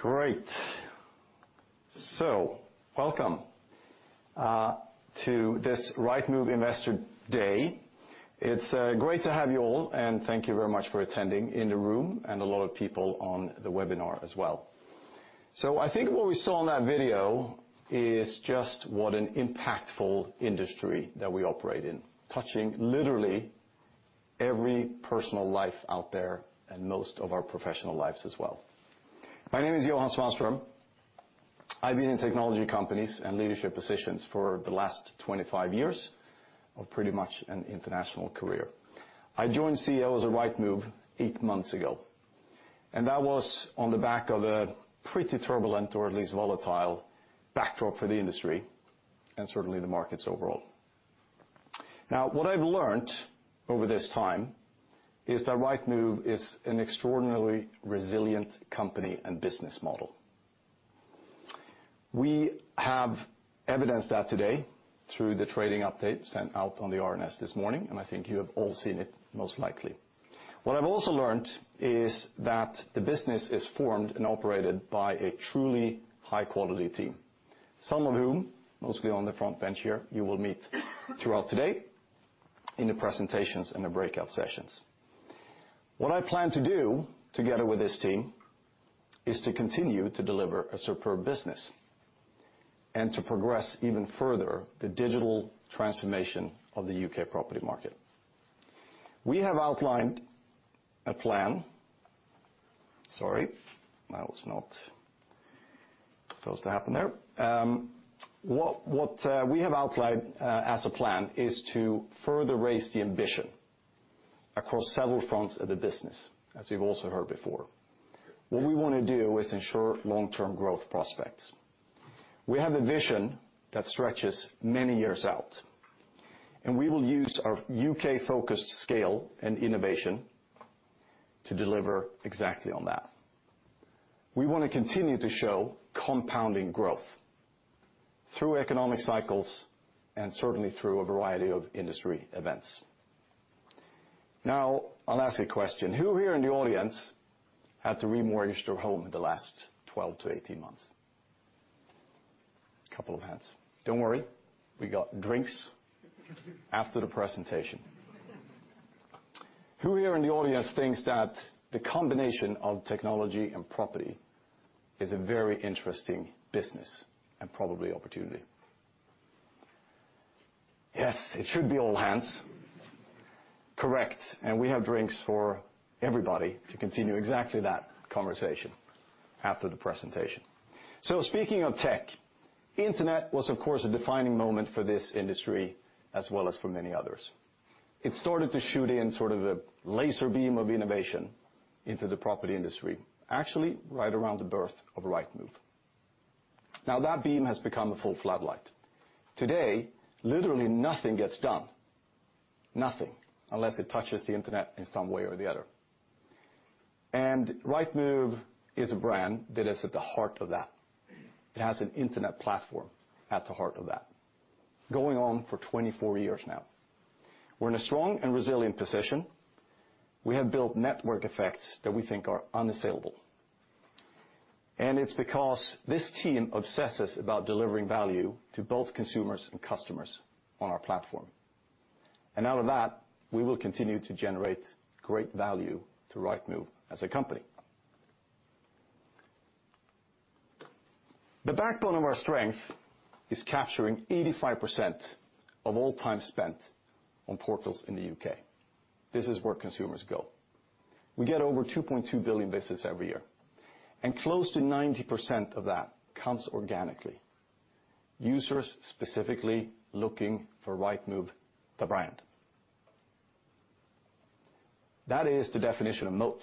Great! So welcome to this Rightmove Investor Day. It's great to have you all, and thank you very much for attending in the room, and a lot of people on the webinar as well. So I think what we saw in that video is just what an impactful industry that we operate in, touching literally every personal life out there and most of our professional lives as well. My name is Johan Svanström. I've been in technology companies and leadership positions for the last 25 years, of pretty much an international career. I joined as CEO of Rightmove eight months ago, and that was on the back of a pretty turbulent, or at least volatile, backdrop for the industry, and certainly the markets overall. Now, what I've learned over this time is that Rightmove is an extraordinarily resilient company and business model. We have evidenced that today through the trading update sent out on the RNS this morning, and I think you have all seen it, most likely. What I've also learned is that the business is formed and operated by a truly high-quality team, some of whom, mostly on the front bench here, you will meet throughout today in the presentations and the breakout sessions. What I plan to do, together with this team, is to continue to deliver a superb business and to progress even further the digital transformation of the UK property market. We have outlined a plan... Sorry, that was not supposed to happen there. We have outlined as a plan is to further raise the ambition across several fronts of the business, as you've also heard before. What we wanna do is ensure long-term growth prospects. We have a vision that stretches many years out, and we will use our UK-focused scale and innovation to deliver exactly on that. We wanna continue to show compounding growth through economic cycles and certainly through a variety of industry events. Now, I'll ask a question: Who here in the audience had to remortgage their home in the last 12-18 months? Couple of hands. Don't worry, we got drinks after the presentation. Who here in the audience thinks that the combination of technology and property is a very interesting business and probably opportunity? Yes, it should be all hands. Correct. And we have drinks for everybody to continue exactly that conversation after the presentation. So speaking of tech, internet was, of course, a defining moment for this industry, as well as for many others. It started to shoot in sort of a laser beam of innovation into the property industry, actually, right around the birth of Rightmove. Now, that beam has become a full flat light. Today, literally nothing gets done, nothing, unless it touches the internet in some way or the other. And Rightmove is a brand that is at the heart of that. It has an internet platform at the heart of that, going on for 24 years now. We're in a strong and resilient position. We have built network effects that we think are unassailable, and it's because this team obsesses about delivering value to both consumers and customers on our platform. And out of that, we will continue to generate great value to Rightmove as a company. The backbone of our strength is capturing 85% of all time spent on portals in the UK. This is where consumers go. We get over 2.2 billion visits every year, and close to 90% of that comes organically. Users specifically looking for Rightmove, the brand. That is the definition of moat.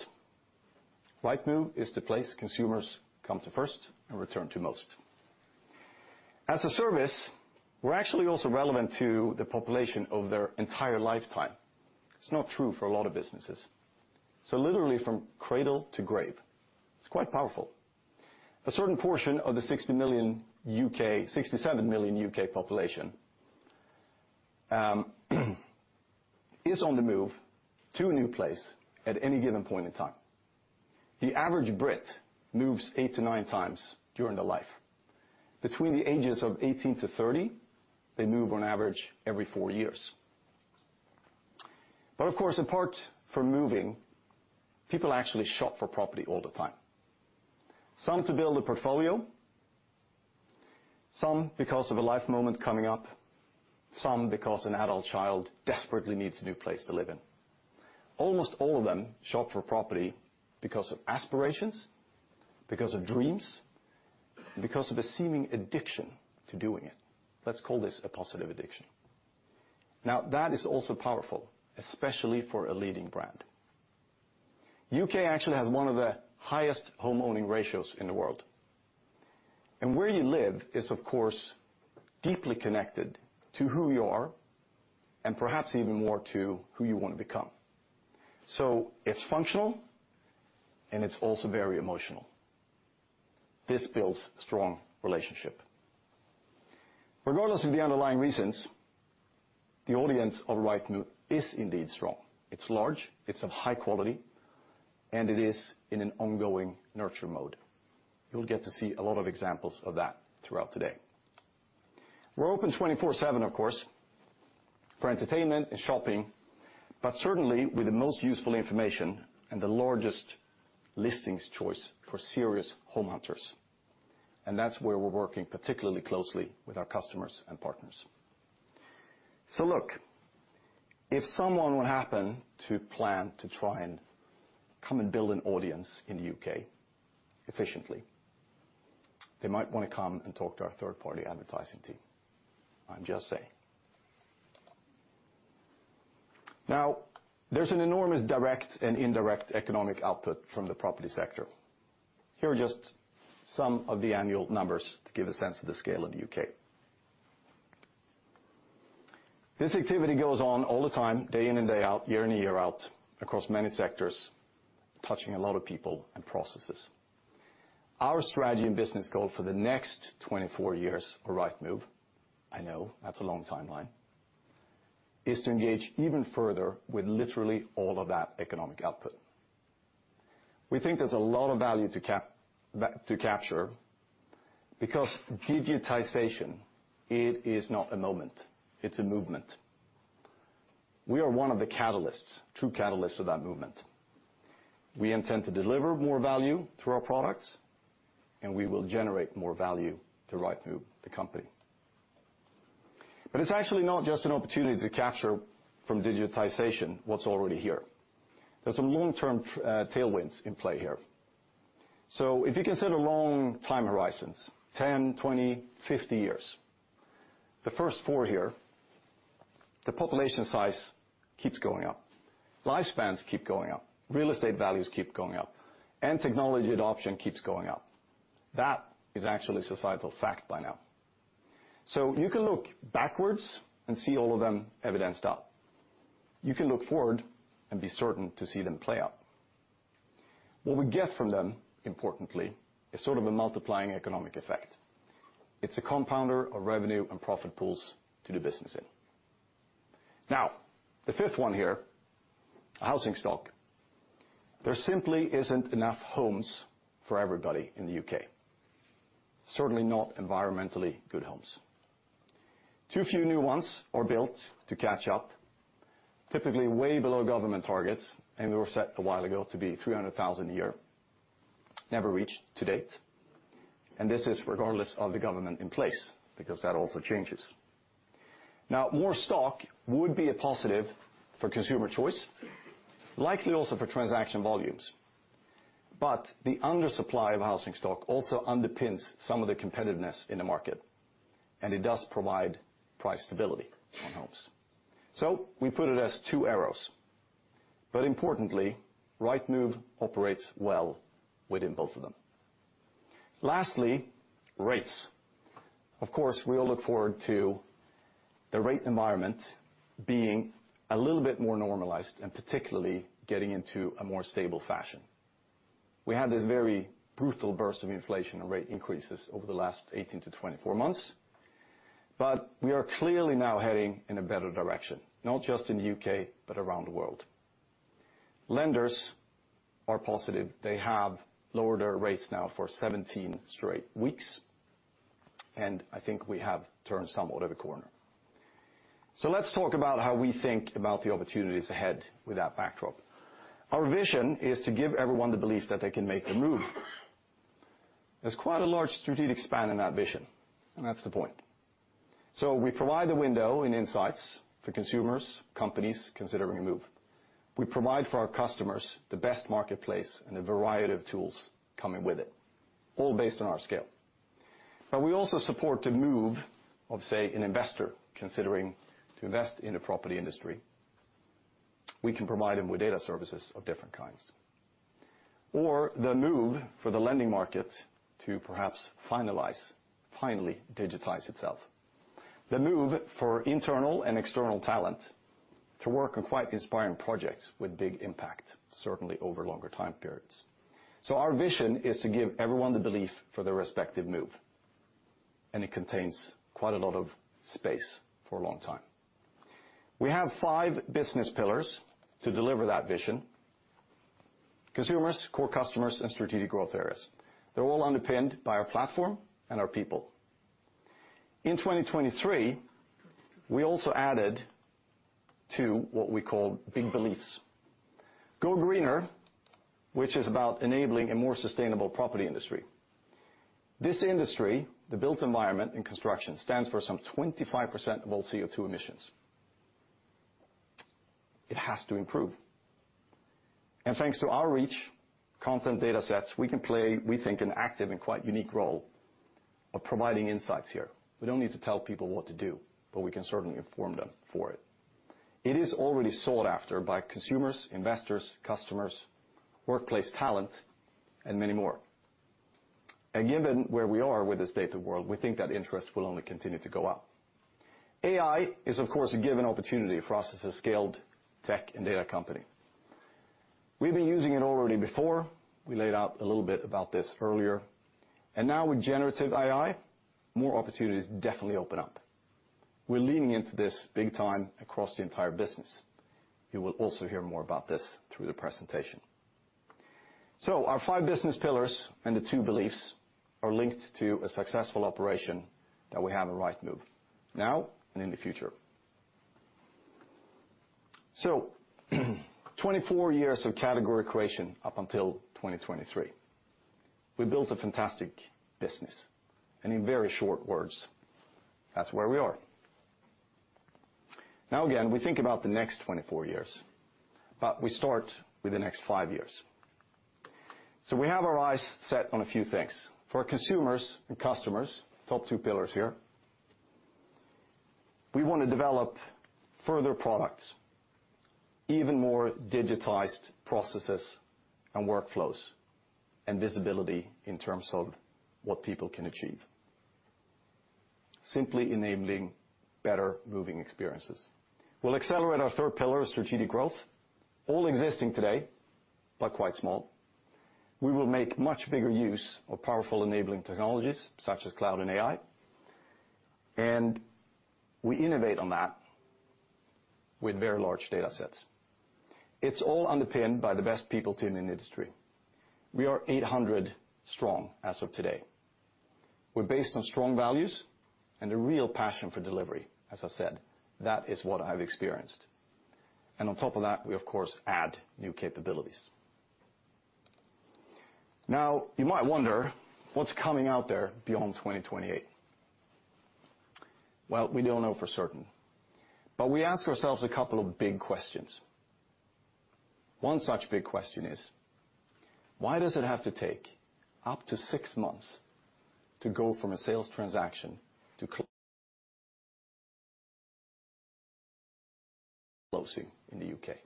Rightmove is the place consumers come to first and return to most. As a service, we're actually also relevant to the population of their entire lifetime. It's not true for a lot of businesses. So literally from cradle to grave, it's quite powerful. A certain portion of the 60 million U.K., 67 million U.K. population, is on the move to a new place at any given point in time. The average Brit moves eight-nine times during their life. Between the ages of 18-30, they move on average every 4 years. But of course, apart from moving, people actually shop for property all the time. Some to build a portfolio, some because of a life moment coming up, some because an adult child desperately needs a new place to live in. Almost all of them shop for property because of aspirations, because of dreams, because of a seeming addiction to doing it. Let's call this a positive addiction. Now, that is also powerful, especially for a leading brand. The U.K. actually has one of the highest homeowning ratios in the world, and where you live is, of course, deeply connected to who you are and perhaps even more to who you want to become. So it's functional, and it's also very emotional. This builds strong relationships. Regardless of the underlying reasons, the audience of Rightmove is indeed strong. It's large, it's of high quality, and it is in an ongoing nurture mode. You'll get to see a lot of examples of that throughout today. We're open 24/7, of course, for entertainment and shopping, but certainly, with the most useful information and the largest listings choice for serious home hunters, and that's where we're working particularly closely with our customers and partners. So look, if someone would happen to plan to try and come and build an audience in the U.K. efficiently, they might want to come and talk to our third-party advertising team. I'm just saying. Now, there's an enormous direct and indirect economic output from the property sector. Here are just some of the annual numbers to give a sense of the scale of the U.K. This activity goes on all the time, day in and day out, year in and year out, across many sectors, touching a lot of people and processes. Our strategy and business goal for the next 24 years for Rightmove, I know that's a long timeline, is to engage even further with literally all of that economic output. We think there's a lot of value to capture, because digitization, it is not a moment, it's a movement. We are one of the catalysts, true catalysts of that movement. We intend to deliver more value through our products, and we will generate more value to Rightmove, the company. But it's actually not just an opportunity to capture from digitization what's already here. There's some long-term tailwinds in play here. So if you consider long time horizons, 10, 20, 50 years, the first four here, the population size keeps going up, lifespans keep going up, real estate values keep going up, and technology adoption keeps going up. That is actually a societal fact by now. So you can look backwards and see all of them evidenced up. You can look forward and be certain to see them play out. What we get from them, importantly, is sort of a multiplying economic effect. It's a compounder of revenue and profit pools to do business in. Now, the fifth one here, a housing stock. There simply isn't enough homes for everybody in the UK, certainly not environmentally good homes. Too few new ones are built to catch up, typically way below government targets, and they were set a while ago to be 300,000 a year. Never reached to date, and this is regardless of the government in place, because that also changes. Now, more stock would be a positive for consumer choice, likely also for transaction volumes, but the undersupply of housing stock also underpins some of the competitiveness in the market, and it does provide price stability on homes. So we put it as two arrows, but importantly, Rightmove operates well within both of them. Lastly, rates. Of course, we all look forward to the rate environment being a little bit more normalized and particularly getting into a more stable fashion. We had this very brutal burst of inflation and rate increases over the last 18-24 months, but we are clearly now heading in a better direction, not just in the U.K., but around the world. Lenders are positive. They have lowered their rates now for 17 straight weeks, and I think we have turned somewhat of a corner. So let's talk about how we think about the opportunities ahead with that backdrop. Our vision is to give everyone the belief that they can make the move. There's quite a large strategic span in that vision, and that's the point. So we provide the window and insights for consumers, companies considering a move. We provide for our customers the best marketplace and a variety of tools coming with it, all based on our scale. But we also support the move of, say, an investor considering to invest in the property industry. We can provide them with data services of different kinds. Or the move for the lending market to perhaps finalize, finally digitize itself. The move for internal and external talent to work on quite inspiring projects with big impact, certainly over longer time periods. So our vision is to give everyone the belief for their respective move, and it contains quite a lot of space for a long time. We have five business pillars to deliver that vision: consumers, core customers, and strategic growth areas. They're all underpinned by our platform and our people. In 2023, we also added to what we call big beliefs. Go greener, which is about enabling a more sustainable property industry. This industry, the built environment and construction, stands for some 25% of all CO2 emissions. It has to improve. And thanks to our reach, content data sets, we can play, we think, an active and quite unique role of providing insights here. We don't need to tell people what to do, but we can certainly inform them for it. It is already sought after by consumers, investors, customers, workplace talent, and many more. Given where we are with this data world, we think that interest will only continue to go up. AI is, of course, a given opportunity for us as a scaled tech and data company. We've been using it already before. We laid out a little bit about this earlier, and now with generative AI, more opportunities definitely open up. We're leaning into this big time across the entire business. You will also hear more about this through the presentation. Our five business pillars and the two beliefs are linked to a successful operation, that we have a Rightmove now and in the future. 2024 years of category creation up until 2023, we built a fantastic business, and in very short words, that's where we are. Now, again, we think about the next 24 years, but we start with the next five years. So we have our eyes set on a few things. For our consumers and customers, top two pillars here, we want to develop further products, even more digitized processes and workflows, and visibility in terms of what people can achieve. Simply enabling better moving experiences. We'll accelerate our third pillar, strategic growth, all existing today, but quite small. We will make much bigger use of powerful enabling technologies such as cloud and AI, and we innovate on that with very large datasets. It's all underpinned by the best people team in the industry. We are 800 strong as of today. We're based on strong values and a real passion for delivery. As I said, that is what I've experienced, and on top of that, we of course add new capabilities. Now, you might wonder what's coming out there beyond 2028. Well, we don't know for certain, but we ask ourselves a couple of big questions. One such big question is: Why does it have to take up to 6 months to go from a sales transaction to closing in the UK?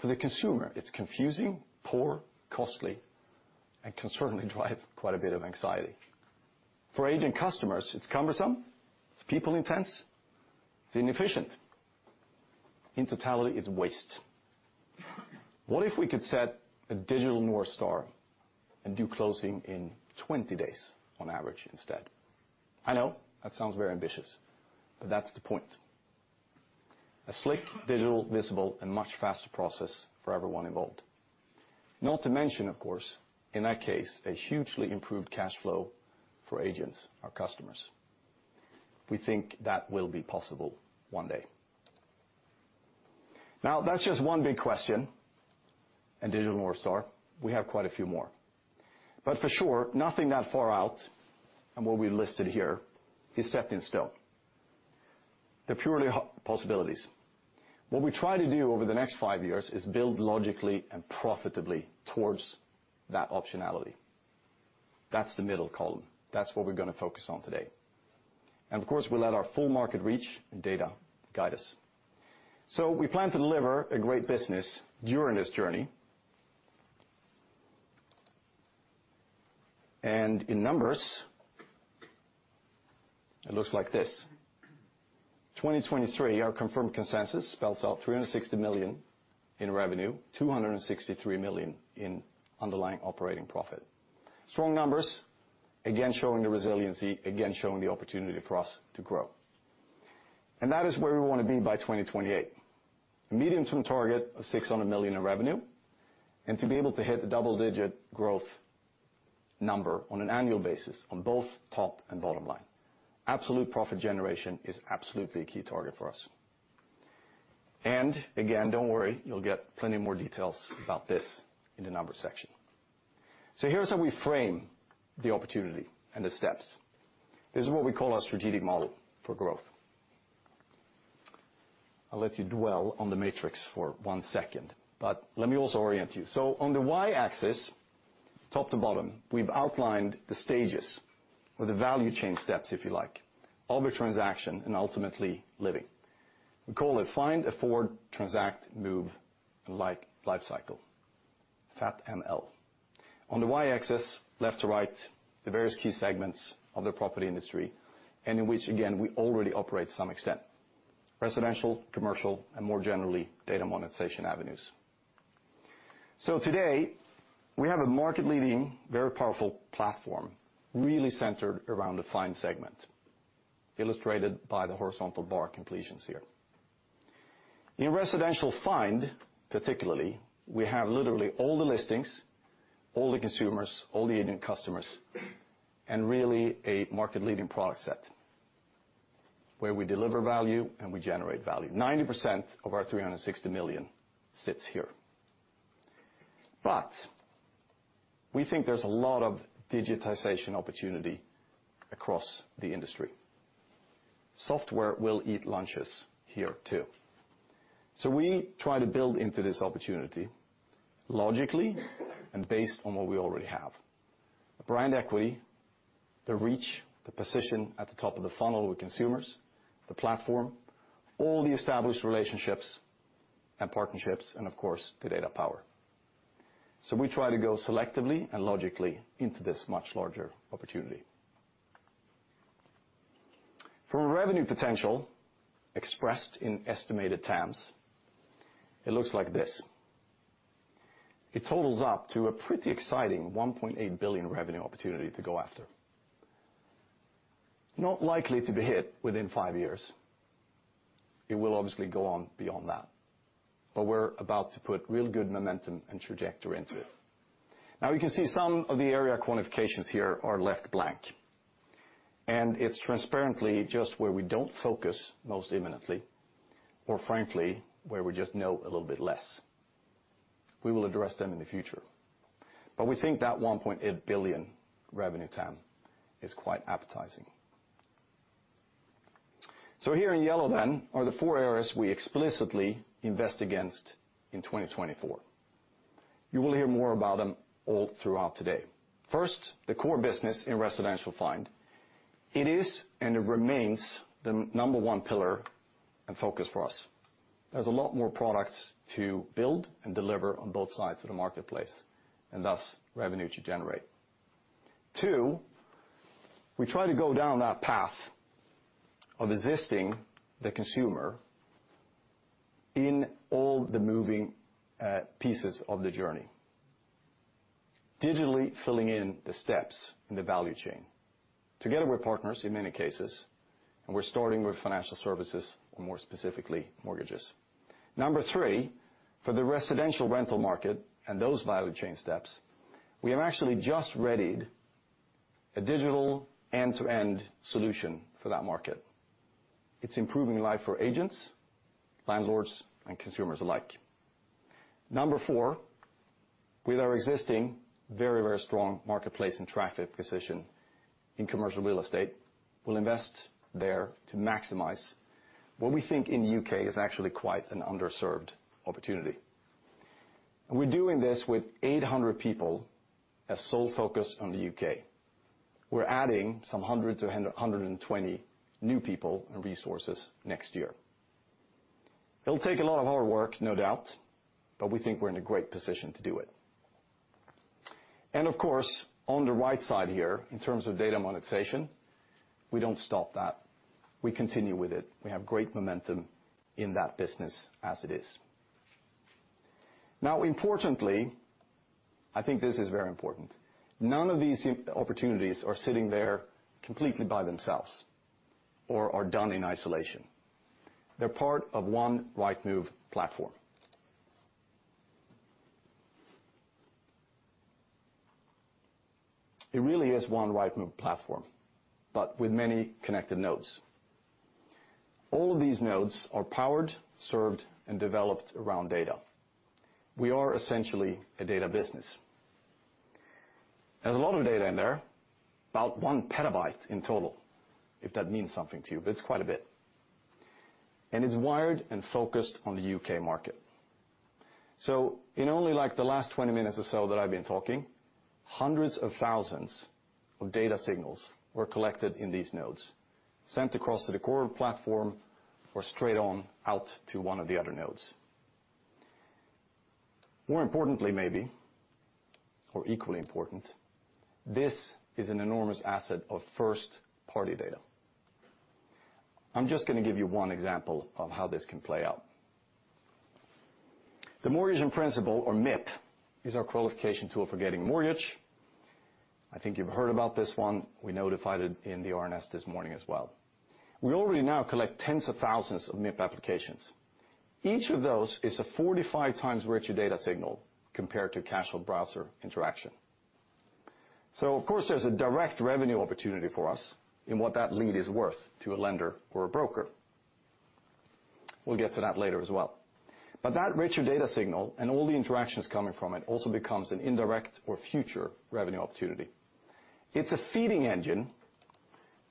For the consumer, it's confusing, poor, costly, and can certainly drive quite a bit of anxiety. For agent customers, it's cumbersome, it's people intense, it's inefficient. In totality, it's waste. What if we could set a digital North Star and do closing in 20 days on average instead? I know that sounds very ambitious, but that's the point. A slick, digital, visible, and much faster process for everyone involved. Not to mention, of course, in that case, a hugely improved cash flow for agents, our customers. We think that will be possible one day. Now, that's just one big question, a digital North Star. We have quite a few more, but for sure, nothing that far out and what we listed here is set in stone. They're purely possibilities. What we try to do over the next five years is build logically and profitably towards that optionality. That's the middle column. That's what we're gonna focus on today, and of course, we'll let our full market reach and data guide us. So we plan to deliver a great business during this journey. And in numbers, it looks like this. 2023, our confirmed consensus spells out 360 million in revenue, 263 million in underlying operating profit. Strong numbers, again, showing the resiliency, again, showing the opportunity for us to grow. And that is where we wanna be by 2028. A medium-term target of 600 million in revenue, and to be able to hit a double-digit growth number on an annual basis on both top and bottom line. Absolute profit generation is absolutely a key target for us. And again, don't worry, you'll get plenty more details about this in the numbers section. So here's how we frame the opportunity and the steps. This is what we call our strategic model for growth. I'll let you dwell on the matrix for 1 second, but let me also orient you. So on the y-axis, top to bottom, we've outlined the stages or the value chain steps, if you like, of a transaction and ultimately living. We call it Find, Afford, Transact, Move, and Life lifecycle, FAT ML. On the y-axis, left to right, the various key segments of the property industry, and in which, again, we already operate to some extent. Residential, commercial, and more generally, data monetization avenues. So today, we have a market-leading, very powerful platform, really centered around the Find segment, illustrated by the horizontal bar completions here. In residential Find, particularly, we have literally all the listings, all the consumers, all the agent customers, and really a market-leading product set, where we deliver value and we generate value. 90% of our 360 million sits here. But we think there's a lot of digitization opportunity across the industry. Software will eat lunches here, too. So we try to build into this opportunity, logically, and based on what we already have. The brand equity, the reach, the position at the top of the funnel with consumers, the platform, all the established relationships and partnerships, and of course, the data power. So we try to go selectively and logically into this much larger opportunity. For revenue potential, expressed in estimated TAMs, it looks like this. It totals up to a pretty exciting 1.8 billion revenue opportunity to go after. Not likely to be hit within five years. It will obviously go on beyond that, but we're about to put real good momentum and trajectory into it. Now, you can see some of the area quantifications here are left blank, and it's transparently just where we don't focus most imminently or, frankly, where we just know a little bit less. We will address them in the future, but we think that 1.8 billion revenue TAM is quite appetizing. So here in yellow then, are the four areas we explicitly invest against in 2024. You will hear more about them all throughout today. First, the core business in residential find. It is, and it remains, the number one pillar and focus for us. There's a lot more products to build and deliver on both sides of the marketplace, and thus, revenue to generate. Two, we try to go down that path of assisting the consumer in all the moving pieces of the journey, digitally filling in the steps in the value chain, together with partners, in many cases, and we're starting with financial services and more specifically, mortgages. Number three, for the residential rental market and those value chain steps, we have actually just readied a digital end-to-end solution for that market. It's improving life for agents, landlords, and consumers alike. Number four, with our existing very, very strong marketplace and traffic position in commercial real estate, we'll invest there to maximize what we think in the U.K. is actually quite an underserved opportunity. And we're doing this with 800 people, a sole focus on the U.K. We're adding some 100-120 new people and resources next year. It'll take a lot of hard work, no doubt, but we think we're in a great position to do it. And of course, on the right side here, in terms of data monetization, we don't stop that. We continue with it. We have great momentum in that business as it is. Now, importantly, I think this is very important, none of these opportunities are sitting there completely by themselves or are done in isolation. They're part of one Rightmove platform. It really is one Rightmove platform, but with many connected nodes. All of these nodes are powered, served, and developed around data. We are essentially a data business. There's a lot of data in there, about 1 petabyte in total, if that means something to you, but it's quite a bit, and it's wired and focused on the U.K. market. So in only, like, the last 20 minutes or so that I've been talking, hundreds of thousands of data signals were collected in these nodes, sent across to the core platform or straight on out to one of the other nodes. More importantly, maybe, or equally important, this is an enormous asset of first-party data. I'm just gonna give you one example of how this can play out. The Mortgage in Principle or MIP is our qualification tool for getting a mortgage. I think you've heard about this one. We notified it in the RNS this morning as well. We already now collect tens of thousands of MIP applications. Each of those is a 45x richer data signal compared to casual browser interaction. So of course, there's a direct revenue opportunity for us in what that lead is worth to a lender or a broker. We'll get to that later as well. But that richer data signal and all the interactions coming from it, also becomes an indirect or future revenue opportunity. It's a feeding engine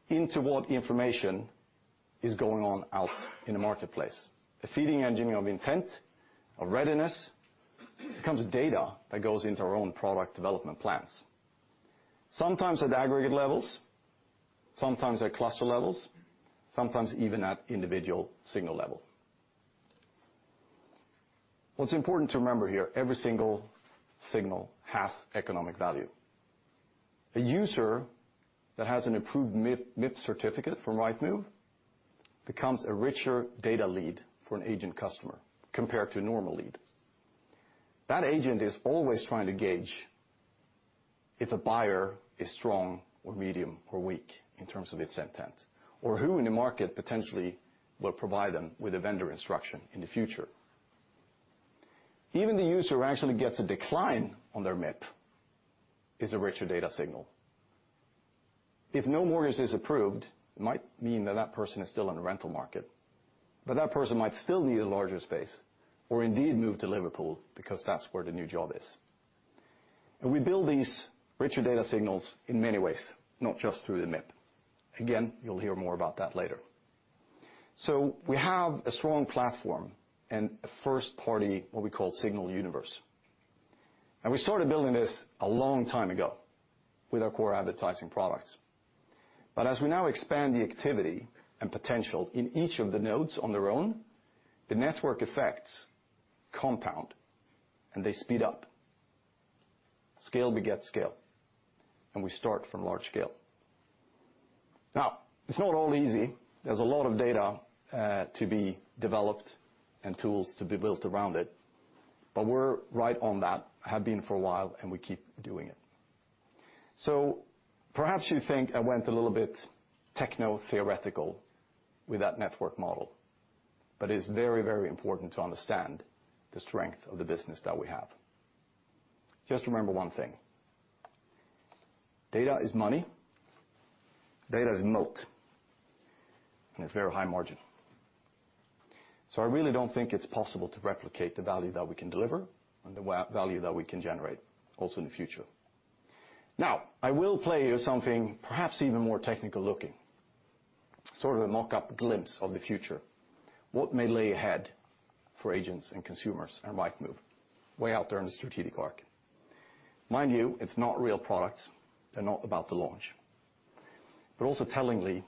into what information is going on out in the marketplace, a feeding engine of intent, of readiness, becomes data that goes into our own product development plans, sometimes at aggregate levels, sometimes at cluster levels, sometimes even at individual signal level. What's important to remember here, every single signal has economic value. A user that has an approved MIP, MIP certificate from Rightmove becomes a richer data lead for an agent customer compared to a normal lead. That agent is always trying to gauge if a buyer is strong or medium or weak in terms of its intent, or who in the market potentially will provide them with a vendor instruction in the future. Even the user who actually gets a decline on their MIP is a richer data signal. If no mortgage is approved, it might mean that that person is still in the rental market, but that person might still need a larger space or indeed, move to Liverpool because that's where the new job is. We build these richer data signals in many ways, not just through the MIP. Again, you'll hear more about that later. We have a strong platform and a first-party, what we call signal universe. We started building this a long time ago with our core advertising products. As we now expand the activity and potential in each of the nodes on their own, the network effects compound, and they speed up. Scale begets scale, and we start from large scale. Now, it's not all easy. There's a lot of data to be developed and tools to be built around it, but we're right on that, have been for a while, and we keep doing it. Perhaps you think I went a little bit techno theoretical with that network model, but it's very, very important to understand the strength of the business that we have. Just remember one thing: data is money, data is moat, and it's very high margin. So I really don't think it's possible to replicate the value that we can deliver and the value that we can generate also in the future. Now, I will play you something perhaps even more technical-looking, sort of a mock-up glimpse of the future. What may lay ahead for agents and consumers at Rightmove, way out there in the strategic arc? Mind you, it's not real products. They're not about to launch. But also tellingly,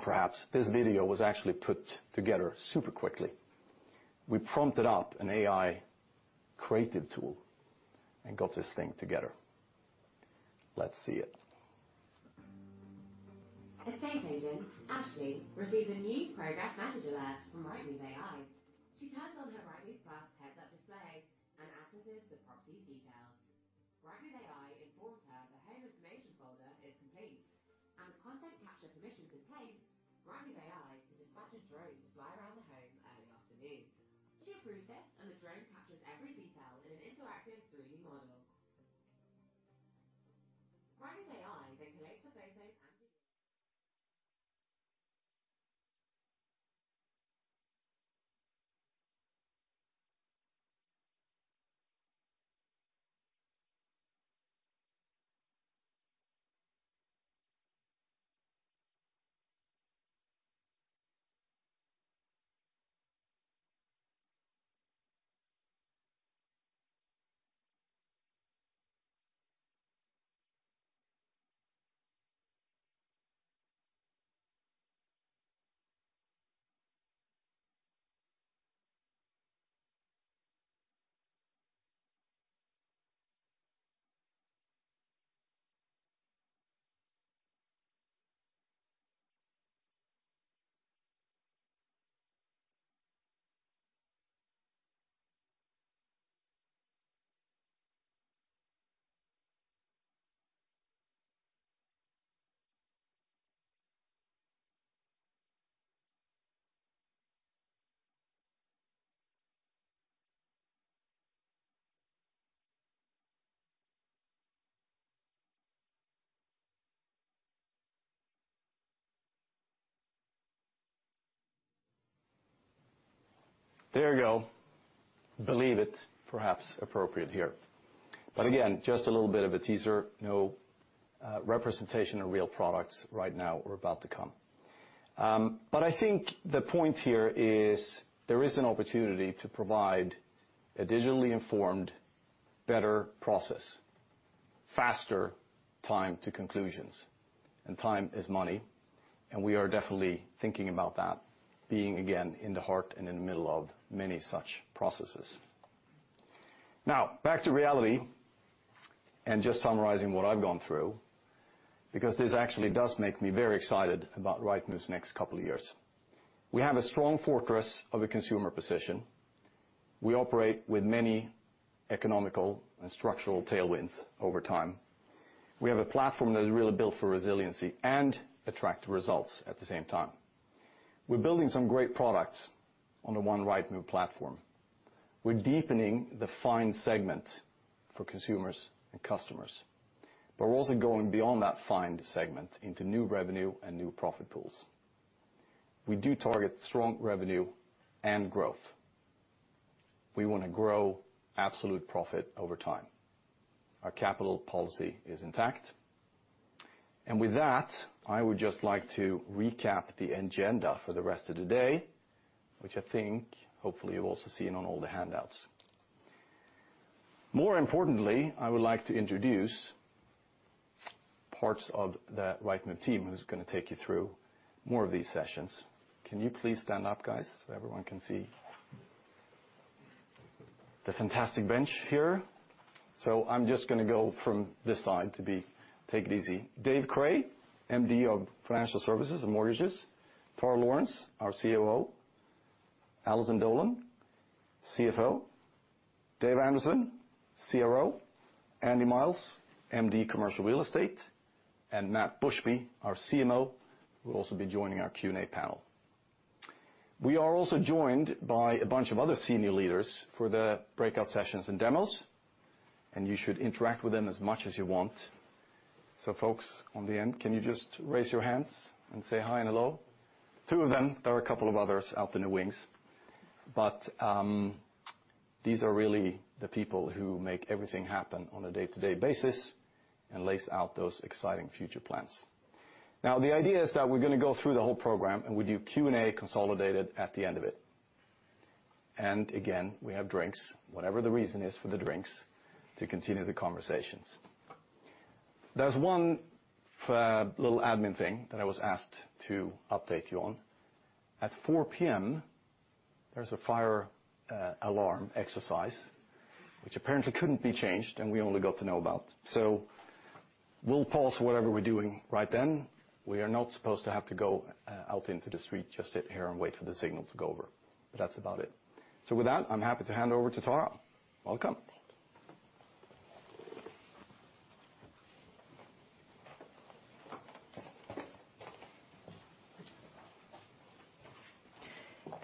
perhaps, this video was actually put together super quickly. We prompted up an AI creative tool and got this thing together. Let's see it. Estate agent, Ashley, receives a new progress manager alert from Rightmove AI. She turns on her Rightmove Plus heads-up display and accesses the property's details. Rightmove AI informs her the home information folder is complete, and with content capture permissions in place, Rightmove AI can dispatch a drone to fly around the home early afternoon. She approves this, and the drone captures every detail in an interactive 3D model. Rightmove AI then collates the photos and- There you go. Believe it. Perhaps appropriate here. But again, just a little bit of a teaser. No representation of real products right now or about to come. But I think the point here is there is an opportunity to provide a digitally informed, better process, faster time to conclusions, and time is money, and we are definitely thinking about that, being, again, in the heart and in the middle of many such processes. Now, back to reality and just summarizing what I've gone through, because this actually does make me very excited about Rightmove's next couple of years. We have a strong fortress of a consumer position. We operate with many economical and structural tailwinds over time. We have a platform that is really built for resiliency and attract results at the same time. We're building some great products on the One Rightmove platform. We're deepening the find segment for consumers and customers, but we're also going beyond that find segment into new revenue and new profit pools. We do target strong revenue and growth. We wanna grow absolute profit over time. Our capital policy is intact. And with that, I would just like to recap the agenda for the rest of the day, which I think, hopefully, you've also seen on all the handouts. More importantly, I would like to introduce parts of the Rightmove team who's gonna take you through more of these sessions. Can you please stand up, guys, so everyone can see? The fantastic bench here. So I'm just gonna go from this side. Take it easy. Dave Cray, MD of Financial Services and Mortgages, Tara Lourens, our COO, Alison Dolan, CFO, Dave Anderson, CRO, Andy Miles, MD Commercial Real Estate, and Matt Bushby, our CMO, will also be joining our Q&A panel. We are also joined by a bunch of other senior leaders for the breakout sessions and demos, and you should interact with them as much as you want. So folks on the end, can you just raise your hands and say hi and hello? Two of them. There are a couple of others out in the wings, but, these are really the people who make everything happen on a day-to-day basis and lays out those exciting future plans. Now, the idea is that we're gonna go through the whole program, and we do Q&A consolidated at the end of it. And again, we have drinks, whatever the reason is for the drinks, to continue the conversations.... There's one little admin thing that I was asked to update you on. At 4:00 P.M., there's a fire alarm exercise, which apparently couldn't be changed, and we only got to know about. So we'll pause whatever we're doing right then. We are not supposed to have to go out into the street, just sit here and wait for the signal to go over. But that's about it. So with that, I'm happy to hand over to Tarah. Welcome.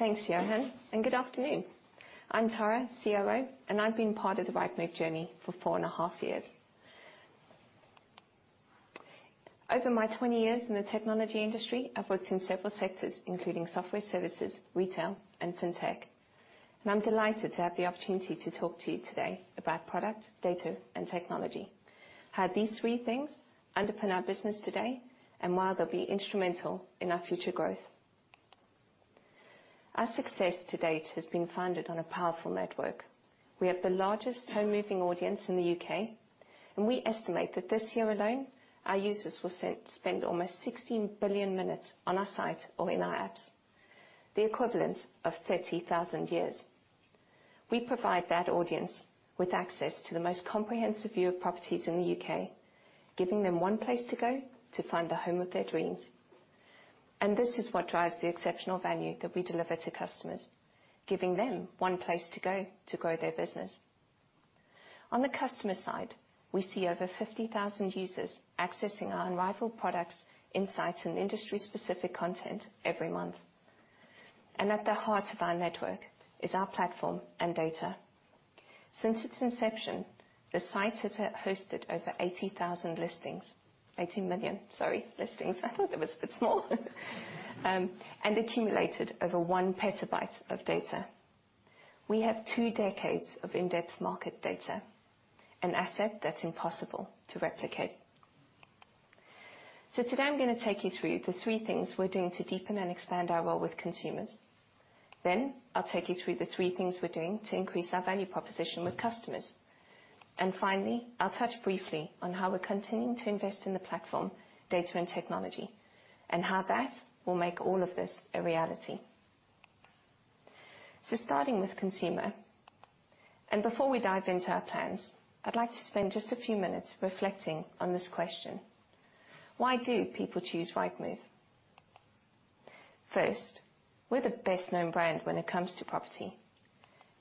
Thanks, Johan, and good afternoon. I'm Tarah, COO, and I've been part of the Rightmove journey for four and half years. Over my 20 years in the technology industry, I've worked in several sectors, including software services, retail, and fintech, and I'm delighted to have the opportunity to talk to you today about product, data, and technology, how these three things underpin our business today, and why they'll be instrumental in our future growth. Our success to date has been founded on a powerful network. We have the largest home moving audience in the U.K., and we estimate that this year alone, our users will spend almost 16 billion minutes on our site or in our apps, the equivalent of 30,000 years. We provide that audience with access to the most comprehensive view of properties in the U.K., giving them one place to go to find the home of their dreams. And this is what drives the exceptional value that we deliver to customers, giving them one place to go to grow their business. On the customer side, we see over 50,000 users accessing our unrivaled products, insights, and industry-specific content every month. And at the heart of our network is our platform and data. Since its inception, the site has hosted over 80,000 listings. 80 million, sorry, listings. I thought it was a bit small. And accumulated over 1 PB of data. We have two decades of in-depth market data, an asset that's impossible to replicate. So today, I'm gonna take you through the three things we're doing to deepen and expand our role with consumers. Then, I'll take you through the three things we're doing to increase our value proposition with customers. Finally, I'll touch briefly on how we're continuing to invest in the platform, data, and technology, and how that will make all of this a reality. Starting with consumer, and before we dive into our plans, I'd like to spend just a few minutes reflecting on this question: Why do people choose Rightmove? First, we're the best-known brand when it comes to property.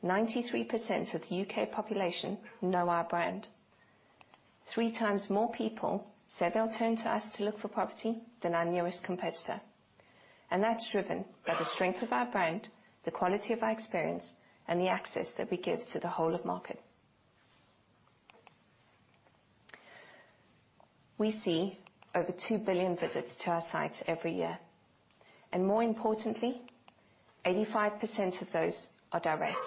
93% of the U.K. population know our brand. Three times more people say they'll turn to us to look for property than our nearest competitor, and that's driven by the strength of our brand, the quality of our experience, and the access that we give to the whole of market. We see over 2 billion visits to our sites every year, and more importantly, 85% of those are direct.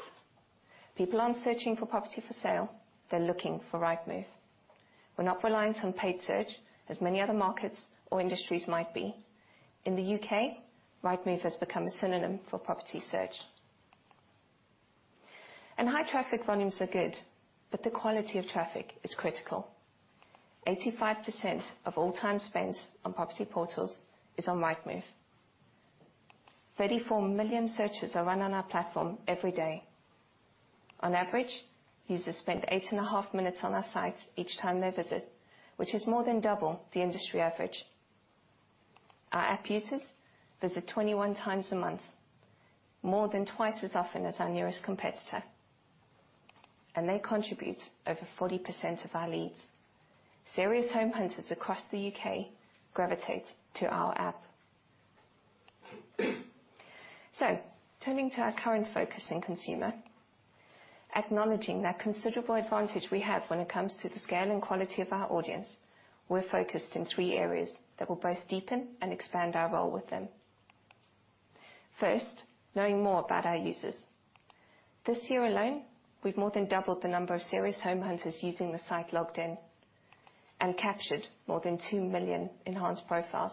People aren't searching for property for sale, they're looking for Rightmove. We're not reliant on paid search, as many other markets or industries might be. In the U.K., Rightmove has become a synonym for property search. High traffic volumes are good, but the quality of traffic is critical. 85% of all time spent on property portals is on Rightmove. 34 million searches are run on our platform every day. On average, users spend 8.5 minutes on our site each time they visit, which is more than double the industry average. Our app users visit 21 times a month, more than twice as often as our nearest competitor, and they contribute over 40% of our leads. Serious home hunters across the U.K. gravitate to our app. Turning to our current focus in consumer, acknowledging that considerable advantage we have when it comes to the scale and quality of our audience, we're focused in three areas that will both deepen and expand our role with them. First, knowing more about our users. This year alone, we've more than doubled the number of serious home hunters using the site logged in and captured more than 2 million enhanced profiles,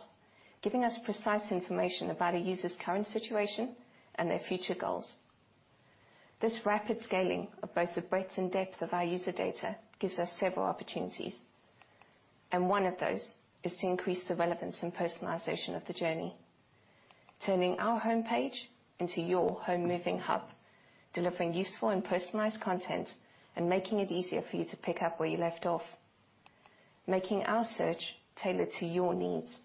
giving us precise information about a user's current situation and their future goals. This rapid scaling of both the breadth and depth of our user data gives us several opportunities, and one of those is to increase the relevance and personalization of the journey, turning our homepage into your home moving hub, delivering useful and personalized content, and making it easier for you to pick up where you left off, making our search tailored to your needs,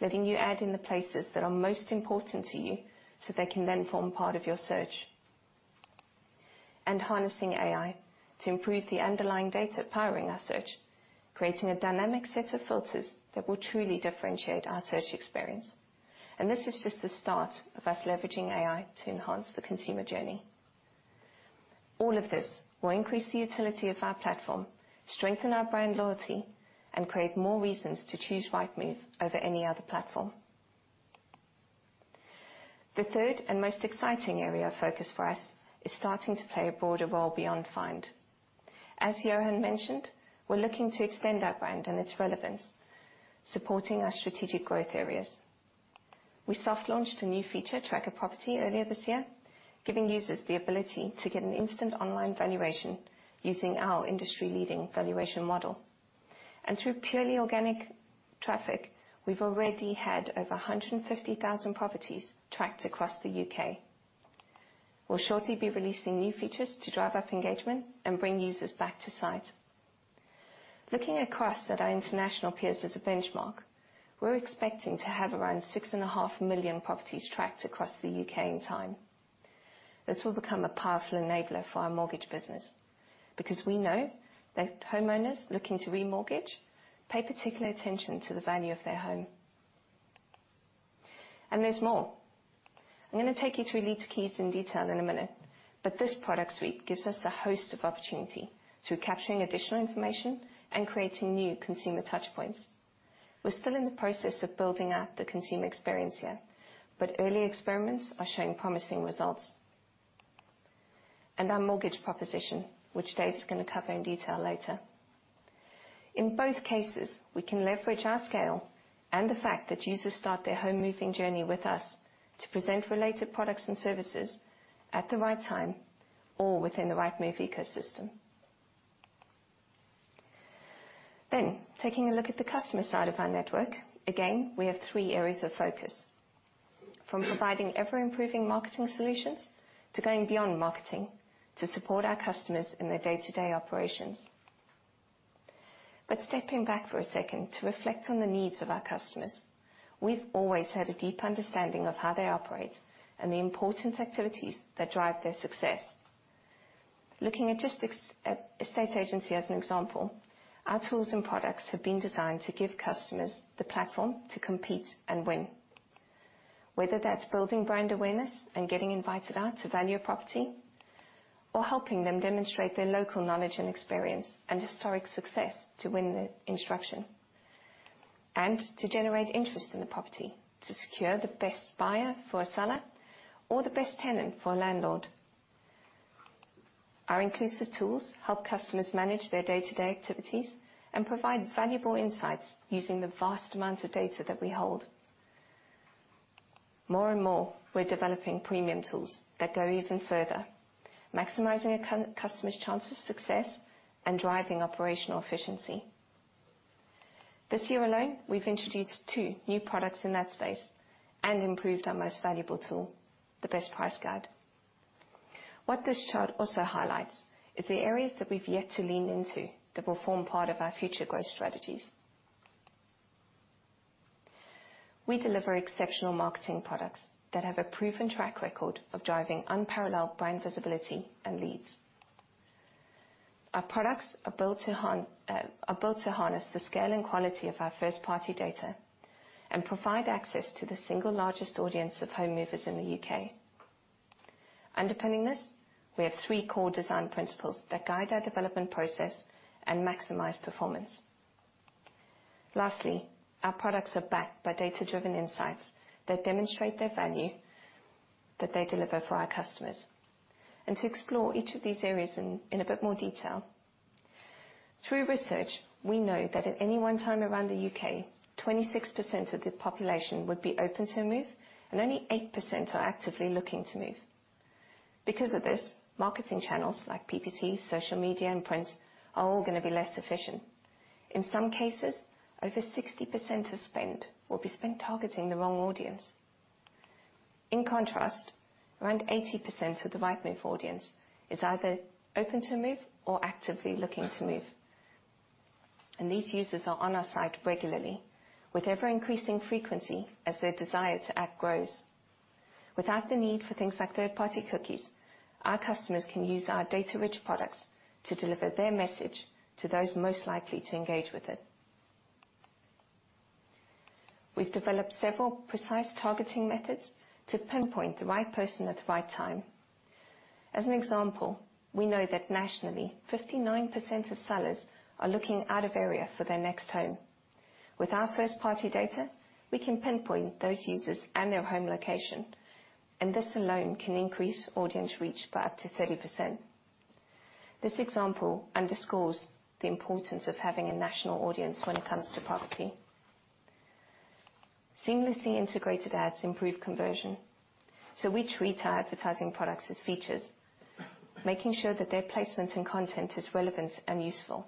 letting you add in the places that are most important to you, so they can then form part of your search. And harnessing AI to improve the underlying data powering our search, creating a dynamic set of filters that will truly differentiate our search experience. And this is just the start of us leveraging AI to enhance the consumer journey. All of this will increase the utility of our platform, strengthen our brand loyalty, and create more reasons to choose Rightmove over any other platform. The third and most exciting area of focus for us is starting to play a broader role beyond Find. As Johan mentioned, we're looking to extend our brand and its relevance, supporting our strategic growth areas. We soft launched a new feature, Track a Property, earlier this year, giving users the ability to get an instant online valuation using our industry-leading valuation model. And through purely organic traffic, we've already had over 150,000 properties tracked across the UK. We'll shortly be releasing new features to drive up engagement and bring users back to site. Looking across at our international peers as a benchmark, we're expecting to have around 6.5 million properties tracked across the UK in time. This will become a powerful enabler for our mortgage business, because we know that homeowners looking to remortgage pay particular attention to the value of their home. And there's more. I'm going to take you through Lead to Keys in detail in a minute, but this product suite gives us a host of opportunity through capturing additional information and creating new consumer touchpoints. We're still in the process of building out the consumer experience here, but early experiments are showing promising results. And our mortgage proposition, which Dave is going to cover in detail later. In both cases, we can leverage our scale and the fact that users start their home moving journey with us, to present related products and services at the right time or within the Rightmove ecosystem. Then, taking a look at the customer side of our network, again, we have three areas of focus, from providing ever-improving marketing solutions, to going beyond marketing to support our customers in their day-to-day operations. But stepping back for a second to reflect on the needs of our customers, we've always had a deep understanding of how they operate and the important activities that drive their success. Looking at just at estate agency as an example, our tools and products have been designed to give customers the platform to compete and win, whether that's building brand awareness and getting invited out to value a property, or helping them demonstrate their local knowledge and experience and historic success to win the instruction, and to generate interest in the property to secure the best buyer for a seller or the best tenant for a landlord. Our inclusive tools help customers manage their day-to-day activities and provide valuable insights using the vast amounts of data that we hold. More and more, we're developing premium tools that go even further, maximizing a customer's chance of success and driving operational efficiency. This year alone, we've introduced two new products in that space and improved our most valuable tool, the Best Price Guide. What this chart also highlights is the areas that we've yet to lean into that will form part of our future growth strategies. We deliver exceptional marketing products that have a proven track record of driving unparalleled brand visibility and leads. Our products are built to harness the scale and quality of our first-party data and provide access to the single largest audience of home movers in the UK. Underpinning this, we have three core design principles that guide our development process and maximize performance. Lastly, our products are backed by data-driven insights that demonstrate their value, that they deliver for our customers. And to explore each of these areas in a bit more detail. Through research, we know that at any one time around the U.K., 26% of the population would be open to a move, and only 8% are actively looking to move. Because of this, marketing channels like PPC, social media, and print are all going to be less efficient. In some cases, over 60% of spend will be spent targeting the wrong audience. In contrast, around 80% of the Rightmove audience is either open to move or actively looking to move, and these users are on our site regularly, with ever-increasing frequency as their desire to act grows. Without the need for things like third-party cookies, our customers can use our data-rich products to deliver their message to those most likely to engage with it. We've developed several precise targeting methods to pinpoint the right person at the right time. As an example, we know that nationally, 59% of sellers are looking out of area for their next home. With our first-party data, we can pinpoint those users and their home location, and this alone can increase audience reach by up to 30%. This example underscores the importance of having a national audience when it comes to property. Seamlessly integrated ads improve conversion, so we treat our advertising products as features, making sure that their placement and content is relevant and useful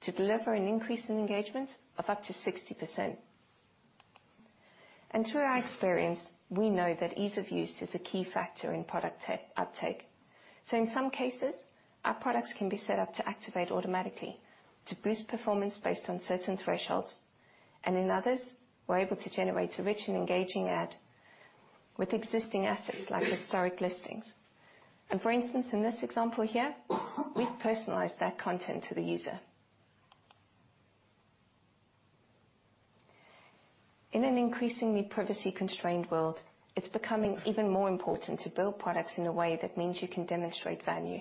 to deliver an increase in engagement of up to 60%. Through our experience, we know that ease of use is a key factor in product uptake. In some cases, our products can be set up to activate automatically to boost performance based on certain thresholds, and in others, we're able to generate a rich and engaging ad with existing assets like historic listings. For instance, in this example here, we've personalized that content to the user. In an increasingly privacy-constrained world, it's becoming even more important to build products in a way that means you can demonstrate value.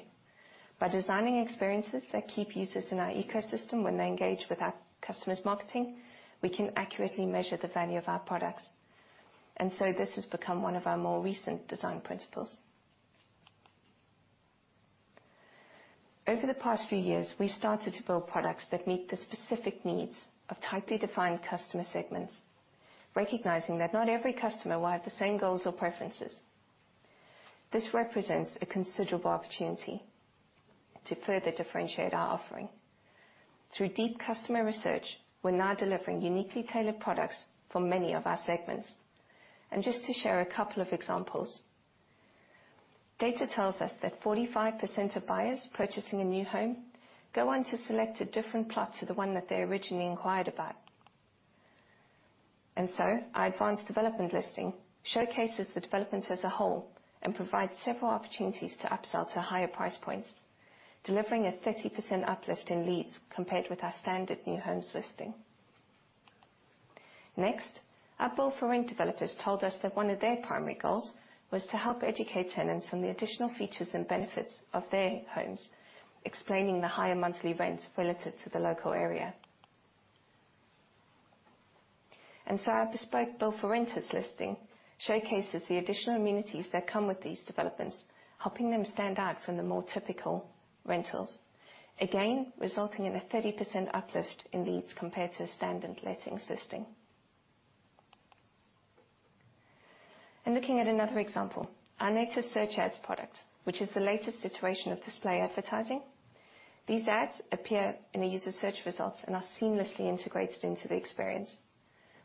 By designing experiences that keep users in our ecosystem when they engage with our customers' marketing, we can accurately measure the value of our products, and so this has become one of our more recent design principles. Over the past few years, we've started to build products that meet the specific needs of tightly defined customer segments, recognizing that not every customer will have the same goals or preferences. This represents a considerable opportunity to further differentiate our offering. Through deep customer research, we're now delivering uniquely tailored products for many of our segments. Just to share a couple of examples, data tells us that 45% of buyers purchasing a new home go on to select a different plot to the one that they originally inquired about. Our Advanced Development Listing showcases the development as a whole and provides several opportunities to upsell to higher price points, delivering a 30% uplift in leads compared with our standard new homes listing. Next, our Build-to-Rent developers told us that one of their primary goals was to help educate tenants on the additional features and benefits of their homes, explaining the higher monthly rents relative to the local area. Our bespoke Build-to-Rent listing showcases the additional amenities that come with these developments, helping them stand out from the more typical rentals. Again, resulting in a 30% uplift in leads compared to a standard lettings listing. Looking at another example, our Native Search Ads product, which is the latest iteration of display advertising. These ads appear in the user search results and are seamlessly integrated into the experience.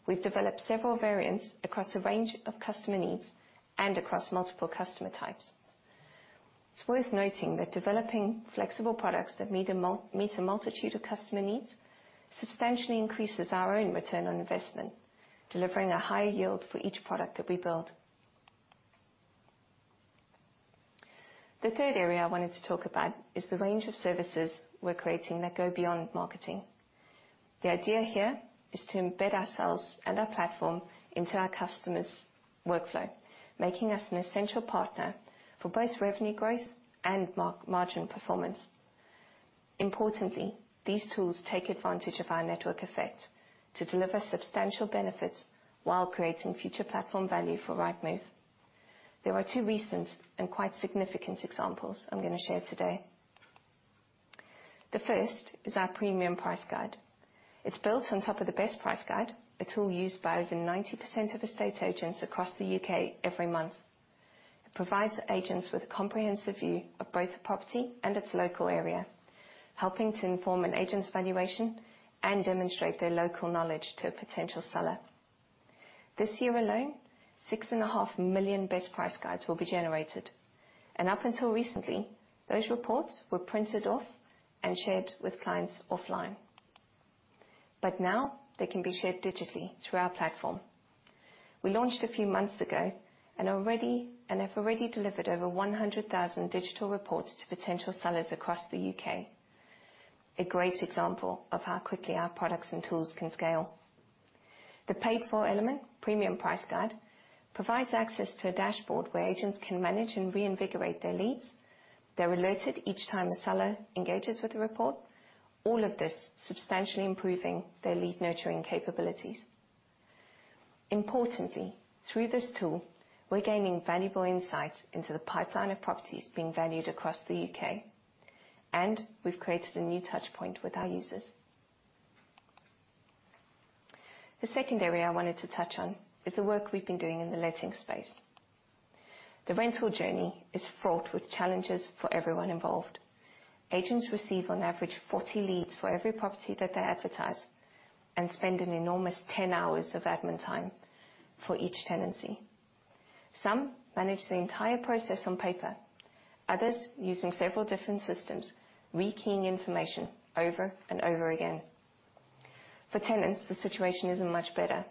We've developed several variants across a range of customer needs and across multiple customer types. It's worth noting that developing flexible products that meet a multitude of customer needs substantially increases our own return on investment, delivering a high yield for each product that we build. The third area I wanted to talk about is the range of services we're creating that go beyond marketing. The idea here is to embed ourselves and our platform into our customer's workflow, making us an essential partner for both revenue growth and margin performance. Importantly, these tools take advantage of our network effect to deliver substantial benefits while creating future platform value for Rightmove. There are two recent and quite significant examples I'm going to share today. The first is our Premium Price Guide. It's built on top of the Best Price Guide, a tool used by over 90% of estate agents across the UK every month. It provides agents with a comprehensive view of both the property and its local area, helping to inform an agent's valuation and demonstrate their local knowledge to a potential seller. This year alone, 6.5 million Best Price Guides will be generated, and up until recently, those reports were printed off and shared with clients offline. But now they can be shared digitally through our platform. We launched a few months ago and have already delivered over 100,000 digital reports to potential sellers across the UK. A great example of how quickly our products and tools can scale. The paid for element, Premium Price Guide, provides access to a dashboard where agents can manage and reinvigorate their leads. They're alerted each time a seller engages with the report, all of this substantially improving their lead nurturing capabilities. Importantly, through this tool, we're gaining valuable insights into the pipeline of properties being valued across the U.K., and we've created a new touch point with our users. The second area I wanted to touch on is the work we've been doing in the letting space. The rental journey is fraught with challenges for everyone involved. Agents receive, on average, 40 leads for every property that they advertise and spend an enormous 10 hours of admin time for each tenancy. Some manage the entire process on paper, others using several different systems, rekeying information over and over again. For tenants, the situation isn't much better,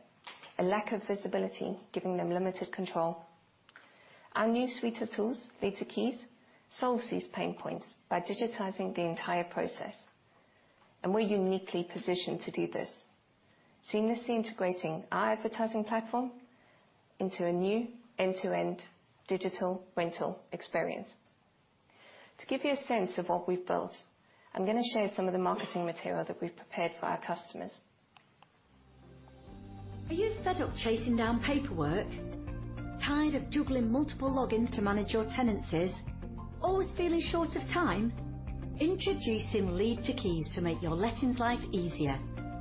a lack of visibility, giving them limited control. Our new suite of tools, Lead to Keys, solves these pain points by digitizing the entire process, and we're uniquely positioned to do this, seamlessly integrating our advertising platform into a new end-to-end digital rental experience. To give you a sense of what we've built, I'm going to share some of the marketing material that we've prepared for our customers. Are you fed up chasing down paperwork? Tired of juggling multiple logins to manage your tenancies? Always feeling short of time? Introducing Lead to Keys to make your lettings life easier.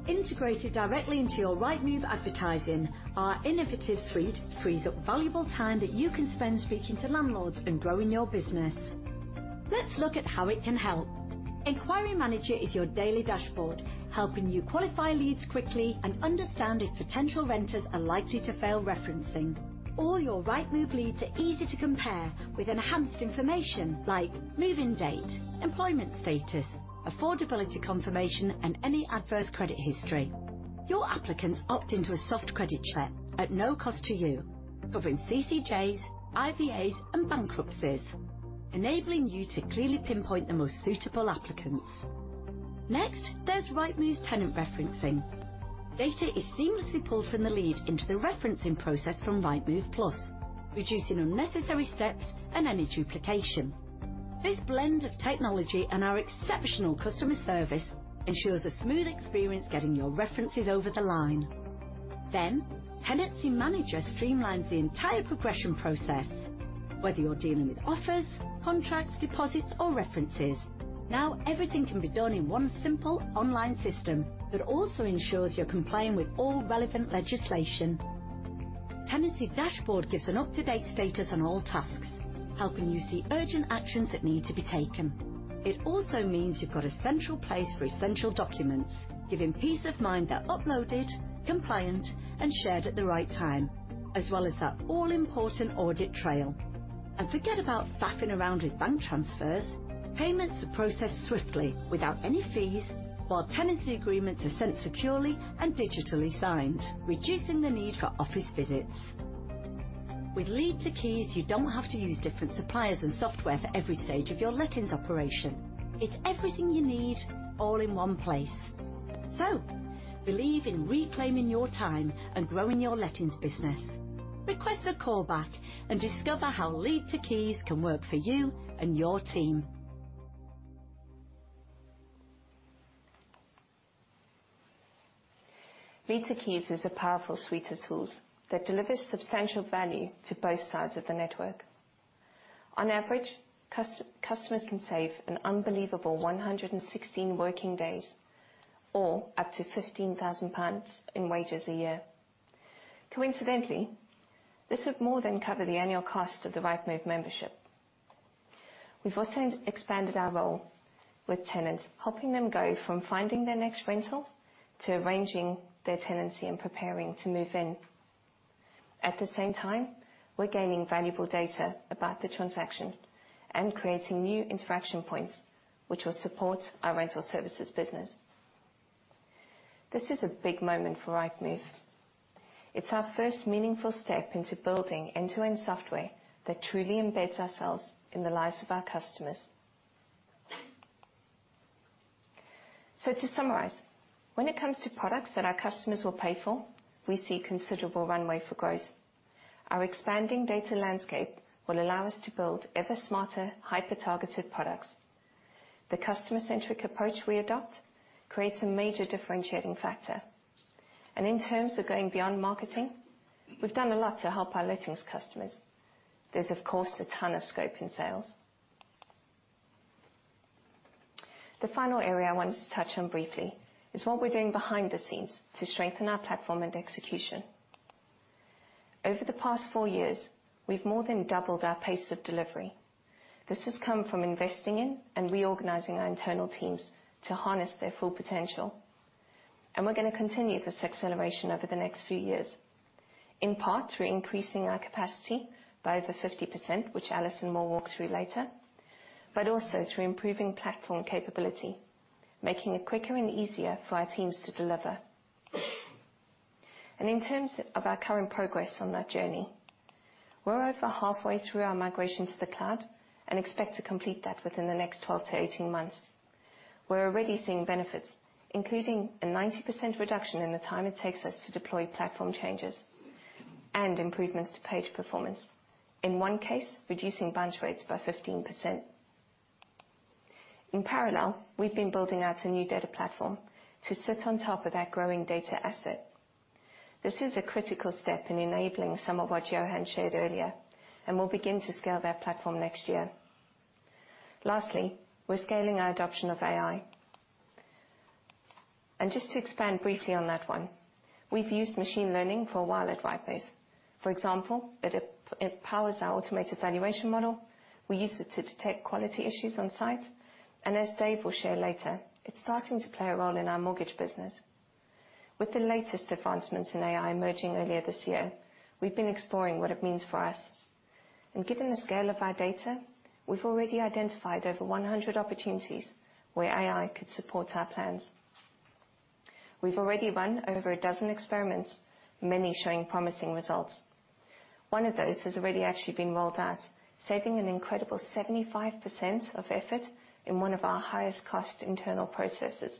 Integrated directly into your Rightmove advertising, our innovative suite frees up valuable time that you can spend speaking to landlords and growing your business. Let's look at how it can help. Enquiry Manager is your daily dashboard, helping you qualify leads quickly and understand if potential renters are likely to fail referencing. All your Rightmove leads are easy to compare with enhanced information like move-in date, employment status, affordability confirmation, and any adverse credit history. Your applicants opt into a soft credit check at no cost to you, covering CCJs, IVAs, and bankruptcies, enabling you to clearly pinpoint the most suitable applicants. Next, there's Rightmove tenant referencing. Data is seamlessly pulled from the lead into the referencing process from Rightmove Plus, reducing unnecessary steps and any duplication. This blend of technology and our exceptional customer service ensures a smooth experience getting your references over the line. Then Tenancy Manager streamlines the entire progression process. Whether you're dealing with offers, contracts, deposits, or references, now everything can be done in one simple online system that also ensures you're complying with all relevant legislation. Tenancy Dashboard gives an up-to-date status on all tasks, helping you see urgent actions that need to be taken. It also means you've got a central place for essential documents, giving peace of mind they're uploaded, compliant, and shared at the right time, as well as that all-important audit trail. And forget about faffing around with bank transfers. Payments are processed swiftly without any fees, while tenancy agreements are sent securely and digitally signed, reducing the need for office visits. With Lead to Keys, you don't have to use different suppliers and software for every stage of your lettings operation. It's everything you need, all in one place. So believe in reclaiming your time and growing your lettings business. Request a call back and discover how Lead to Keys can work for you and your team. Lead to Keys is a powerful suite of tools that delivers substantial value to both sides of the network. On average, customers can save an unbelievable 116 working days, or up to 15,000 pounds in wages a year. Coincidentally, this would more than cover the annual cost of the Rightmove membership. We've also expanded our role with tenants, helping them go from finding their next rental to arranging their tenancy and preparing to move in. At the same time, we're gaining valuable data about the transaction and creating new interaction points, which will support our rental services business. This is a big moment for Rightmove. It's our first meaningful step into building end-to-end software that truly embeds ourselves in the lives of our customers. So to summarize, when it comes to products that our customers will pay for, we see considerable runway for growth. Our expanding data landscape will allow us to build ever smarter, hyper-targeted products. The customer-centric approach we adopt creates a major differentiating factor. In terms of going beyond marketing, we've done a lot to help our lettings customers. There's, of course, a ton of scope in sales. The final area I wanted to touch on briefly is what we're doing behind the scenes to strengthen our platform and execution. Over the past four years, we've more than doubled our pace of delivery. This has come from investing in and reorganizing our internal teams to harness their full potential, and we're going to continue this acceleration over the next few years. In part, we're increasing our capacity by over 50%, which Alison will walk through later, but also through improving platform capability, making it quicker and easier for our teams to deliver. In terms of our current progress on that journey, we're over halfway through our migration to the cloud and expect to complete that within the next 12-18 months. We're already seeing benefits, including a 90% reduction in the time it takes us to deploy platform changes and improvements to page performance, in one case, reducing bounce rates by 15%. In parallel, we've been building out a new data platform to sit on top of that growing data asset. This is a critical step in enabling some of what Johan shared earlier, and we'll begin to scale that platform next year. Lastly, we're scaling our adoption of AI. And just to expand briefly on that one, we've used machine learning for a while at Rightmove. For example, it powers our Automated Valuation Model, we use it to detect quality issues on site, and as Dave will share later, it's starting to play a role in our mortgage business. With the latest advancements in AI merging earlier this year, we've been exploring what it means for us. Given the scale of our data, we've already identified over 100 opportunities where AI could support our plans. We've already run over a dozen experiments, many showing promising results. One of those has already actually been rolled out, saving an incredible 75% of effort in one of our highest cost internal processes.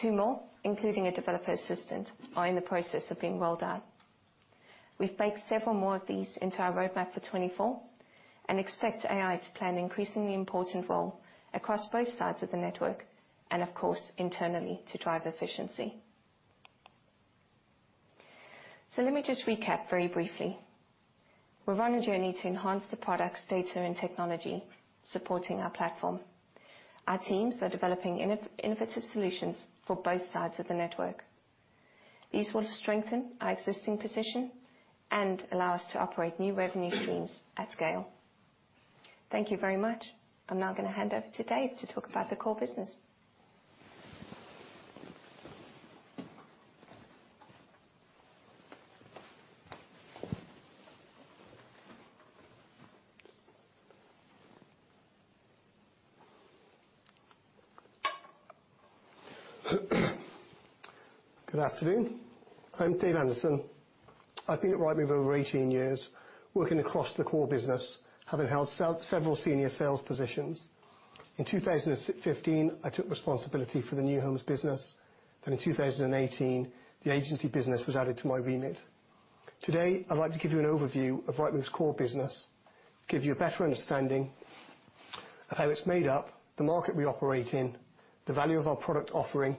Two more, including a developer assistant, are in the process of being rolled out. We've baked several more of these into our roadmap for 2024 and expect AI to play an increasingly important role across both sides of the network and, of course, internally to drive efficiency. So let me just recap very briefly. We're on a journey to enhance the products, data, and technology supporting our platform. Our teams are developing innovative solutions for both sides of the network. These will strengthen our existing position and allow us to operate new revenue streams at scale. Thank you very much. I'm now going to hand over to Dave to talk about the core business. Good afternoon. I'm Dave Anderson. I've been at Rightmove over 18 years, working across the core business, having held several senior sales positions. In 2015, I took responsibility for the new homes business, and in 2018, the agency business was added to my remit. Today, I'd like to give you an overview of Rightmove's core business, give you a better understanding of how it's made up, the market we operate in, the value of our product offering,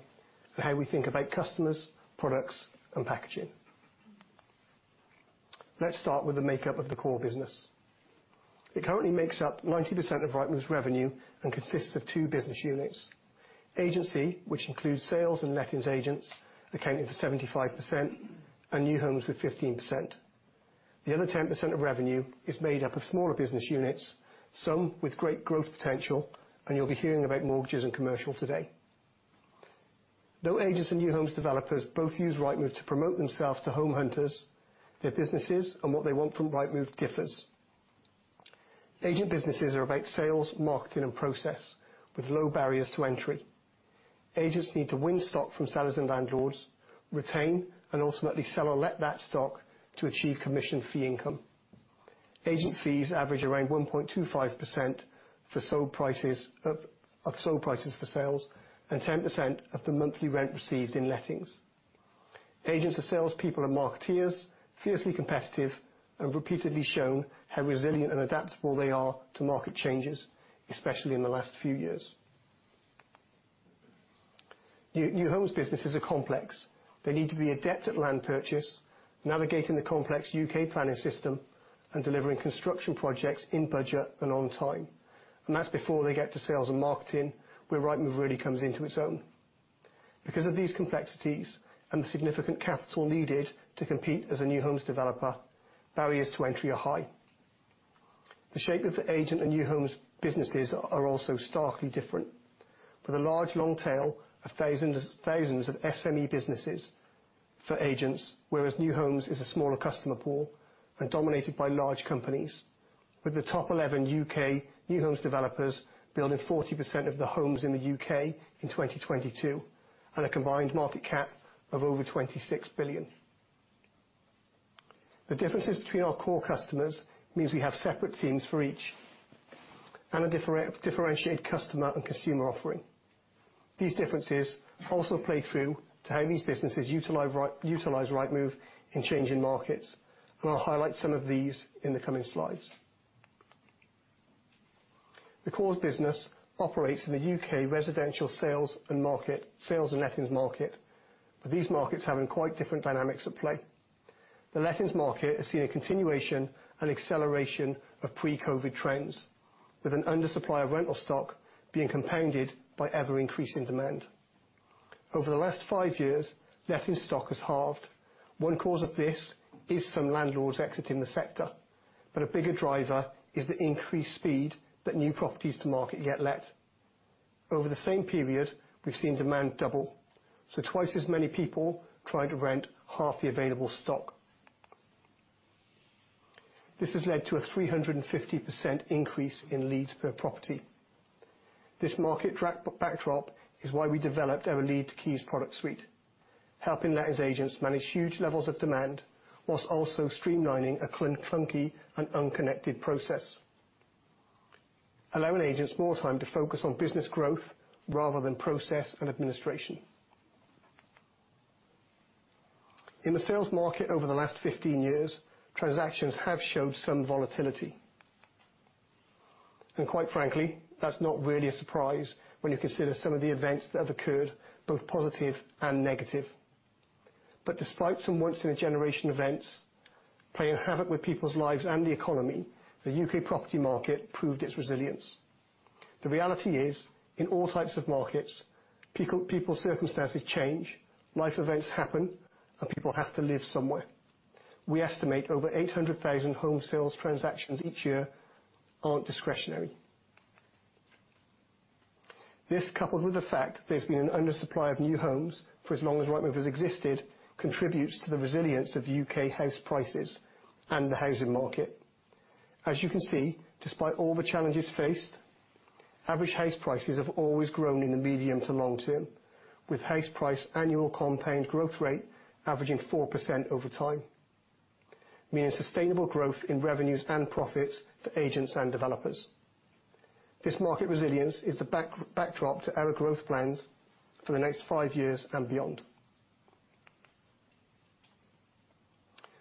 and how we think about customers, products, and packaging. Let's start with the makeup of the core business. It currently makes up 90% of Rightmove's revenue and consists of two business units, agency, which includes sales and lettings agents, accounting for 75%, and new homes with 15%. The other 10% of revenue is made up of smaller business units, some with great growth potential, and you'll be hearing about mortgages and commercial today. Though agents and new homes developers both use Rightmove to promote themselves to home hunters, their businesses and what they want from Rightmove differs. Agent businesses are about sales, marketing, and process, with low barriers to entry. Agents need to win stock from sellers and landlords, retain, and ultimately sell or let that stock to achieve commission fee income. Agent fees average around 1.25% for sold prices of sold prices for sales, and 10% of the monthly rent received in lettings. Agents are salespeople and marketeers, fiercely competitive, and repeatedly shown how resilient and adaptable they are to market changes, especially in the last few years. New homes businesses are complex. They need to be adept at land purchase, navigating the complex U.K. planning system, and delivering construction projects in budget and on time. And that's before they get to sales and marketing, where Rightmove really comes into its own. Because of these complexities and the significant capital needed to compete as a new homes developer, barriers to entry are high. The shape of the agent and new homes businesses are also starkly different, with a large long tail of thousands, thousands of SME businesses for agents, whereas new homes is a smaller customer pool and dominated by large companies, with the top 11 U.K. new homes developers building 40% of the homes in the U.K. in 2022, and a combined market cap of over 26 billion. The differences between our core customers means we have separate teams for each, and a differentiated customer and consumer offering. These differences also play through to how these businesses utilize Rightmove in changing markets, and I'll highlight some of these in the coming slides. The core business operates in the U.K. residential sales and market, sales and lettings market, but these markets have quite different dynamics at play. The lettings market has seen a continuation and acceleration of pre-COVID trends, with an undersupply of rental stock being compounded by ever-increasing demand. Over the last 5 years, letting stock has halved. One cause of this is some landlords exiting the sector, but a bigger driver is the increased speed that new properties to market get let. Over the same period, we've seen demand double, so twice as many people trying to rent half the available stock. This has led to a 350% increase in leads per property. This market backdrop is why we developed our Lead to Keys product suite, helping lettings agents manage huge levels of demand while also streamlining a clunky and unconnected process, allowing agents more time to focus on business growth rather than process and administration. In the sales market over the last 15 years, transactions have showed some volatility. Quite frankly, that's not really a surprise when you consider some of the events that have occurred, both positive and negative. But despite some once-in-a-generation events playing havoc with people's lives and the economy, the U.K. property market proved its resilience. The reality is, in all types of markets, people's circumstances change, life events happen, and people have to live somewhere. We estimate over 800,000 home sales transactions each year aren't discretionary. This, coupled with the fact there's been an undersupply of new homes for as long as Rightmove has existed, contributes to the resilience of U.K. house prices and the housing market. As you can see, despite all the challenges faced, average house prices have always grown in the medium to long term, with house price annual compound growth rate averaging 4% over time, meaning sustainable growth in revenues and profits for agents and developers. This market resilience is the backdrop to our growth plans for the next five years and beyond.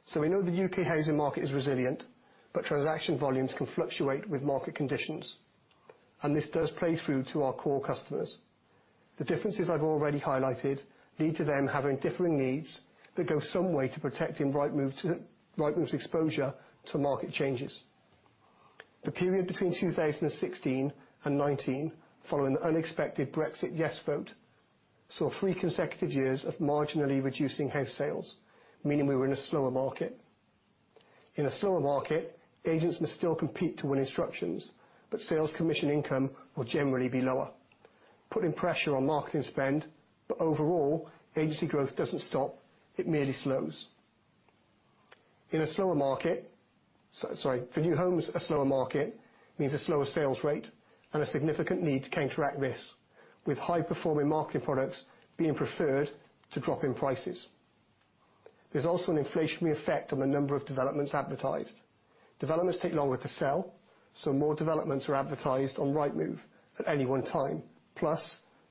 So we know the U.K. housing market is resilient, but transaction volumes can fluctuate with market conditions, and this does play through to our core customers. The differences I've already highlighted lead to them having differing needs that go some way to protecting Rightmove, too, Rightmove's exposure to market changes. The period between 2016 and 2019, following the unexpected Brexit yes vote, saw three consecutive years of marginally reducing house sales, meaning we were in a slower market. In a slower market, agents must still compete to win instructions, but sales commission income will generally be lower, putting pressure on marketing spend. Overall, agency growth doesn't stop, it merely slows. In a slower market, for new homes, a slower market means a slower sales rate and a significant need to counteract this, with high-performing marketing products being preferred to drop in prices. There's also an inflationary effect on the number of developments advertised. Developments take longer to sell, so more developments are advertised on Rightmove at any one time. Plus,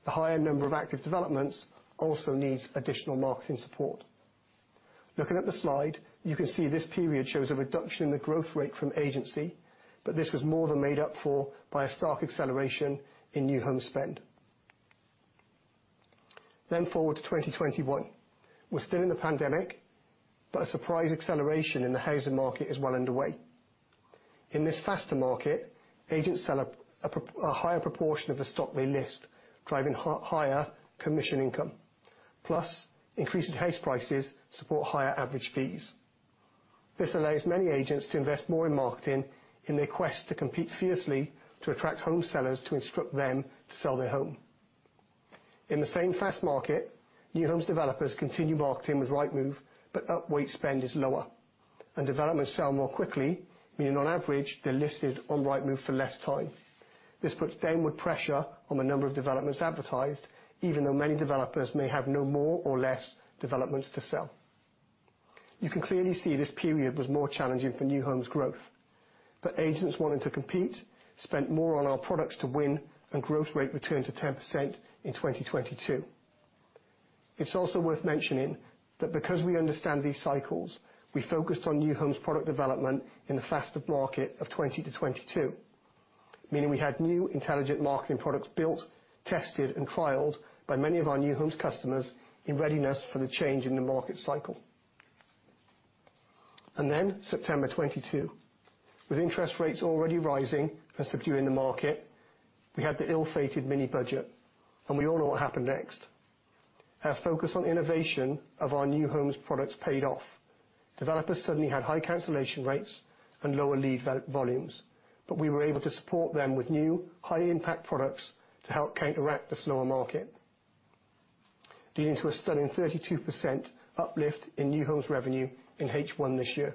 the higher number of active developments also needs additional marketing support. Looking at the slide, you can see this period shows a reduction in the growth rate from agency, but this was more than made up for by a stark acceleration in new home spend. Then forward to 2021. We're still in the pandemic, but a surprise acceleration in the housing market is well underway. In this faster market, agents sell a higher proportion of the stock they list, driving higher commission income, plus increasing house prices support higher average fees. This allows many agents to invest more in marketing in their quest to compete fiercely to attract home sellers to instruct them to sell their home. In the same fast market, new homes developers continue marketing with Rightmove, but upward spend is lower, and developments sell more quickly, meaning on average, they're listed on Rightmove for less time. This puts downward pressure on the number of developments advertised, even though many developers may have no more or less developments to sell. You can clearly see this period was more challenging for new homes growth, but agents wanting to compete spent more on our products to win, and growth rate returned to 10% in 2022. It's also worth mentioning that because we understand these cycles, we focused on new homes product development in the faster market of 2020-2022, meaning we had new intelligent marketing products built, tested, and trialed by many of our new homes customers in readiness for the change in the market cycle. And then, September 2022. With interest rates already rising and securing the market, we had the ill-fated mini budget, and we all know what happened next. Our focus on innovation of our new homes products paid off. Developers suddenly had high cancellation rates and lower lead volumes, but we were able to support them with new, high-impact products to help counteract the slower market, leading to a stunning 32% uplift in new homes revenue in H1 this year.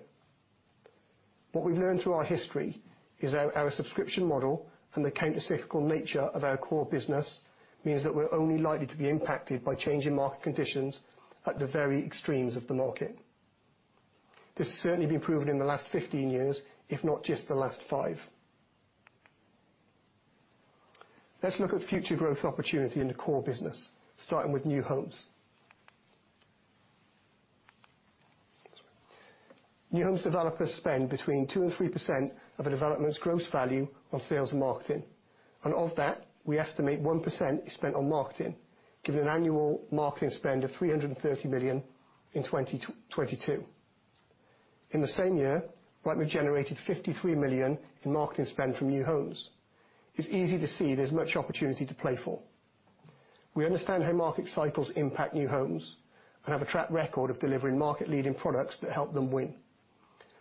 What we've learned through our history is our subscription model and the countercyclical nature of our core business means that we're only likely to be impacted by changing market conditions at the very extremes of the market. This has certainly been proven in the last 15 years, if not just the last 5. Let's look at future growth opportunity in the core business, starting with new homes. New homes developers spend between 2% and 3% of a development's gross value on sales and marketing, and of that, we estimate 1% is spent on marketing, giving an annual marketing spend of 330 million in 2022. In the same year, Rightmove generated 53 million in marketing spend from new homes. It's easy to see there's much opportunity to play for. We understand how market cycles impact new homes and have a track record of delivering market-leading products that help them win.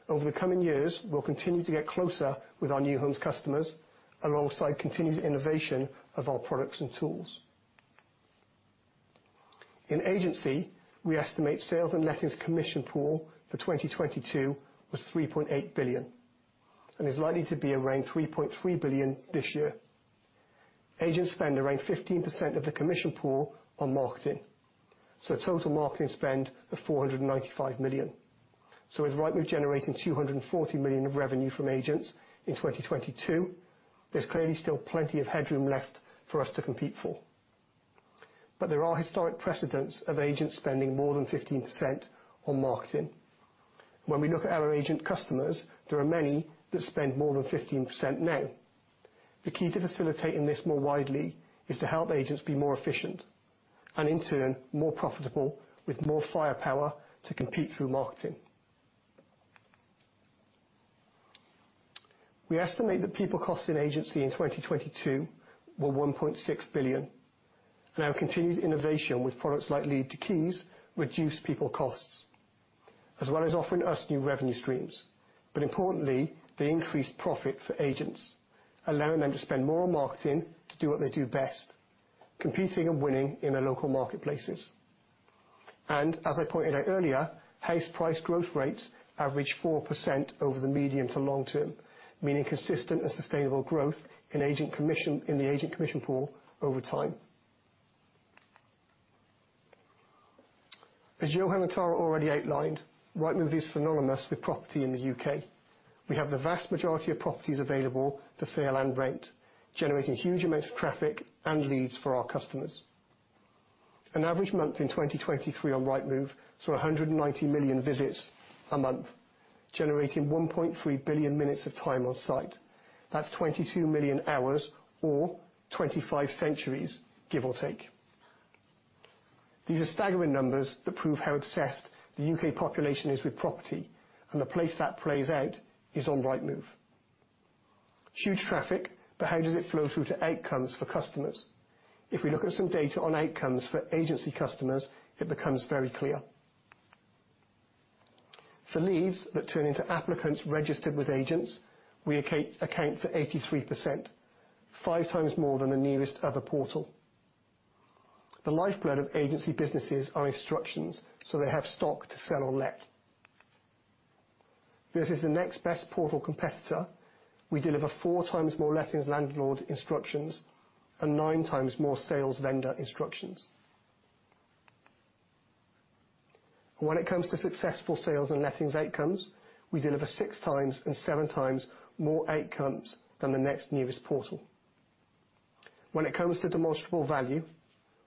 Over the coming years, we'll continue to get closer with our new homes customers, alongside continued innovation of our products and tools. In agency, we estimate sales and lettings commission pool for 2022 was 3.8 billion and is likely to be around 3.3 billion this year. Agents spend around 15% of the commission pool on marketing, so total marketing spend of 495 million. So with Rightmove generating 240 million of revenue from agents in 2022, there's clearly still plenty of headroom left for us to compete for. But there are historic precedents of agents spending more than 15% on marketing. When we look at our agent customers, there are many that spend more than 15% now. The key to facilitating this more widely is to help agents be more efficient, and in turn, more profitable, with more firepower to compete through marketing. We estimate that people costs in agency in 2022 were 1.6 billion, and our continued innovation with products like Lead to Keys reduce people costs, as well as offering us new revenue streams. Importantly, they increased profit for agents, allowing them to spend more on marketing to do what they do best, competing and winning in their local marketplaces. As I pointed out earlier, house price growth rates average 4% over the medium to long term, meaning consistent and sustainable growth in agent commission, in the agent commission pool over time. As Johan and Tara already outlined, Rightmove is synonymous with property in the U.K. We have the vast majority of properties available for sale and rent, generating huge amounts of traffic and leads for our customers. An average month in 2023 on Rightmove saw 190 million visits a month, generating 1.3 billion minutes of time on site. That's 22 million hours or 25 centuries, give or take. These are staggering numbers that prove how obsessed the U.K. population is with property, and the place that plays out is on Rightmove. Huge traffic, but how does it flow through to outcomes for customers? If we look at some data on outcomes for agency customers, it becomes very clear. For leads that turn into applicants registered with agents, we account for 83%, five times more than the nearest other portal. The lifeblood of agency businesses are instructions, so they have stock to sell or let. This is the next best portal competitor. We deliver four times more lettings landlord instructions and nine times more sales vendor instructions. When it comes to successful sales and lettings outcomes, we deliver six times and seven times more outcomes than the next nearest portal. When it comes to demonstrable value,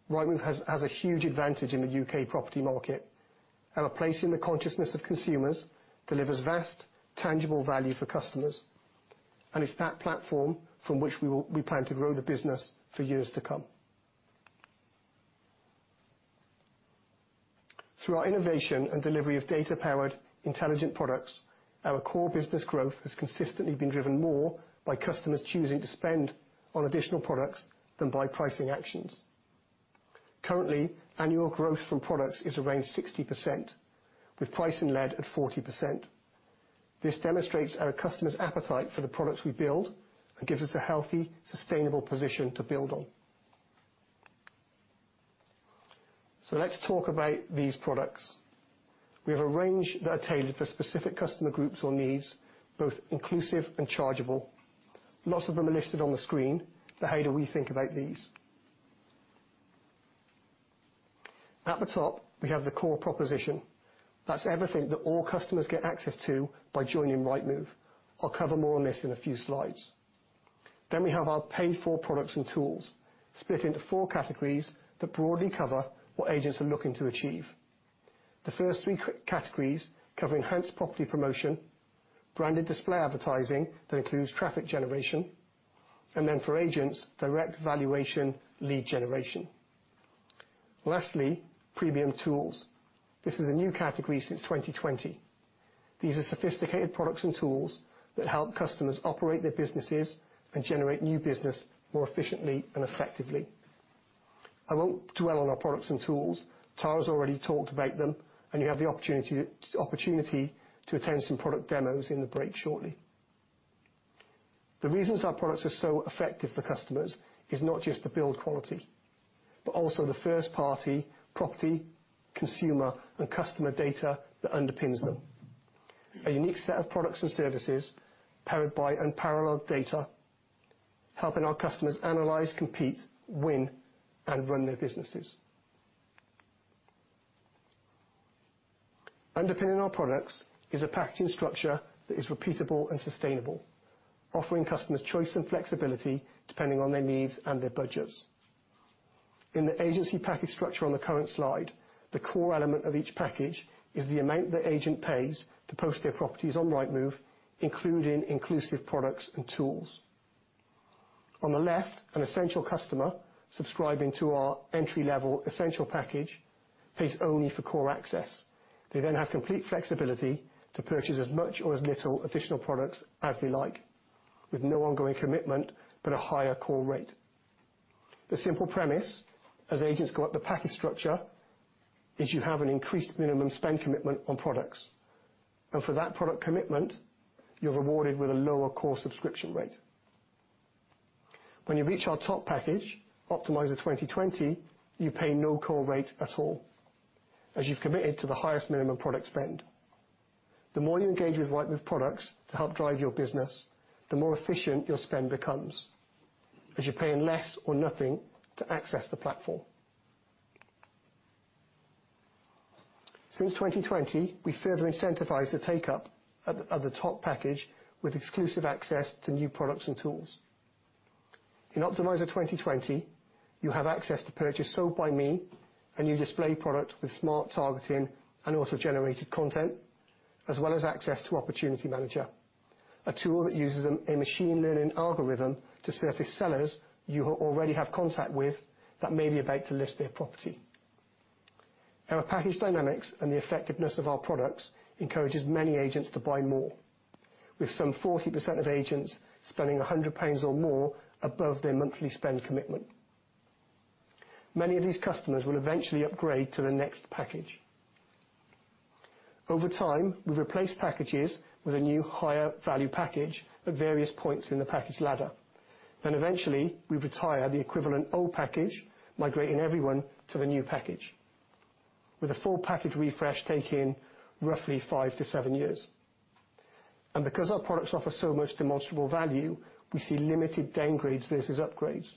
Rightmove has a huge advantage in the U.K. property market. Our place in the consciousness of consumers delivers vast, tangible value for customers, and it's that platform from which we plan to grow the business for years to come. Through our innovation and delivery of data-powered intelligent products, our core business growth has consistently been driven more by customers choosing to spend on additional products than by pricing actions. Currently, annual growth from products is around 60%, with price and lead at 40%. This demonstrates our customers' appetite for the products we build and gives us a healthy, sustainable position to build on. So let's talk about these products. We have a range that are tailored for specific customer groups or needs, both inclusive and chargeable. Lots of them are listed on the screen, but how do we think about these? At the top, we have the core proposition. That's everything that all customers get access to by joining Rightmove. I'll cover more on this in a few slides. Then we have our paid-for products and tools, split into four categories that broadly cover what agents are looking to achieve. The first three categories cover enhanced property promotion, branded display advertising, that includes traffic generation, and then, for agents, direct valuation lead generation. Lastly, premium tools. This is a new category since 2020. These are sophisticated products and tools that help customers operate their businesses and generate new business more efficiently and effectively. I won't dwell on our products and tools. Tara's already talked about them, and you have the opportunity to attend some product demos in the break shortly. The reasons our products are so effective for customers is not just the build quality, but also the first-party property, consumer, and customer data that underpins them. A unique set of products and services powered by unparalleled data, helping our customers analyze, compete, win, and run their businesses. Underpinning our products is a packaging structure that is repeatable and sustainable, offering customers choice and flexibility depending on their needs and their budgets. In the agency package structure on the current slide, the core element of each package is the amount the agent pays to post their properties on Rightmove, including inclusive products and tools. On the left, an essential customer subscribing to our entry-level essential package pays only for core access. They then have complete flexibility to purchase as much or as little additional products as they like, with no ongoing commitment, but a higher core rate. The simple premise, as agents go up the package structure, is you have an increased minimum spend commitment on products. And for that product commitment, you're rewarded with a lower core subscription rate. When you reach our top package, Optimiser 2020, you pay no core rate at all, as you've committed to the highest minimum product spend. The more you engage with Rightmove products to help drive your business, the more efficient your spend becomes, as you're paying less or nothing to access the platform. Since 2020, we further incentivized the take-up of the top package with exclusive access to new products and tools. In Optimiser 2020, you have access to purchase Sold by Me, a new display product with smart targeting and auto-generated content, as well as access to Opportunity Manager, a tool that uses a machine learning algorithm to surface sellers you already have contact with that may be about to list their property. Our package dynamics and the effectiveness of our products encourages many agents to buy more, with some 40% of agents spending 100 pounds or more above their monthly spend commitment. Many of these customers will eventually upgrade to the next package. Over time, we've replaced packages with a new, higher-value package at various points in the package ladder, and eventually, we retire the equivalent old package, migrating everyone to the new package, with a full package refresh taking roughly five to seven years. Because our products offer so much demonstrable value, we see limited downgrades versus upgrades.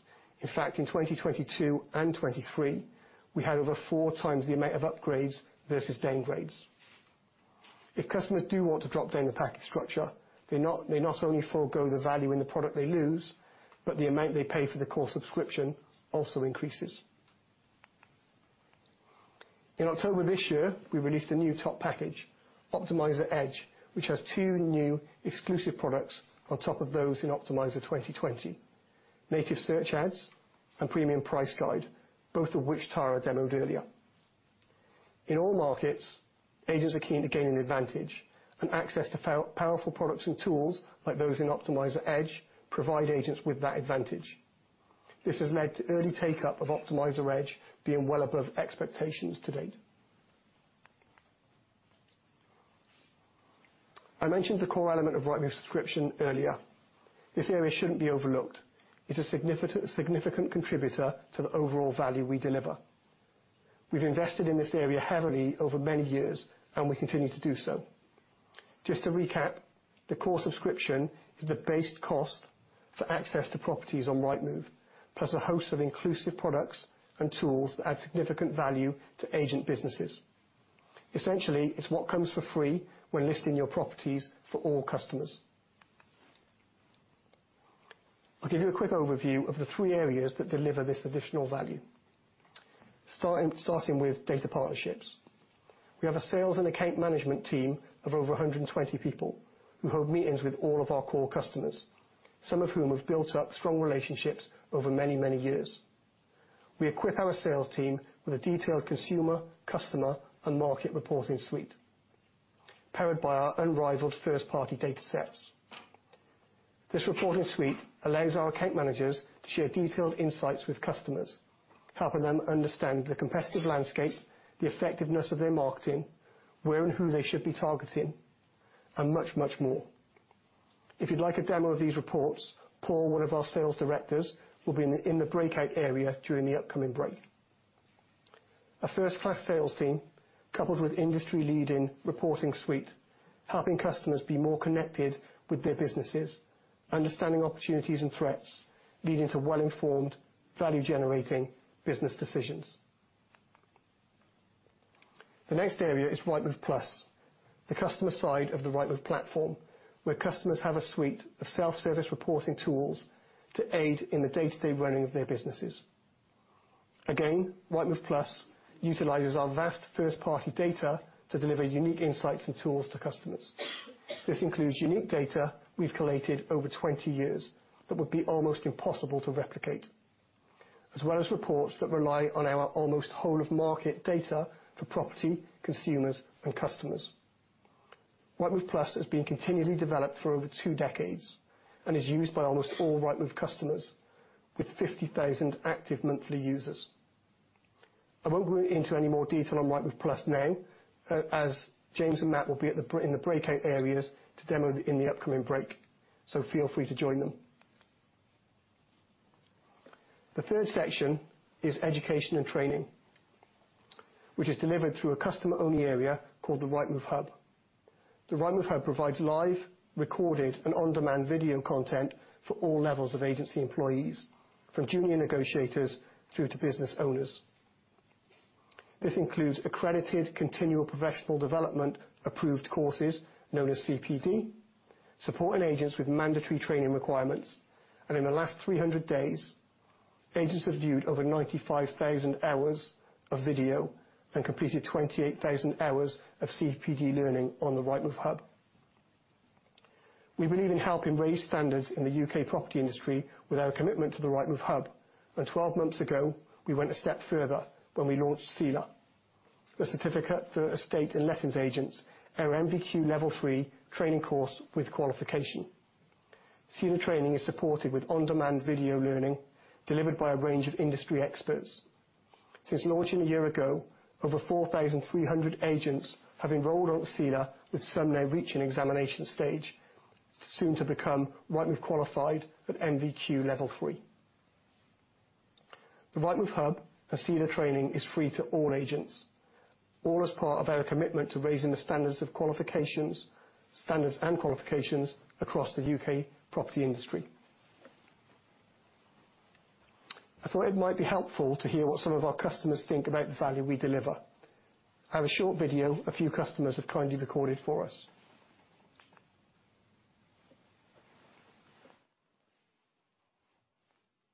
In fact, in 2022 and 2023, we had over four times the amount of upgrades versus downgrades. If customers do want to drop down the package structure, they not only forgo the value in the product they lose, but the amount they pay for the core subscription also increases. In October this year, we released a new top package, Optimiser Edge, which has two new exclusive products on top of those in Optimiser 2020: Native Search Ads and Premium Price Guide, both of which Tara demoed earlier. In all markets, agents are keen to gain an advantage, and access to powerful products and tools, like those in Optimiser Edge, provide agents with that advantage. This has led to early take-up of Optimiser Edge being well above expectations to date. I mentioned the core element of Rightmove subscription earlier. This area shouldn't be overlooked. It's a significant contributor to the overall value we deliver. We've invested in this area heavily over many years, and we continue to do so. Just to recap, the core subscription is the base cost for access to properties on Rightmove, plus a host of inclusive products and tools that add significant value to agent businesses. Essentially, it's what comes for free when listing your properties for all customers. I'll give you a quick overview of the three areas that deliver this additional value. Starting with data partnerships. We have a sales and account management team of over 120 people who hold meetings with all of our core customers, some of whom have built up strong relationships over many, many years. We equip our sales team with a detailed consumer, customer, and market reporting suite, powered by our unrivaled first-party data sets. This reporting suite allows our account managers to share detailed insights with customers, helping them understand the competitive landscape, the effectiveness of their marketing, where and who they should be targeting, and much, much more. If you'd like a demo of these reports, Paul, one of our sales directors, will be in the breakout area during the upcoming break. A first-class sales team, coupled with industry-leading reporting suite, helping customers be more connected with their businesses, understanding opportunities and threats, leading to well-informed, value-generating business decisions. The next area is Rightmove Plus, the customer side of the Rightmove platform, where customers have a suite of self-service reporting tools to aid in the day-to-day running of their businesses. Again, Rightmove Plus utilizes our vast first-party data to deliver unique insights and tools to customers. This includes unique data we've collated over 20 years that would be almost impossible to replicate, as well as reports that rely on our almost whole of market data for property, consumers, and customers. Rightmove Plus has been continually developed for over two decades and is used by almost all Rightmove customers, with 50,000 active monthly users. I won't go into any more detail on Rightmove Plus now, as James and Matt will be at the break in the breakout areas to demo in the upcoming break, so feel free to join them. The third section is education and training, which is delivered through a customer-only area called the Rightmove Hub. The Rightmove Hub provides live, recorded, and on-demand video content for all levels of agency employees, from junior negotiators through to business owners. This includes accredited continual professional development, approved courses known as CPD, supporting agents with mandatory training requirements, and in the last 300 days, agents have viewed over 95,000 hours of video and completed 28,000 hours of CPD learning on the Rightmove Hub. We believe in helping raise standards in the U.K. property industry with our commitment to the Rightmove Hub, and 12 months ago, we went a step further when we launched CELA, the Certificate for Estate and Letting Agents, our NVQ Level 3 training course with qualification. CELA training is supported with on-demand video learning delivered by a range of industry experts. Since launching a year ago, over 4,300 agents have enrolled on CELA, with some now reaching examination stage, soon to become Rightmove qualified at NVQ Level Three. The Rightmove Hub and CELA training is free to all agents, all as part of our commitment to raising the standards of qualifications - standards and qualifications across the U.K. property industry. I thought it might be helpful to hear what some of our customers think about the value we deliver. I have a short video a few customers have kindly recorded for us.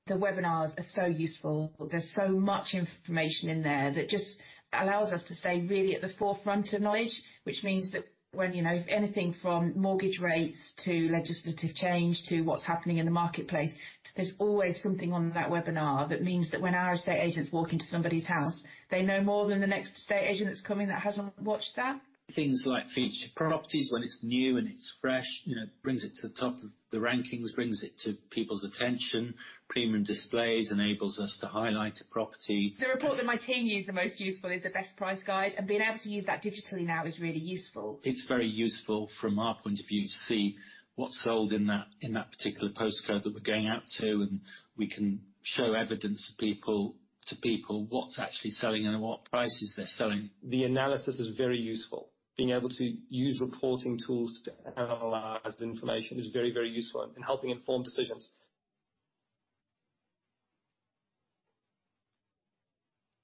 The webinars are so useful. There's so much information in there that just allows us to stay really at the forefront of knowledge, which means that when, you know, anything from mortgage rates to legislative change to what's happening in the marketplace, there's always something on that webinar that means that when our estate agents walk into somebody's house, they know more than the next estate agent that's coming that hasn't watched that. Things like featured properties, when it's new and it's fresh, you know, brings it to the top of the rankings, brings it to people's attention. Premium Displays enables us to highlight a property. The report that my team use the most useful is the Best Price Guide, and being able to use that digitally now is really useful. It's very useful from our point of view to see what's sold in that particular postcode that we're going out to, and we can show evidence to people what's actually selling and at what prices they're selling. The analysis is very useful. Being able to use reporting tools to analyze the information is very, very useful in helping inform decisions.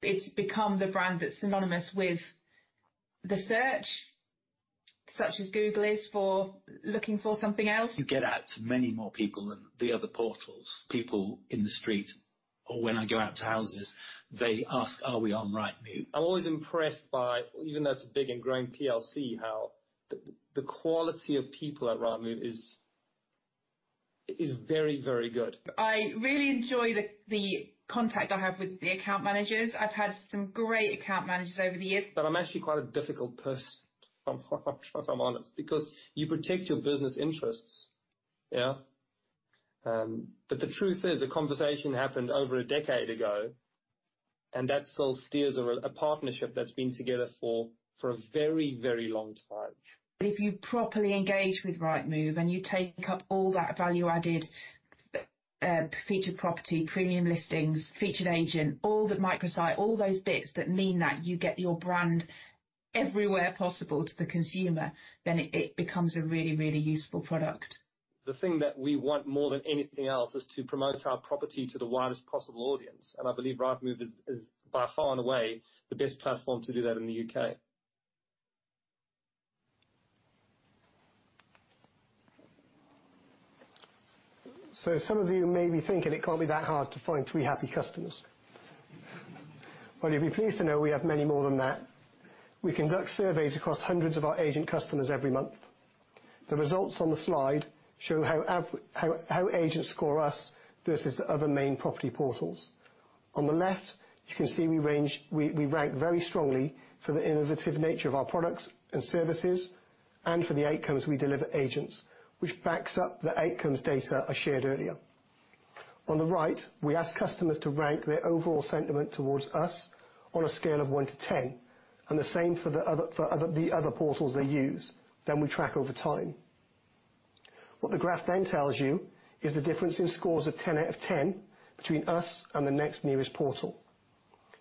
It's become the brand that's synonymous with the search, such as Google is for looking for something else. You get out to many more people than the other portals. People in the street or when I go out to houses, they ask, "Are we on Rightmove? I'm always impressed by, even though it's a big and growing PLC, how the quality of people at Rightmove is very, very good. I really enjoy the contact I have with the account managers. I've had some great account managers over the years. But I'm actually quite a difficult person, if I'm honest, because you protect your business interests. Yeah? But the truth is, a conversation happened over a decade ago, and that still steers a partnership that's been together for a very, very long time. If you properly engage with Rightmove, and you take up all that value-added, featured property, premium listings, featured agent, all the microsite, all those bits that mean that you get your brand everywhere possible to the consumer, then it, it becomes a really, really useful product. The thing that we want more than anything else is to promote our property to the widest possible audience, and I believe Rightmove is, is by far and away, the best platform to do that in the U.K. So some of you may be thinking, "It can't be that hard to find three happy customers." Well, you'll be pleased to know we have many more than that. We conduct surveys across hundreds of our agent customers every month. The results on the slide show how agents score us versus the other main property portals. On the left, you can see we rank very strongly for the innovative nature of our products and services, and for the outcomes we deliver agents, which backs up the outcomes data I shared earlier. On the right, we ask customers to rank their overall sentiment towards us on a scale of one to 10, and the same for the other portals they use, then we track over time. What the graph then tells you is the difference in scores of 10 out of 10 between us and the next nearest portal.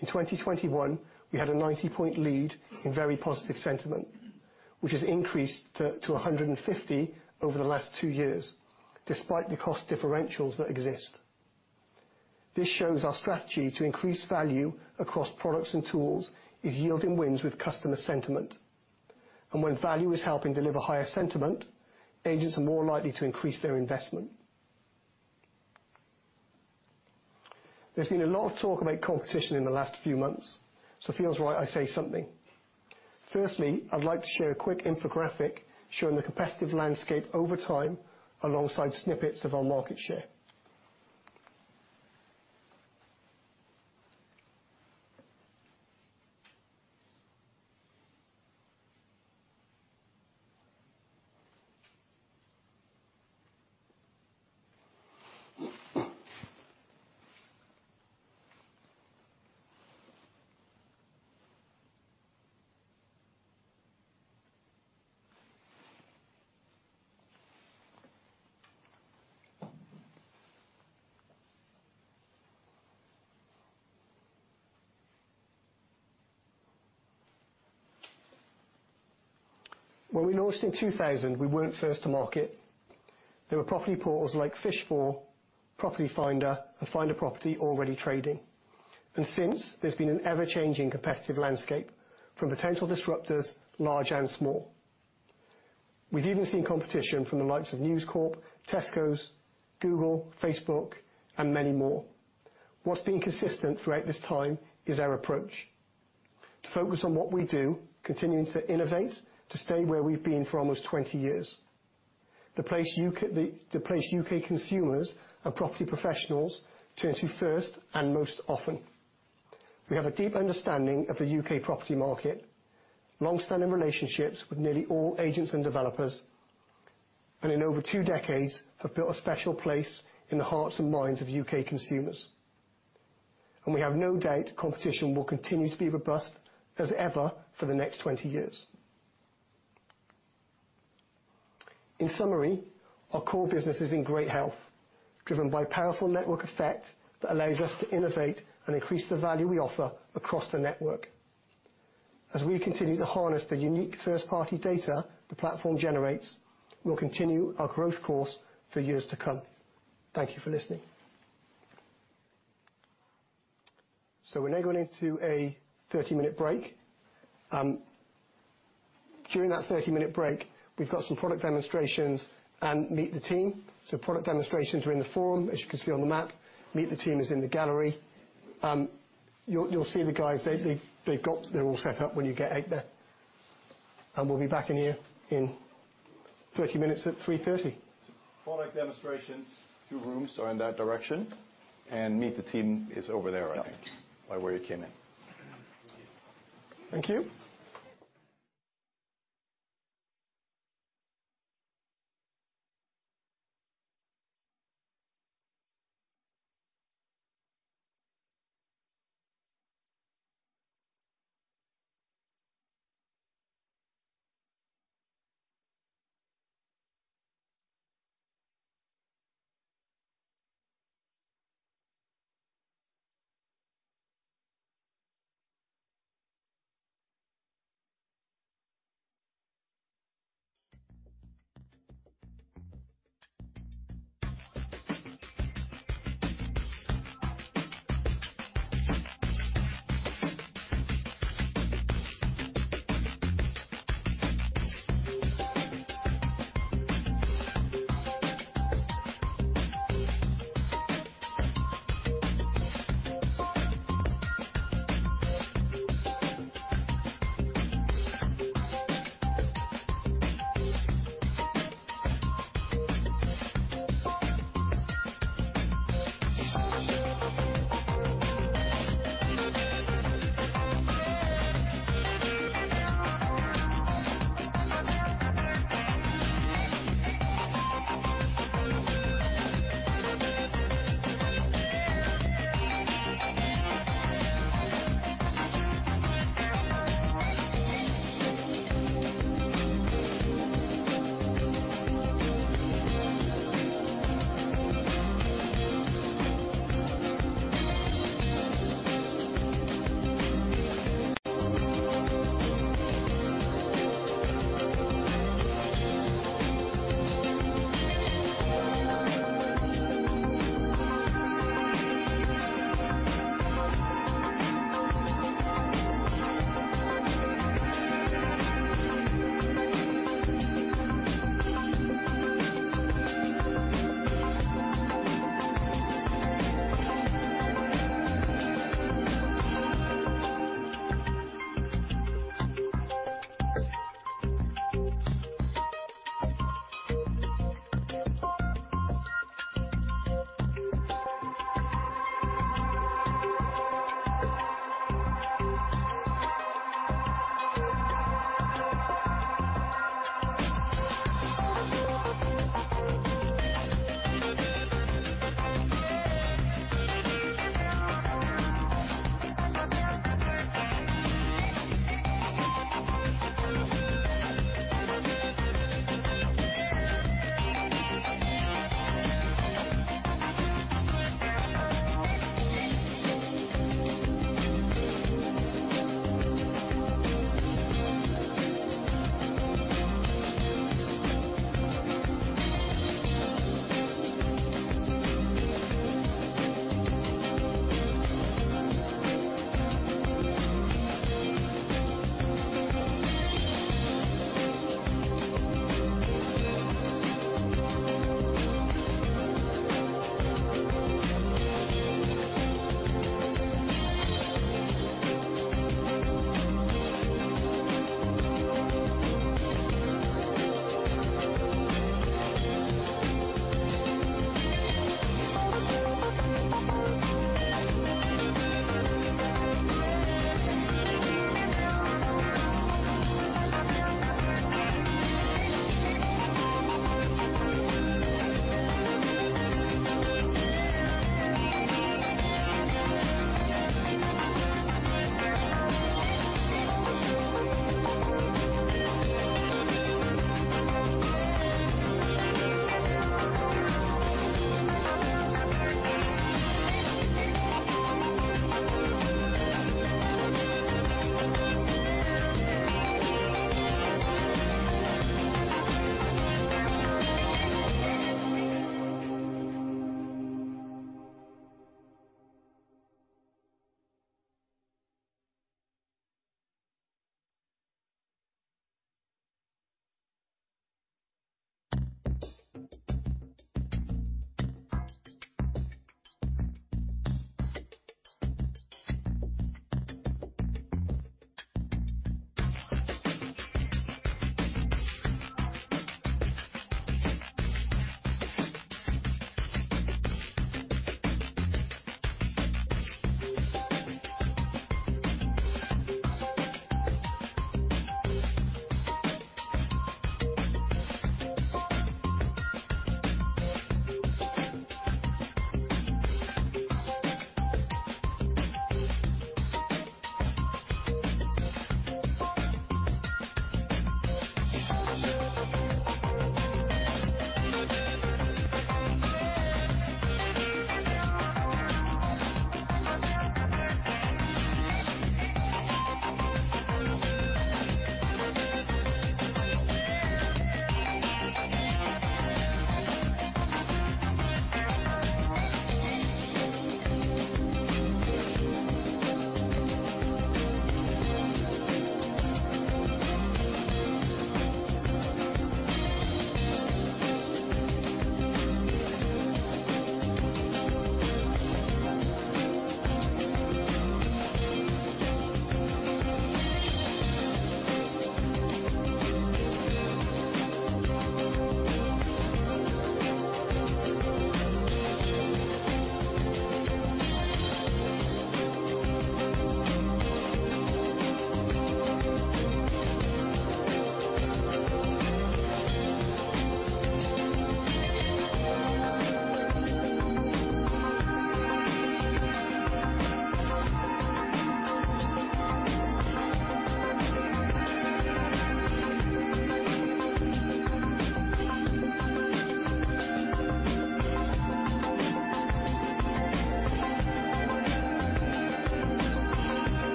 In 2021, we had a 90-point lead in very positive sentiment, which has increased to a 150 over the last two years, despite the cost differentials that exist. This shows our strategy to increase value across products and tools is yielding wins with customer sentiment. And when value is helping deliver higher sentiment, agents are more likely to increase their investment. There's been a lot of talk about competition in the last few months, so it feels right I say something. Firstly, I'd like to share a quick infographic showing the competitive landscape over time, alongside snippets of our market share. When we launched in 2000, we weren't first to market. There were property portals like Fish4, Property Finder, and FindaProperty already trading. Since, there's been an ever-changing competitive landscape from potential disruptors, large and small. We've even seen competition from the likes of News Corp, Tesco's, Google, Facebook, and many more. What's been consistent throughout this time is our approach: to focus on what we do, continuing to innovate, to stay where we've been for almost 20 years. The place U.K. consumers and property professionals turn to first and most often. We have a deep understanding of the U.K. property market, longstanding relationships with nearly all agents and developers, and in over two decades, have built a special place in the hearts and minds of U.K. consumers. We have no doubt competition will continue to be robust as ever for the next 20 years. In summary, our core business is in great health, driven by a powerful network effect that allows us to innovate and increase the value we offer across the network. As we continue to harness the unique first-party data the platform generates, we'll continue our growth course for years to come. Thank you for listening. So we're now going into a 30-minute break. During that 30-minute break, we've got some product demonstrations and meet the team. Product demonstrations are in the forum, as you can see on the map. Meet the team is in the gallery. You'll see the guys. They've got. They're all set up when you get out there. We'll be back in here in 30 minutes, at 3:30 P.M. Product demonstrations, two rooms are in that direction, and meet the team is over there, I think, by where you came in. Thank you.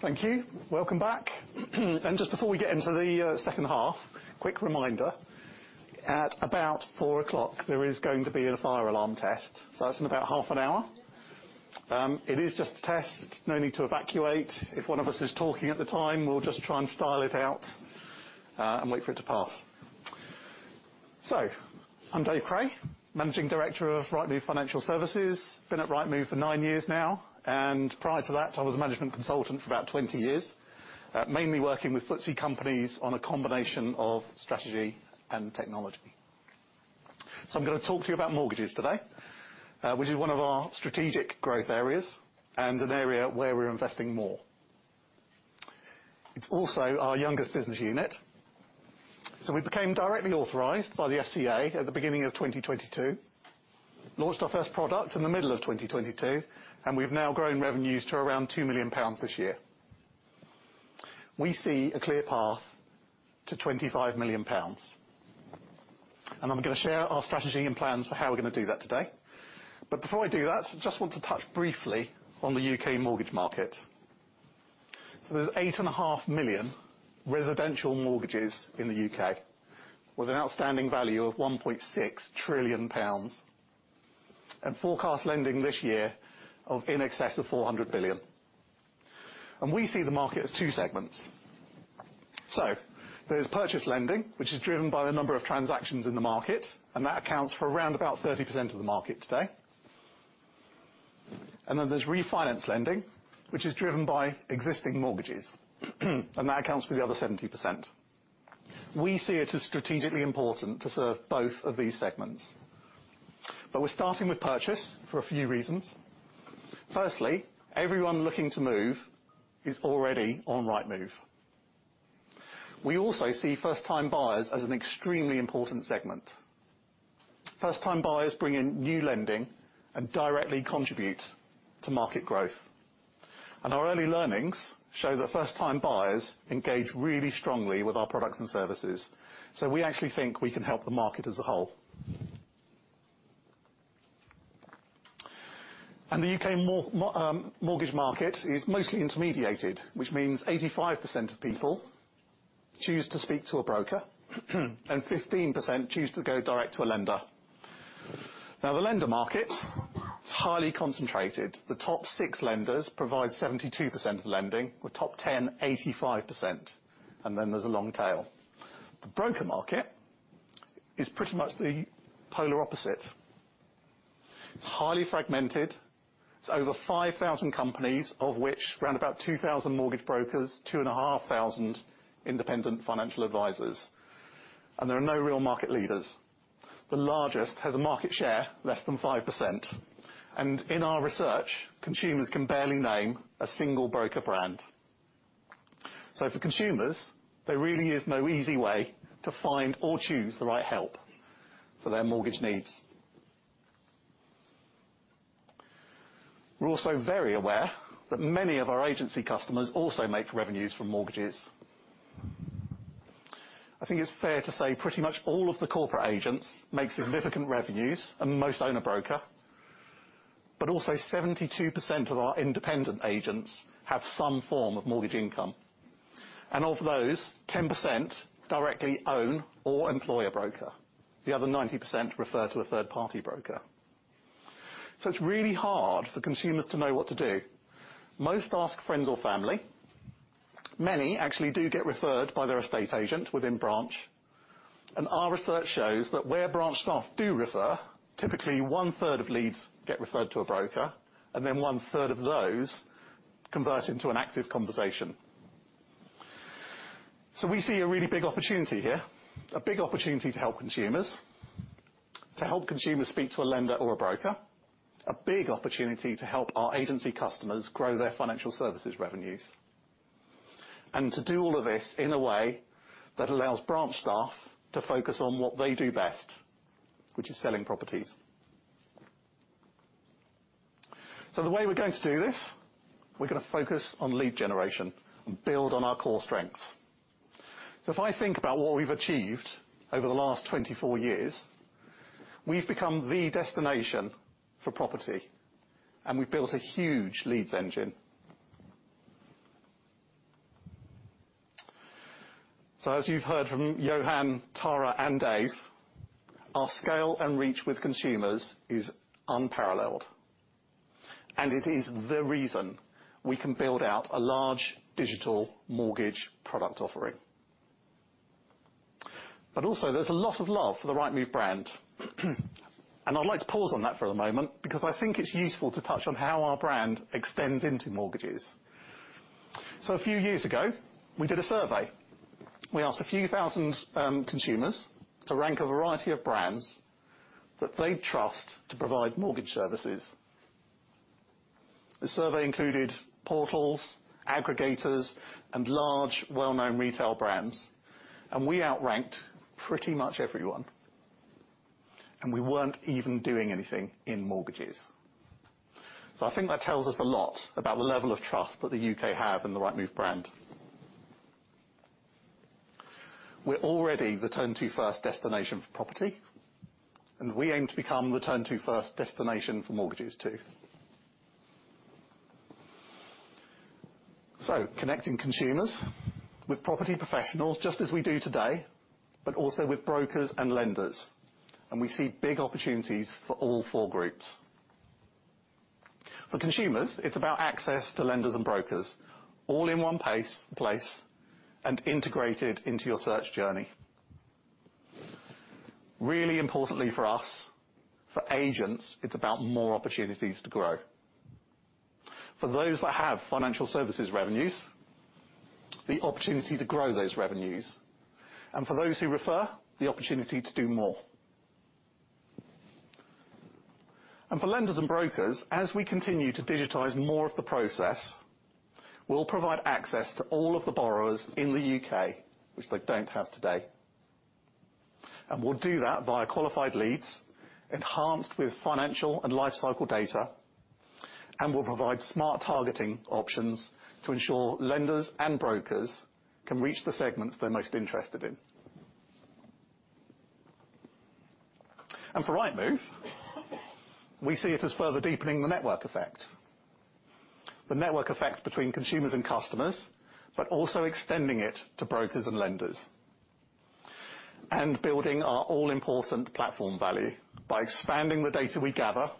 All right. Thank you. Welcome back. Just before we get into the second half, quick reminder, at about 4:00 P.M., there is going to be a fire alarm test, so that's in about half an hour. It is just a test. No need to evacuate. If one of us is talking at the time, we'll just try and style it out, and wait for it to pass. I'm Dave Cray, Managing Director of Rightmove Financial Services. Been at Rightmove for 9 years now, and prior to that, I was a management consultant for about 20 years, mainly working with FTSE companies on a combination of strategy and technology. I'm going to talk to you about mortgages today, which is one of our strategic growth areas and an area where we're investing more. It's also our youngest business unit. So we became directly authorized by the FCA at the beginning of 2022, launched our first product in the middle of 2022, and we've now grown revenues to around 2 million pounds this year. We see a clear path to 25 million pounds, and I'm going to share our strategy and plans for how we're going to do that today. But before I do that, I just want to touch briefly on the U.K. mortgage market. So there's 8.5 million residential mortgages in the UK, with an outstanding value of 1.6 trillion pounds, and forecast lending this year of in excess of 400 billion. And we see the market as two segments. So there's purchase lending, which is driven by the number of transactions in the market, and that accounts for around about 30% of the market today. Then there's refinance lending, which is driven by existing mortgages, and that accounts for the other 70%. We see it as strategically important to serve both of these segments. But we're starting with purchase for a few reasons. Firstly, everyone looking to move is already on Rightmove. We also see first-time buyers as an extremely important segment. First-time buyers bring in new lending and directly contribute to market growth. Our early learnings show that first-time buyers engage really strongly with our products and services, so we actually think we can help the market as a whole. The U.K. mortgage market is mostly intermediated, which means 85% of people choose to speak to a broker, and 15% choose to go direct to a lender. Now, the lender market is highly concentrated. The top six lenders provide 72% of lending. The top 10, 85%, and then there's a long tail. The broker market is pretty much the polar opposite. It's highly fragmented. It's over 5,000 companies, of which around about 2,000 mortgage brokers, 2,500 independent financial advisors, and there are no real market leaders. The largest has a market share less than 5%, and in our research, consumers can barely name a single broker brand. So for consumers, there really is no easy way to find or choose the right help for their mortgage needs. We're also very aware that many of our agency customers also make revenues from mortgages. I think it's fair to say, pretty much all of the corporate agents make significant revenues, and most own a broker. Also, 72% of our independent agents have some form of mortgage income, and of those, 10% directly own or employ a broker. The other 90% refer to a third-party broker. So it's really hard for consumers to know what to do. Most ask friends or family. Many actually do get referred by their estate agent within branch, and our research shows that where branch staff do refer, typically one-third of leads get referred to a broker, and then one-third of those convert into an active conversation. So we see a really big opportunity here, a big opportunity to help consumers, to help consumers speak to a lender or a broker, a big opportunity to help our agency customers grow their financial services revenues, and to do all of this in a way that allows branch staff to focus on what they do best, which is selling properties. So the way we're going to do this, we're going to focus on lead generation and build on our core strengths. So if I think about what we've achieved over the last 24 years, we've become the destination for property, and we've built a huge leads engine. So as you've heard from Johan, Tara, and Dave, our scale and reach with consumers is unparalleled, and it is the reason we can build out a large digital mortgage product offering. But also, there's a lot of love for the Rightmove brand. And I'd like to pause on that for a moment because I think it's useful to touch on how our brand extends into mortgages. So a few years ago, we did a survey. We asked a few thousand consumers to rank a variety of brands that they'd trust to provide mortgage services…. The survey included portals, aggregators, and large, well-known retail brands, and we outranked pretty much everyone, and we weren't even doing anything in mortgages. So I think that tells us a lot about the level of trust that the U.K. have in the Rightmove brand. We're already the turn-to first destination for property, and we aim to become the turn-to first destination for mortgages, too. Connecting consumers with property professionals, just as we do today, but also with brokers and lenders, and we see big opportunities for all four groups. For consumers, it's about access to lenders and brokers, all in one place, and integrated into your search journey. Really importantly for us, for agents, it's about more opportunities to grow. For those that have financial services revenues, the opportunity to grow those revenues, and for those who refer, the opportunity to do more. For lenders and brokers, as we continue to digitize more of the process, we'll provide access to all of the borrowers in the U.K., which they don't have today. And we'll do that via qualified leads, enhanced with financial and lifecycle data, and we'll provide smart targeting options to ensure lenders and brokers can reach the segments they're most interested in. For Rightmove, we see it as further deepening the network effect, the network effect between consumers and customers, but also extending it to brokers and lenders, and building our all-important platform value by expanding the data we gather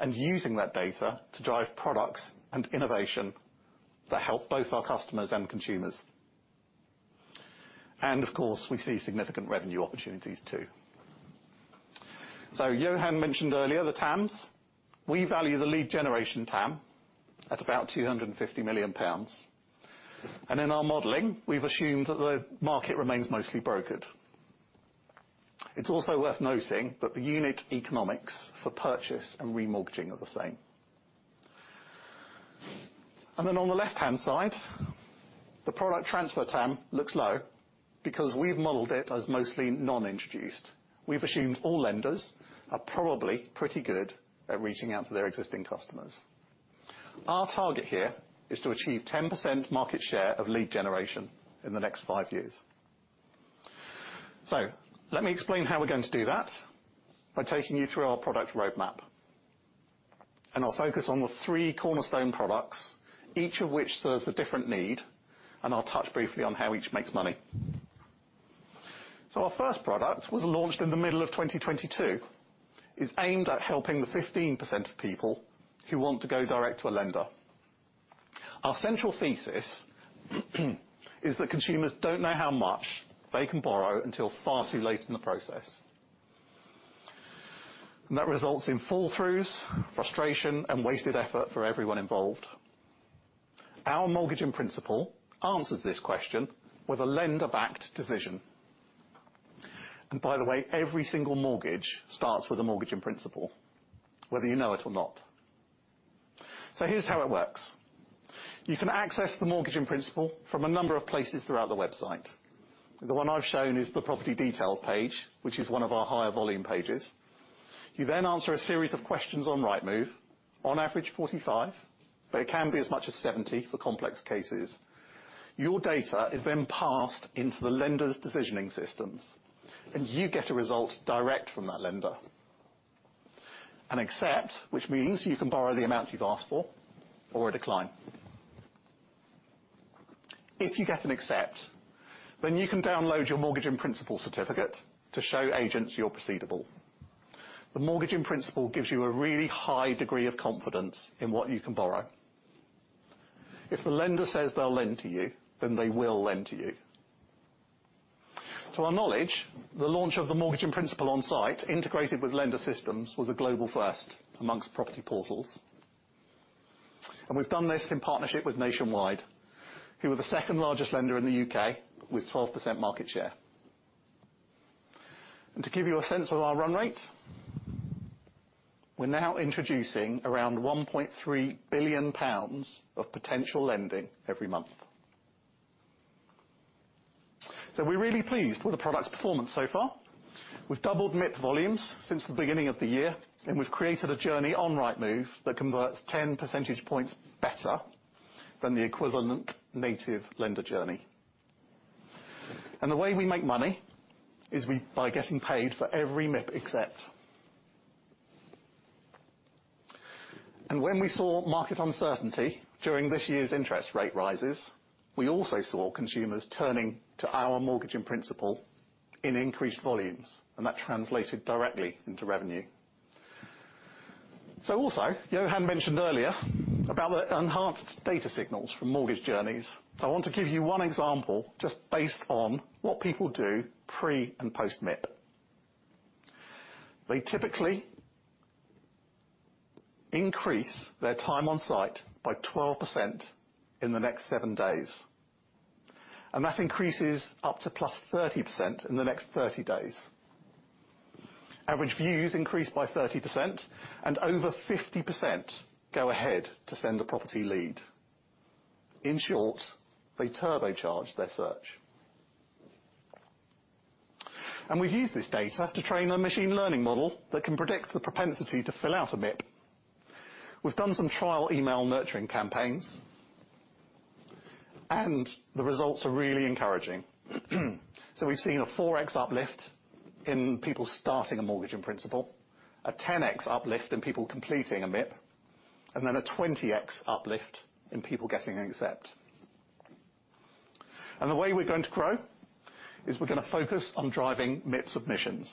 and using that data to drive products and innovation that help both our customers and consumers. Of course, we see significant revenue opportunities, too. Johan mentioned earlier the TAMs. We value the lead generation TAM at about 250 million pounds, and in our modeling, we've assumed that the market remains mostly brokered. It's also worth noting that the unit economics for purchase and remortgaging are the same. Then on the left-hand side, the product transfer TAM looks low because we've modeled it as mostly non-introduced. We've assumed all lenders are probably pretty good at reaching out to their existing customers. Our target here is to achieve 10% market share of lead generation in the next five years. Let me explain how we're going to do that by taking you through our product roadmap, and I'll focus on the three cornerstone products, each of which serves a different need, and I'll touch briefly on how each makes money. Our first product was launched in the middle of 2022. It's aimed at helping the 15% of people who want to go direct to a lender. Our central thesis is that consumers don't know how much they can borrow until far too late in the process. That results in fall throughs, frustration, and wasted effort for everyone involved. Our Mortgage in Principle answers this question with a lender-backed decision. And by the way, every single mortgage starts with a Mortgage in Principle, whether you know it or not. So here's how it works. You can access the Mortgage in Principle from a number of places throughout the website. The one I've shown is the property detail page, which is one of our higher volume pages. You then answer a series of questions on Rightmove, on average, 45, but it can be as much as 70 for complex cases. Your data is then passed into the lender's decisioning systems, and you get a result direct from that lender. An accept, which means you can borrow the amount you've asked for, or a decline. If you get an accept, then you can download your Mortgage in Principle certificate to show agents you're proceedable. The Mortgage in Principle gives you a really high degree of confidence in what you can borrow. If the lender says they'll lend to you, then they will lend to you. To our knowledge, the launch of the Mortgage in Principle on site, integrated with lender systems, was a global first among property portals. We've done this in partnership with Nationwide, who are the second-largest lender in the U.K., with 12% market share. To give you a sense of our run rate, we're now introducing around 1.3 billion pounds of potential lending every month. We're really pleased with the product's performance so far. We've doubled MIP volumes since the beginning of the year, and we've created a journey on Rightmove that converts 10 percentage points better than the equivalent native lender journey. The way we make money is we, by getting paid for every MIP accept. When we saw market uncertainty during this year's interest rate rises, we also saw consumers turning to our Mortgage in Principle in increased volumes, and that translated directly into revenue. Also, Johan mentioned earlier about the enhanced data signals from mortgage journeys. I want to give you one example, just based on what people do pre- and post-MIP. They typically increase their time on site by 12% in the next 7 days, and that increases up to +30% in the next 30 days. Average views increased by 30%, and over 50% go ahead to send a property lead. In short, they turbocharge their search. And we've used this data to train our machine learning model that can predict the propensity to fill out a MIP. We've done some trial email nurturing campaigns, and the results are really encouraging. So we've seen a 4x uplift in people starting a mortgage in principle, a 10x uplift in people completing a MIP, and then a 20x uplift in people getting an accept. And the way we're going to grow is we're gonna focus on driving MIP submissions.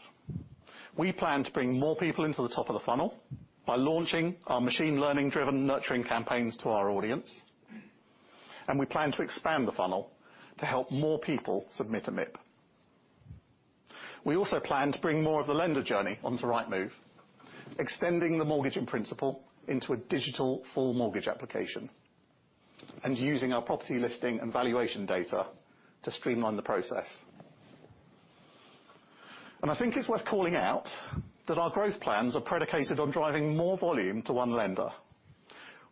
We plan to bring more people into the top of the funnel by launching our machine learning driven nurturing campaigns to our audience, and we plan to expand the funnel to help more people submit a MIP. We also plan to bring more of the lender journey onto Rightmove, extending the mortgage in principle into a digital full mortgage application, and using our property listing and valuation data to streamline the process. And I think it's worth calling out that our growth plans are predicated on driving more volume to one lender.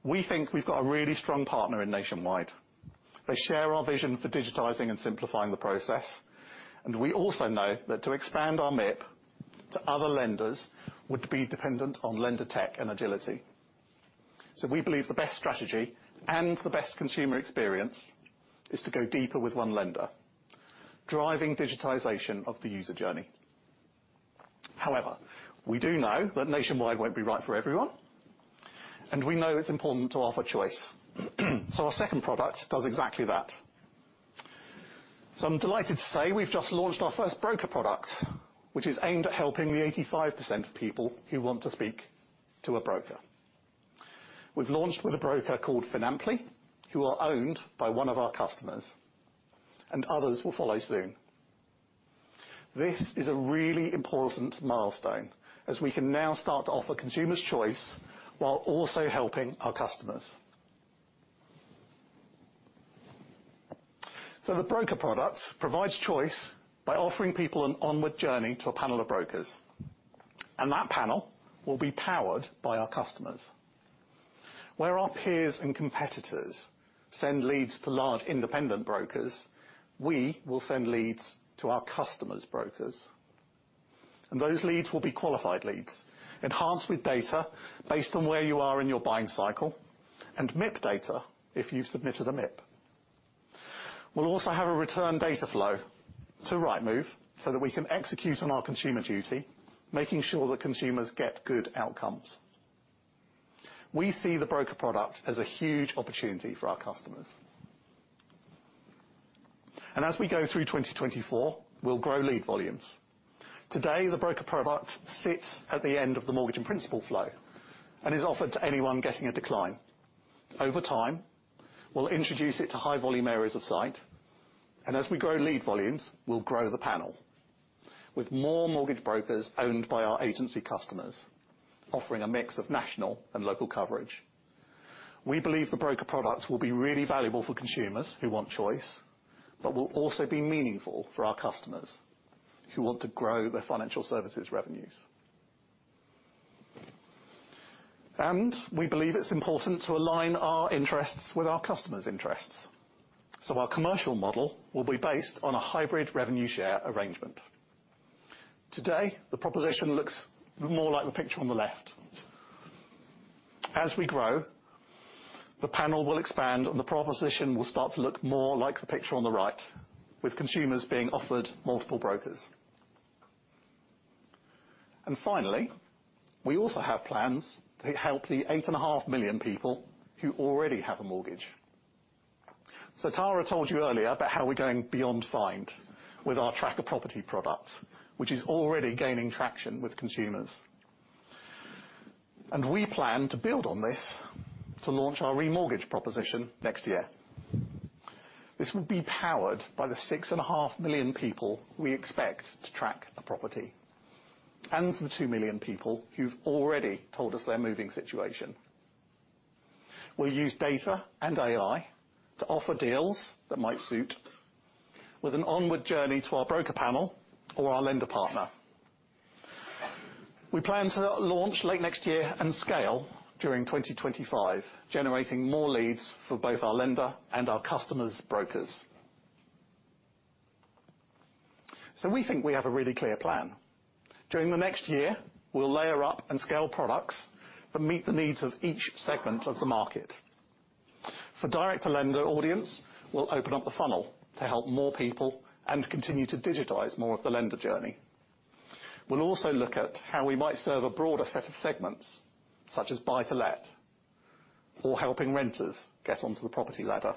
We think we've got a really strong partner in Nationwide. They share our vision for digitizing and simplifying the process, and we also know that to expand our MIP to other lenders would be dependent on lender tech and agility. So we believe the best strategy and the best consumer experience is to go deeper with one lender, driving digitization of the user journey. However, we do know that Nationwide won't be right for everyone, and we know it's important to offer choice. So our second product does exactly that. So I'm delighted to say we've just launched our first broker product, which is aimed at helping the 85% of people who want to speak to a broker. We've launched with a broker called Finantly, who are owned by one of our customers, and others will follow soon. This is a really important milestone, as we can now start to offer consumers choice while also helping our customers. So the broker product provides choice by offering people an onward journey to a panel of brokers, and that panel will be powered by our customers. Where our peers and competitors send leads to large independent brokers, we will send leads to our customers' brokers. And those leads will be qualified leads, enhanced with data based on where you are in your buying cycle, and MIP data if you've submitted a MIP. We'll also have a return data flow to Rightmove so that we can execute on our Consumer Duty, making sure that consumers get good outcomes. We see the broker product as a huge opportunity for our customers. And as we go through 2024, we'll grow lead volumes. Today, the broker product sits at the end of the Mortgage in Principle flow and is offered to anyone getting a decline. Over time, we'll introduce it to high volume areas of site, and as we grow lead volumes, we'll grow the panel. With more mortgage brokers owned by our agency customers, offering a mix of national and local coverage. We believe the broker products will be really valuable for consumers who want choice, but will also be meaningful for our customers who want to grow their financial services revenues. And we believe it's important to align our interests with our customers' interests, so our commercial model will be based on a hybrid revenue share arrangement. Today, the proposition looks more like the picture on the left. As we grow, the panel will expand, and the proposition will start to look more like the picture on the right, with consumers being offered multiple brokers. Finally, we also have plans to help the 8.5 million people who already have a mortgage. Tara told you earlier about how we're going beyond find with our Track a Property product, which is already gaining traction with consumers. We plan to build on this to launch our remortgage proposition next year. This will be powered by the 6.5 million people we expect to track a property, and the 2 million people who've already told us their moving situation. We'll use data and AI to offer deals that might suit, with an onward journey to our broker panel or our lender partner. We plan to launch late next year and scale during 2025, generating more leads for both our lender and our customers' brokers. So we think we have a really clear plan. During the next year, we'll layer up and scale products that meet the needs of each segment of the market. For direct to lender audience, we'll open up the funnel to help more people and continue to digitize more of the lender journey. We'll also look at how we might serve a broader set of segments, such as buy to let or helping renters get onto the property ladder.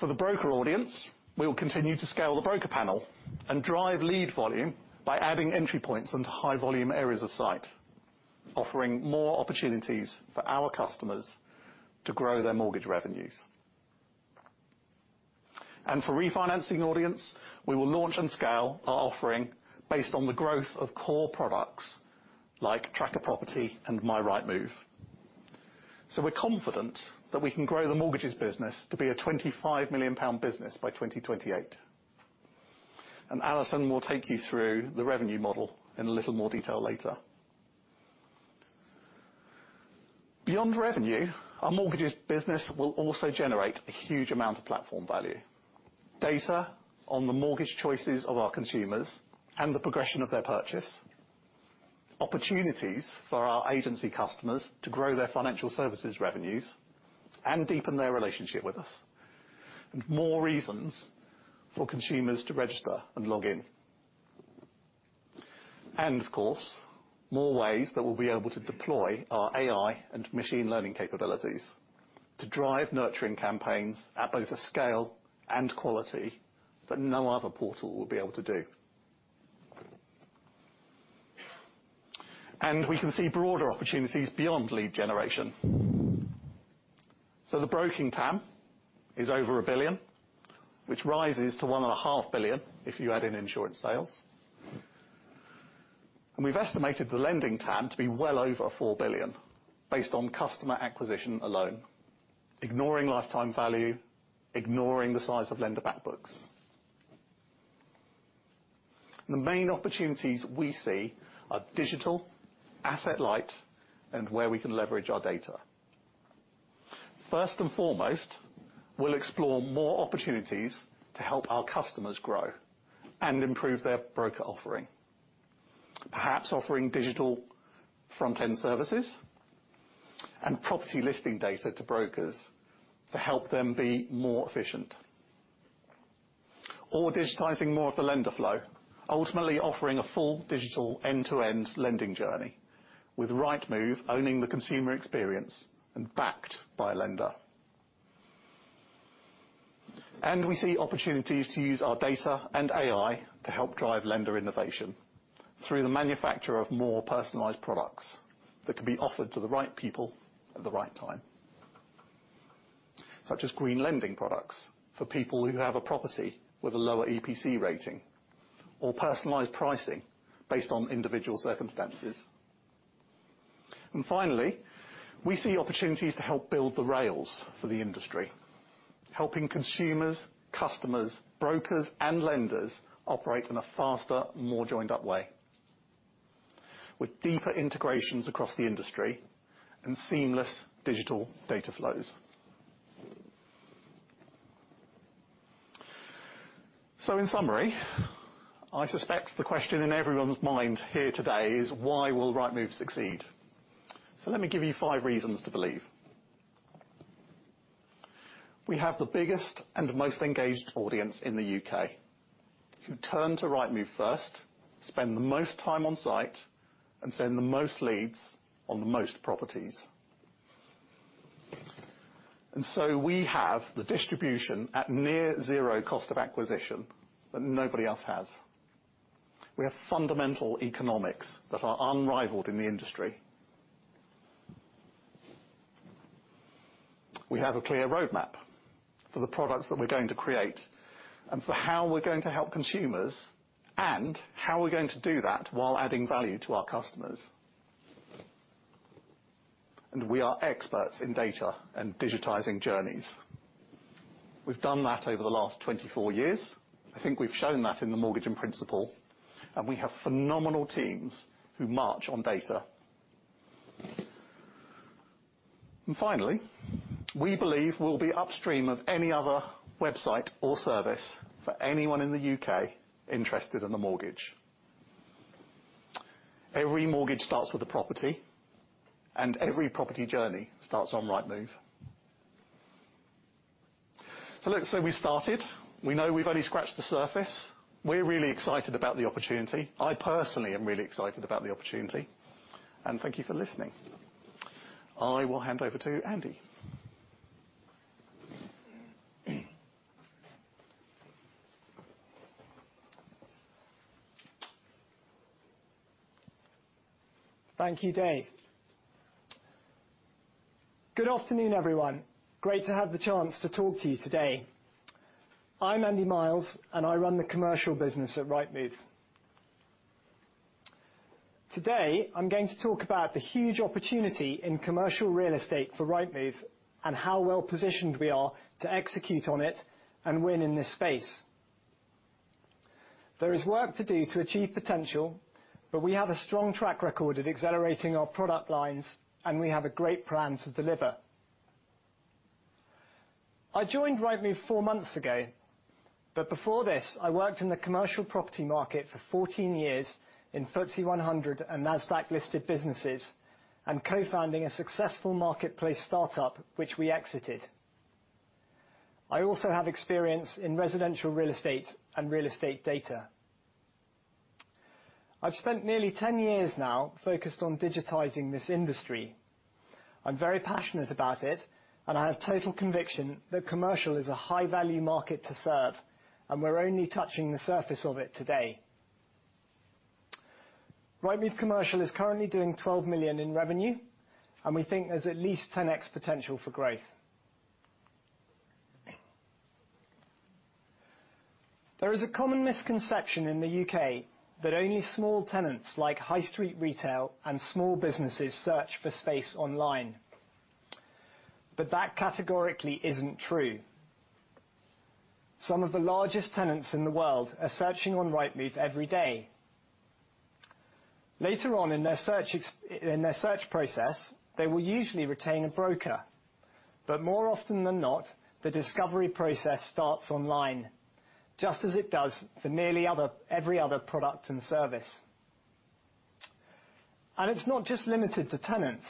For the broker audience, we will continue to scale the broker panel and drive lead volume by adding entry points into high volume areas of site, offering more opportunities for our customers to grow their mortgage revenues. For refinancing audience, we will launch and scale our offering based on the growth of core products like Track a Property and My Rightmove. We're confident that we can grow the mortgages business to be a 25 million pound business by 2028. Alison will take you through the revenue model in a little more detail later. Beyond revenue, our mortgages business will also generate a huge amount of platform value. Data on the mortgage choices of our consumers and the progression of their purchase, opportunities for our agency customers to grow their financial services revenues and deepen their relationship with us, and more reasons for consumers to register and log in. And, of course, more ways that we'll be able to deploy our AI and machine learning capabilities to drive nurturing campaigns at both a scale and quality that no other portal will be able to do. We can see broader opportunities beyond lead generation. So the broking TAM is over 1 billion, which rises to 1.5 billion if you add in insurance sales. We've estimated the lending TAM to be well over 4 billion, based on customer acquisition alone, ignoring lifetime value, ignoring the size of lender back books. The main opportunities we see are digital, asset light, and where we can leverage our data. First and foremost, we'll explore more opportunities to help our customers grow and improve their broker offering. Perhaps offering digital front-end services and property listing data to brokers to help them be more efficient. Or digitizing more of the lender flow, ultimately offering a full digital end-to-end lending journey, with Rightmove owning the consumer experience and backed by a lender. We see opportunities to use our data and AI to help drive lender innovation through the manufacture of more personalized products that can be offered to the right people at the right time, such as green lending products for people who have a property with a lower EPC rating or personalized pricing based on individual circumstances. And finally, we see opportunities to help build the rails for the industry, helping consumers, customers, brokers, and lenders operate in a faster, more joined-up way, with deeper integrations across the industry and seamless digital data flows. So in summary, I suspect the question in everyone's mind here today is, why will Rightmove succeed? So let me give you five reasons to believe. We have the biggest and most engaged audience in the U.K., who turn to Rightmove first, spend the most time on site, and send the most leads on the most properties. And so we have the distribution at near zero cost of acquisition that nobody else has. We have fundamental economics that are unrivaled in the industry. We have a clear roadmap for the products that we're going to create and for how we're going to help consumers, and how we're going to do that while adding value to our customers. And we are experts in data and digitizing journeys. We've done that over the last 24 years. I think we've shown that in the Mortgage in Principle, and we have phenomenal teams who march on data. And finally, we believe we'll be upstream of any other website or service for anyone in the U.K. interested in a mortgage. Every mortgage starts with a property, and every property journey starts on Rightmove. So, look, so we started. We know we've only scratched the surface. We're really excited about the opportunity. I personally am really excited about the opportunity, and thank you for listening. I will hand over to Andy. Thank you, Dave. Good afternoon, everyone. Great to have the chance to talk to you today. I'm Andy Miles, and I run the commercial business at Rightmove. Today, I'm going to talk about the huge opportunity in commercial real estate for Rightmove and how well positioned we are to execute on it and win in this space. There is work to do to achieve potential, but we have a strong track record of accelerating our product lines, and we have a great plan to deliver. I joined Rightmove four months ago, but before this, I worked in the commercial property market for 14 years in FTSE 100 and NASDAQ-listed businesses and co-founding a successful marketplace startup, which we exited. I also have experience in residential real estate and real estate data. I've spent nearly 10 years now focused on digitizing this industry. I'm very passionate about it, and I have total conviction that commercial is a high-value market to serve, and we're only touching the surface of it today. Rightmove Commercial is currently doing 12 million in revenue, and we think there's at least 10x potential for growth... There is a common misconception in the UK that only small tenants, like high street retail and small businesses, search for space online, but that categorically isn't true. Some of the largest tenants in the world are searching on Rightmove every day. Later on in their search process, they will usually retain a broker, but more often than not, the discovery process starts online, just as it does for every other product and service. And it's not just limited to tenants.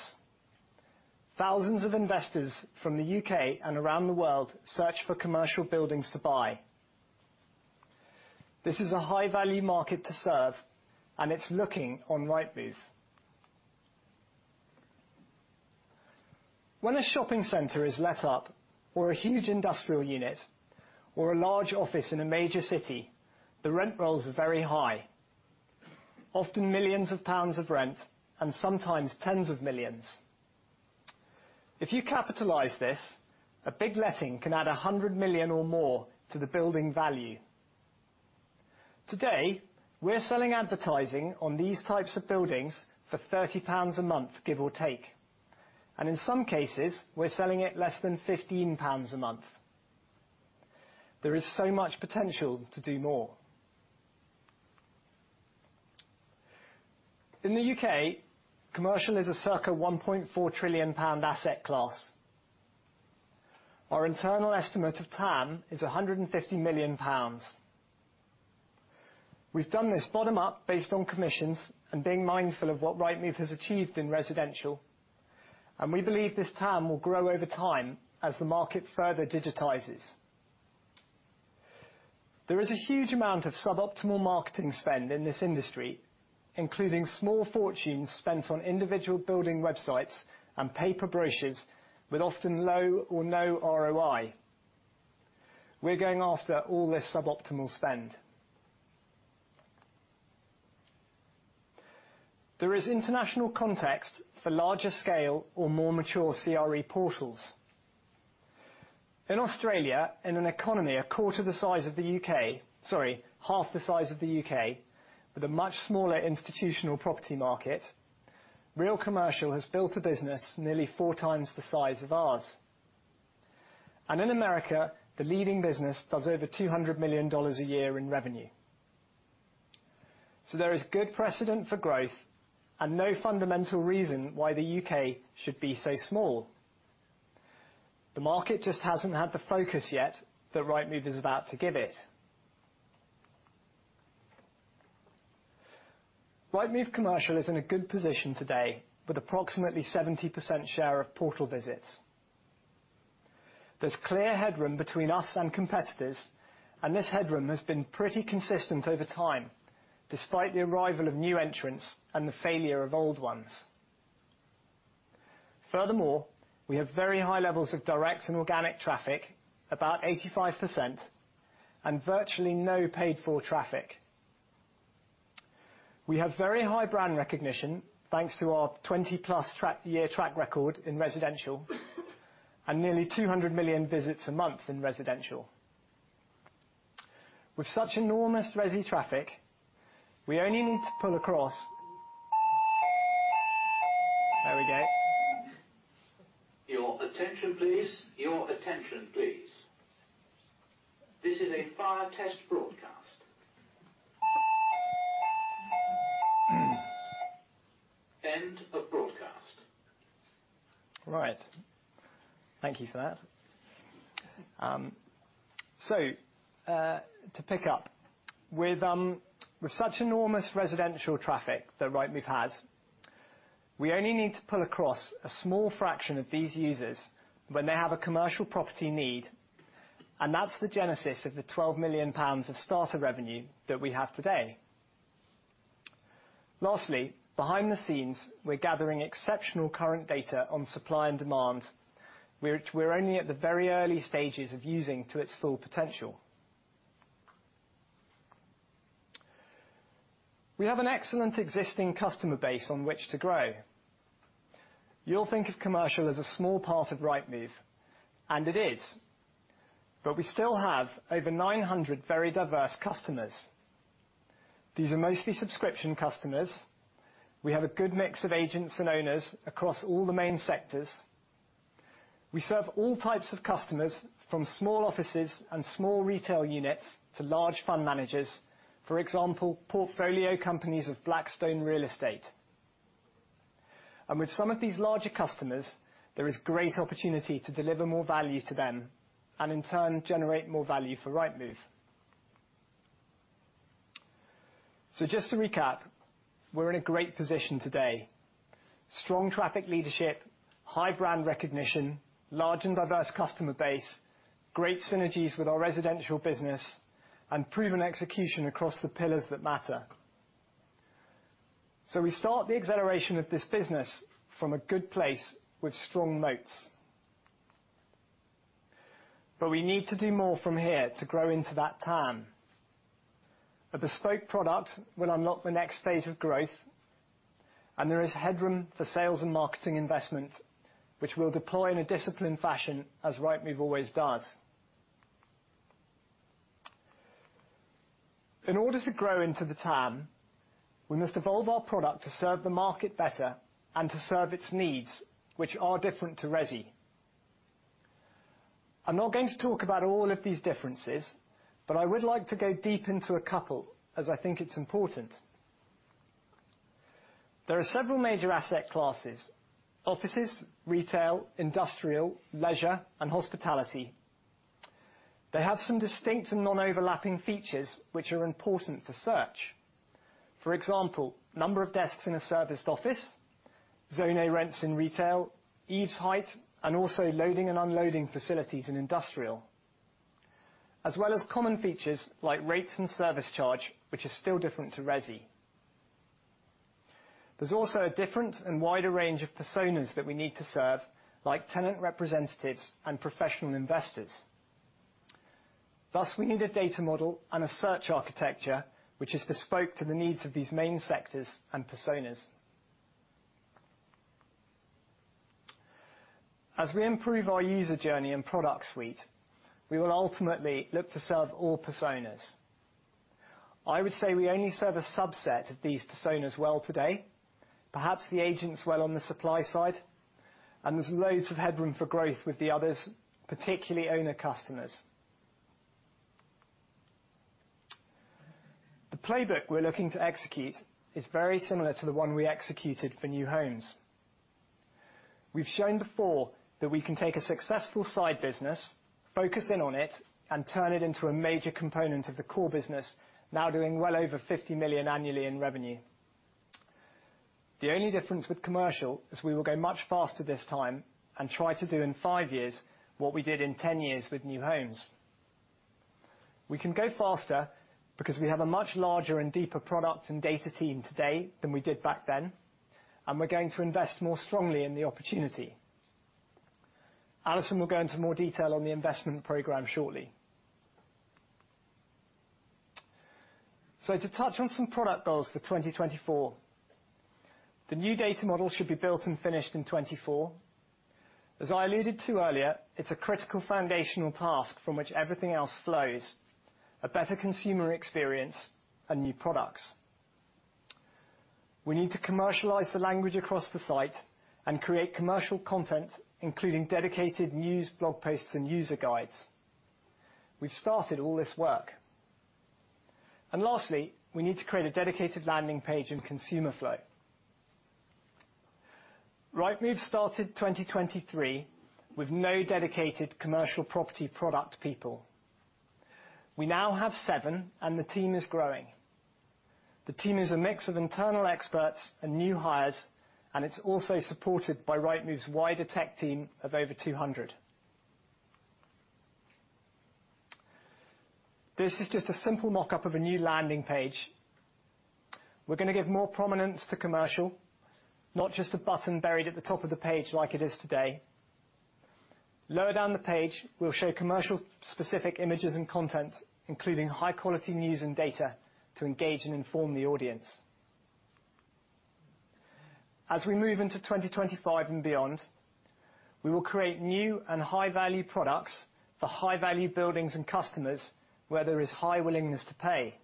Thousands of investors from the U.K. and around the world search for commercial buildings to buy. This is a high-value market to serve, and it's looking on Rightmove. When a shopping center is let up, or a huge industrial unit, or a large office in a major city, the rent rolls are very high, often millions GBP of rent and sometimes tens of millions GBP. If you capitalize this, a big letting can add 100 million or more to the building value. Today, we're selling advertising on these types of buildings for 30 pounds a month, give or take, and in some cases, we're selling it less than 15 pounds a month. There is so much potential to do more. In the U.K., commercial is a circa 1.4 trillion pound asset class. Our internal estimate of TAM is 150 million pounds. We've done this bottom up based on commissions and being mindful of what Rightmove has achieved in residential, and we believe this TAM will grow over time as the market further digitizes. There is a huge amount of suboptimal marketing spend in this industry, including small fortunes spent on individual building websites and paper brochures with often low or no ROI. We're going after all this suboptimal spend. There is international context for larger scale or more mature CRE portals. In Australia, in an economy a quarter the size of the U.K. Sorry, half the size of the U.K., with a much smaller institutional property market, Real Commercial has built a business nearly four times the size of ours, and in America, the leading business does over $200 million a year in revenue. So there is good precedent for growth and no fundamental reason why the U.K. should be so small. The market just hasn't had the focus yet that Rightmove is about to give it. Rightmove Commercial is in a good position today, with approximately 70% share of portal visits. There's clear headroom between us and competitors, and this headroom has been pretty consistent over time, despite the arrival of new entrants and the failure of old ones. Furthermore, we have very high levels of direct and organic traffic, about 85%, and virtually no paid-for traffic. We have very high brand recognition, thanks to our 20+ year track record in residential, and nearly 200 million visits a month in residential. With such enormous resi traffic, we only need to pull across. There we go. Your attention, please. Your attention, please. This is a fire test broadcast. End of broadcast. Right. Thank you for that. So, to pick up, with, with such enormous residential traffic that Rightmove has, we only need to pull across a small fraction of these users when they have a commercial property need, and that's the genesis of the 12 million pounds of starter revenue that we have today. Lastly, behind the scenes, we're gathering exceptional current data on supply and demand, which we're only at the very early stages of using to its full potential. We have an excellent existing customer base on which to grow. You'll think of commercial as a small part of Rightmove, and it is, but we still have over 900 very diverse customers. These are mostly subscription customers. We have a good mix of agents and owners across all the main sectors. We serve all types of customers, from small offices and small retail units to large fund managers, for example, portfolio companies of Blackstone Real Estate. With some of these larger customers, there is great opportunity to deliver more value to them and, in turn, generate more value for Rightmove. Just to recap, we're in a great position today. Strong traffic leadership, high brand recognition, large and diverse customer base, great synergies with our residential business, and proven execution across the pillars that matter. We start the acceleration of this business from a good place with strong moats. We need to do more from here to grow into that TAM. A bespoke product will unlock the next phase of growth... and there is headroom for sales and marketing investments, which we'll deploy in a disciplined fashion, as Rightmove always does. In order to grow into the TAM, we must evolve our product to serve the market better and to serve its needs, which are different to resi. I'm not going to talk about all of these differences, but I would like to go deep into a couple, as I think it's important. There are several major asset classes: offices, retail, industrial, leisure, and hospitality. They have some distinct and non-overlapping features, which are important for search. For example, number of desks in a serviced office, Zone A rents in retail, eaves height, and also loading and unloading facilities in industrial, as well as common features like rates and service charge, which is still different to resi. There's also a different and wider range of personas that we need to serve, like tenant representatives and professional investors. Thus, we need a data model and a search architecture which is bespoke to the needs of these main sectors and personas. As we improve our user journey and product suite, we will ultimately look to serve all personas. I would say we only serve a subset of these personas well today, perhaps the agents well on the supply side, and there's loads of headroom for growth with the others, particularly owner customers. The playbook we're looking to execute is very similar to the one we executed for New Homes. We've shown before that we can take a successful side business, focus in on it, and turn it into a major component of the core business, now doing well over 50 million annually in revenue. The only difference with commercial is we will go much faster this time and try to do in five years what we did in 10 years with New Homes. We can go faster because we have a much larger and deeper product and data team today than we did back then, and we're going to invest more strongly in the opportunity. Alison will go into more detail on the investment program shortly. So to touch on some product goals for 2024, the new data model should be built and finished in 2024. As I alluded to earlier, it's a critical foundational task from which everything else flows, a better consumer experience and new products. We need to commercialize the language across the site and create commercial content, including dedicated news, blog posts, and user guides. We've started all this work. Lastly, we need to create a dedicated landing page and consumer flow. Rightmove started 2023 with no dedicated commercial property product people. We now have seven, and the team is growing. The team is a mix of internal experts and new hires, and it's also supported by Rightmove's wider tech team of over 200. This is just a simple mock-up of a new landing page. We're gonna give more prominence to commercial, not just a button buried at the top of the page like it is today. Lower down the page, we'll show commercial-specific images and content, including high-quality news and data, to engage and inform the audience. As we move into 2025 and beyond, we will create new and high-value products for high-value buildings and customers where there is high willingness to pay.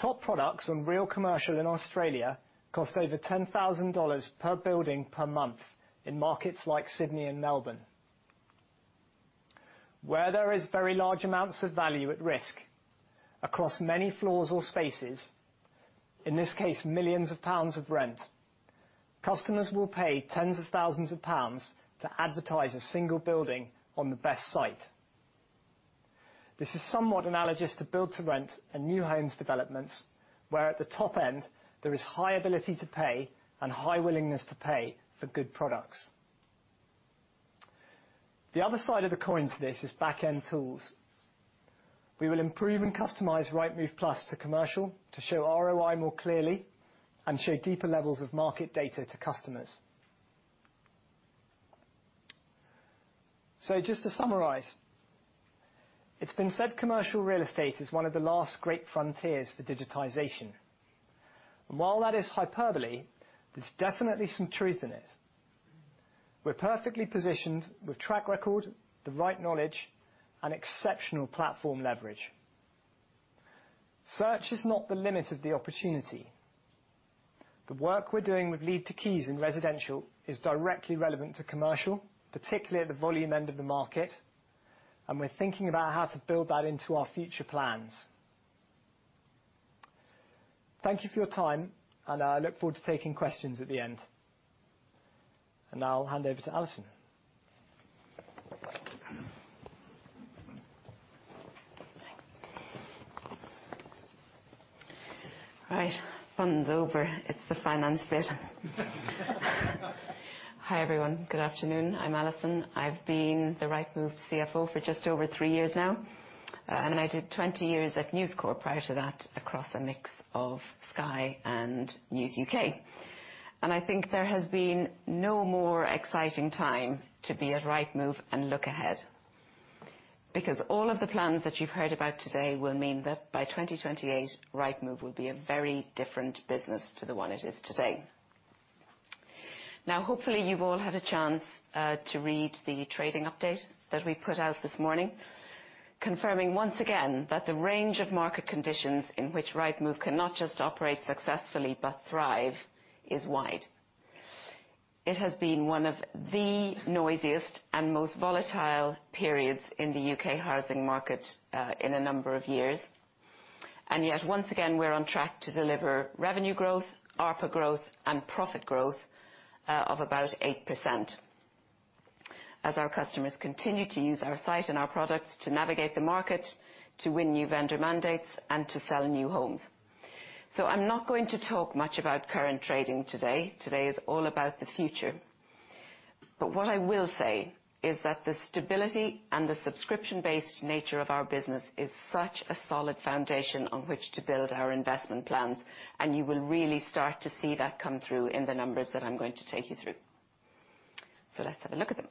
Top products on Real Commercial in Australia cost over 10,000 dollars per building per month in markets like Sydney and Melbourne. Where there is very large amounts of value at risk across many floors or spaces, in this case, millions of GBP of rent, customers will pay tens of thousands of GBP to advertise a single building on the best site. This is somewhat analogous to Build to Rent and new homes developments, where at the top end there is high ability to pay and high willingness to pay for good products. The other side of the coin to this is back-end tools. We will improve and customize Rightmove Plus to commercial to show ROI more clearly and show deeper levels of market data to customers. So just to summarize, it's been said commercial real estate is one of the last great frontiers for digitization. While that is hyperbole, there's definitely some truth in it. We're perfectly positioned with track record, the right knowledge, and exceptional platform leverage. Search is not the limit of the opportunity. The work we're doing with Lead to Keys in residential is directly relevant to commercial, particularly at the volume end of the market, and we're thinking about how to build that into our future plans. Thank you for your time, and I look forward to taking questions at the end. Now I'll hand over to Alison. Right. Fun's over. It's the finance bit. Hi, everyone. Good afternoon. I'm Alison. I've been the Rightmove CFO for just over three years now, and I did 20 years at News Corp prior to that, across a mix of Sky and News UK. And I think there has been no more exciting time to be at Rightmove and look ahead... because all of the plans that you've heard about today will mean that by 2028, Rightmove will be a very different business to the one it is today. Now, hopefully, you've all had a chance to read the trading update that we put out this morning, confirming once again that the range of market conditions in which Rightmove can not just operate successfully, but thrive, is wide. It has been one of the noisiest and most volatile periods in the U.K. housing market, in a number of years. And yet, once again, we're on track to deliver revenue growth, ARPA growth, and profit growth, of about 8%. As our customers continue to use our site and our products to navigate the market, to win new vendor mandates, and to sell new homes. So I'm not going to talk much about current trading today. Today is all about the future. But what I will say is that the stability and the subscription-based nature of our business is such a solid foundation on which to build our investment plans, and you will really start to see that come through in the numbers that I'm going to take you through. So let's have a look at them.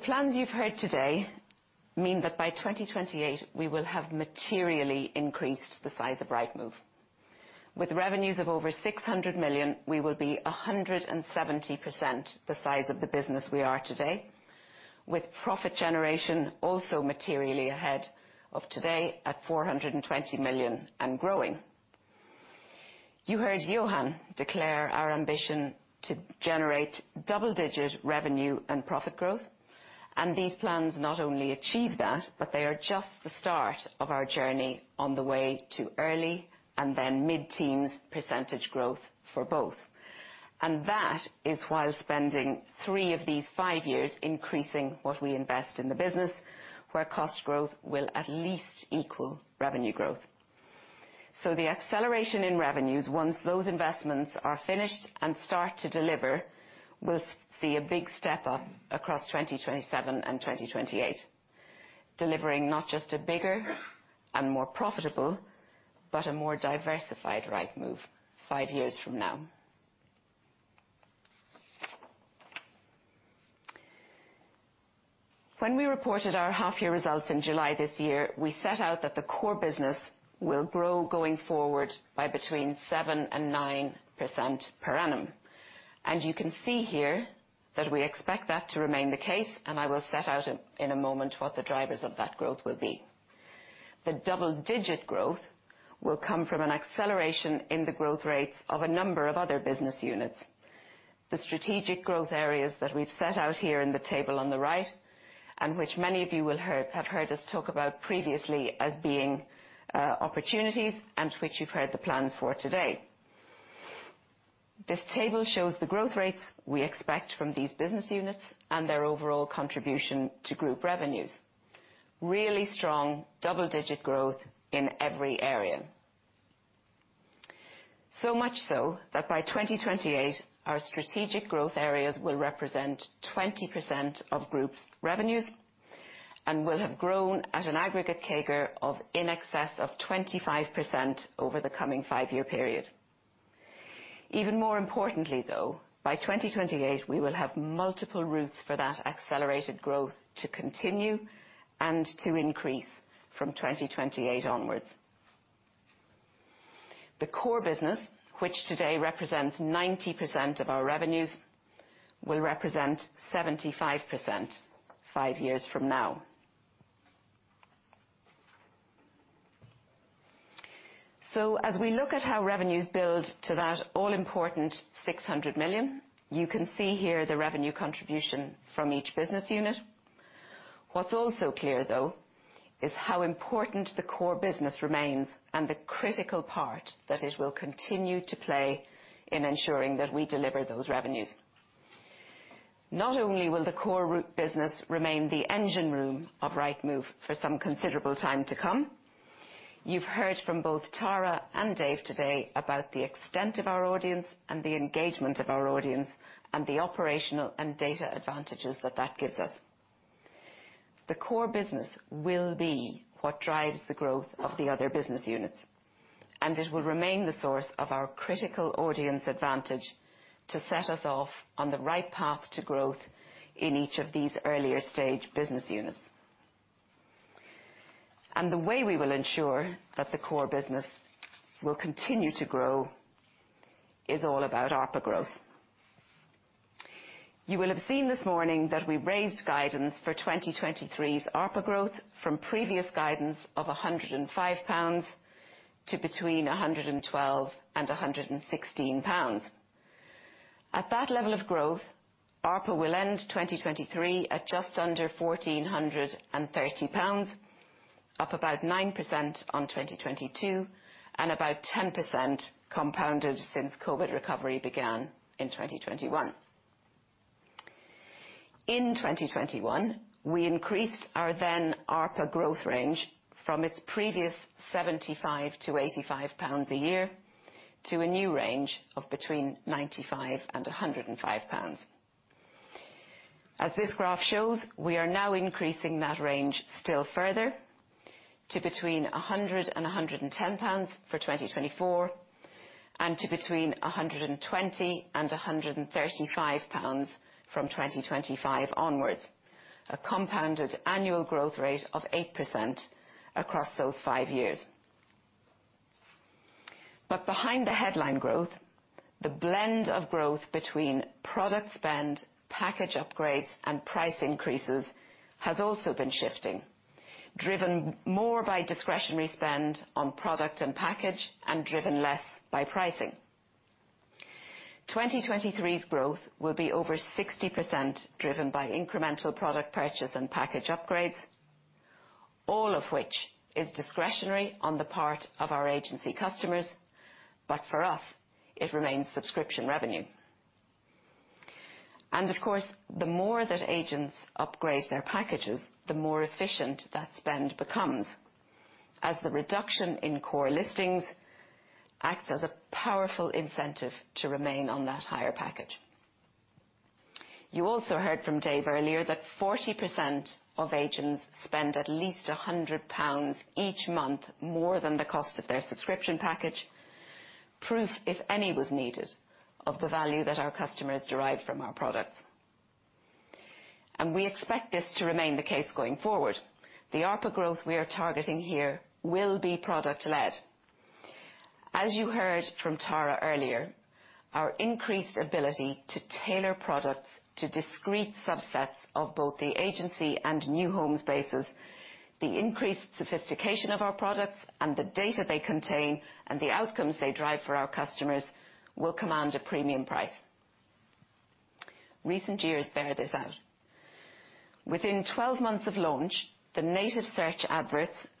The plans you've heard today mean that by 2028, we will have materially increased the size of Rightmove. With revenues of over 600 million, we will be 170% the size of the business we are today, with profit generation also materially ahead of today at 420 million and growing. You heard Johan declare our ambition to generate double-digit revenue and profit growth, and these plans not only achieve that, but they are just the start of our journey on the way to early, and then mid-teens % growth for both. That is while spending 3 of these 5 years increasing what we invest in the business, where cost growth will at least equal revenue growth. So the acceleration in revenues, once those investments are finished and start to deliver, will see a big step up across 2027 and 2028, delivering not just a bigger and more profitable, but a more diversified Rightmove five years from now. When we reported our half-year results in July this year, we set out that the core business will grow going forward by between 7% and 9% per annum. And you can see here that we expect that to remain the case, and I will set out in a moment what the drivers of that growth will be. The double-digit growth will come from an acceleration in the growth rates of a number of other business units. The strategic growth areas that we've set out here in the table on the right, and which many of you have heard us talk about previously as being opportunities, and which you've heard the plans for today. This table shows the growth rates we expect from these business units and their overall contribution to group revenues. Really strong, double-digit growth in every area. So much so, that by 2028, our strategic growth areas will represent 20% of group's revenues and will have grown at an aggregate CAGR of in excess of 25% over the coming five-year period. Even more importantly, though, by 2028, we will have multiple routes for that accelerated growth to continue and to increase from 2028 onwards. The core business, which today represents 90% of our revenues, will represent 75% five years from now. As we look at how revenues build to that all-important 600 million, you can see here the revenue contribution from each business unit. What's also clear, though, is how important the core business remains and the critical part that it will continue to play in ensuring that we deliver those revenues. Not only will the core Rightmove business remain the engine room of Rightmove for some considerable time to come, you've heard from both Tara and Dave today about the extent of our audience and the engagement of our audience, and the operational and data advantages that that gives us. The core business will be what drives the growth of the other business units, and it will remain the source of our critical audience advantage to set us off on the right path to growth in each of these earlier stage business units. The way we will ensure that the core business will continue to grow is all about ARPA growth. You will have seen this morning that we raised guidance for 2023's ARPA growth from previous guidance of 105 pounds to between 112 and 116 pounds. At that level of growth, ARPA will end 2023 at just under 1,430 pounds, up about 9% on 2022, and about 10% compounded since COVID recovery began in 2021. In 2021, we increased our then ARPA growth range from its previous 75 to 85 pounds a year, to a new range of between 95 and 105 pounds. As this graph shows, we are now increasing that range still further to 100-110 pounds for 2024, and to 120 and 135 pounds from 2025 onwards, a compounded annual growth rate of 8% across those five years. But behind the headline growth, the blend of growth between product spend, package upgrades, and price increases has also been shifting, driven more by discretionary spend on product and package, and driven less by pricing. 2023's growth will be over 60%, driven by incremental product purchase and package upgrades, all of which is discretionary on the part of our agency customers, but for us, it remains subscription revenue. Of course, the more that agents upgrade their packages, the more efficient that spend becomes, as the reduction in core listings acts as a powerful incentive to remain on that higher package. You also heard from Dave earlier that 40% of agents spend at least 100 pounds each month, more than the cost of their subscription package. Proof, if any, was needed, of the value that our customers derive from our products. We expect this to remain the case going forward. The ARPA growth we are targeting here will be product-led. As you heard from Tara earlier, our increased ability to tailor products to discrete subsets of both the agency and new homes bases, the increased sophistication of our products and the data they contain, and the outcomes they drive for our customers, will command a premium price. Recent years bear this out. Within 12 months of launch, the Native Search Ads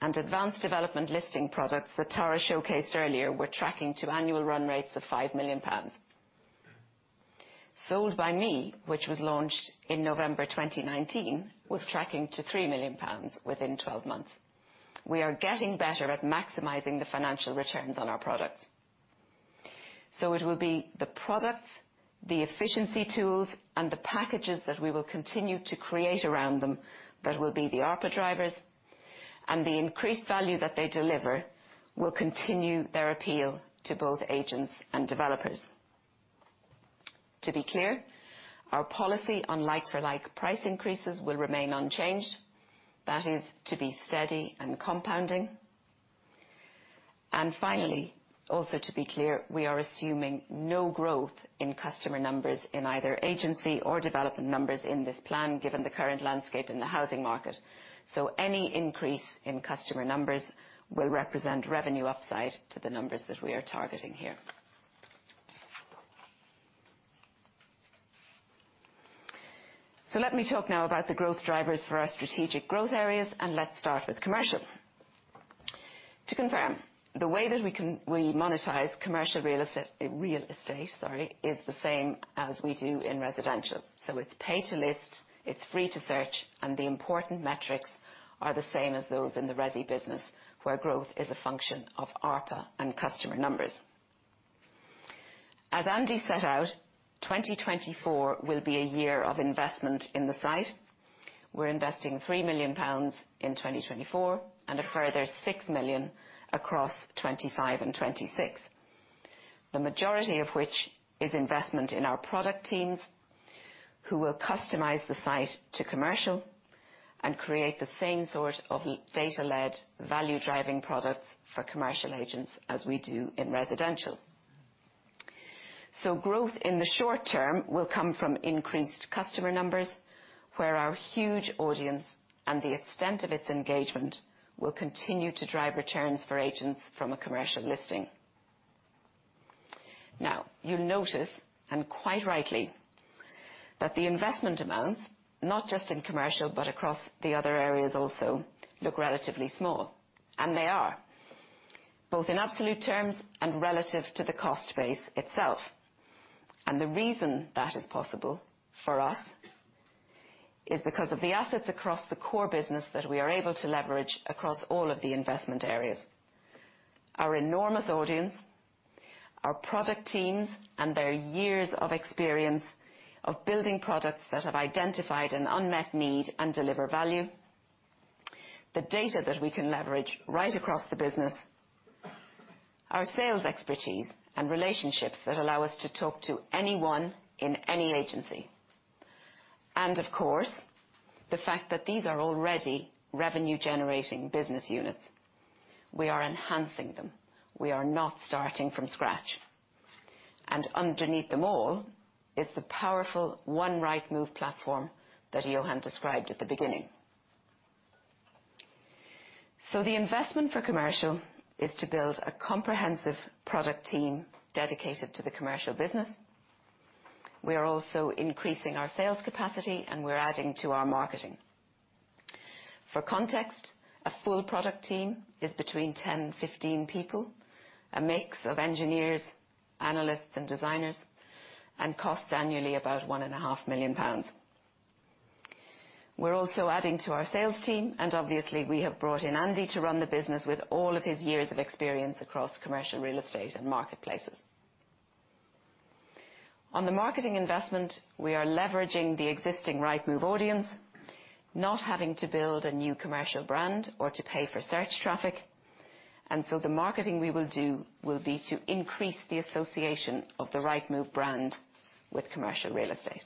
and Advanced Development Listing products that Tara showcased earlier were tracking to annual run rates of 5 million pounds. Sold by Me, which was launched in November 2019, was tracking to 3 million pounds within 12 months. We are getting better at maximizing the financial returns on our products. So it will be the products, the efficiency tools, and the packages that we will continue to create around them that will be the ARPA drivers, and the increased value that they deliver will continue their appeal to both agents and developers. To be clear, our policy on like-for-like price increases will remain unchanged. That is to be steady and compounding. Finally, also to be clear, we are assuming no growth in customer numbers in either agency or development numbers in this plan, given the current landscape in the housing market. So any increase in customer numbers will represent revenue upside to the numbers that we are targeting here. So let me talk now about the growth drivers for our strategic growth areas, and let's start with commercial. To confirm, the way that we can we monetize commercial real estate, sorry, is the same as we do in residential. So it's pay to list, it's free to search, and the important metrics are the same as those in the resi business, where growth is a function of ARPA and customer numbers. As Andy set out, 2024 will be a year of investment in the site. We're investing 3 million pounds in 2024, and a further 6 million across 2025 and 2026. The majority of which is investment in our product teams, who will customize the site to commercial and create the same sort of data-led, value-driving products for commercial agents as we do in residential. So growth in the short term will come from increased customer numbers, where our huge audience and the extent of its engagement will continue to drive returns for agents from a commercial listing. Now, you'll notice, and quite rightly, that the investment amounts, not just in commercial, but across the other areas also, look relatively small, and they are, both in absolute terms and relative to the cost base itself. The reason that is possible for us is because of the assets across the core business that we are able to leverage across all of the investment areas. Our enormous audience, our product teams, and their years of experience of building products that have identified an unmet need and deliver value, the data that we can leverage right across the business, our sales expertise and relationships that allow us to talk to anyone in any agency. And of course, the fact that these are already revenue-generating business units. We are enhancing them. We are not starting from scratch. And underneath them all is the powerful One Rightmove platform that Johan described at the beginning. So the investment for commercial is to build a comprehensive product team dedicated to the commercial business. We are also increasing our sales capacity, and we're adding to our marketing. For context, a full product team is between 10 and 15 people, a mix of engineers, analysts, and designers, and costs annually about 1.5 million pounds. We're also adding to our sales team, and obviously, we have brought in Andy to run the business with all of his years of experience across commercial real estate and marketplaces. On the marketing investment, we are leveraging the existing Rightmove audience, not having to build a new commercial brand or to pay for search traffic, and so the marketing we will do will be to increase the association of the Rightmove brand with commercial real estate.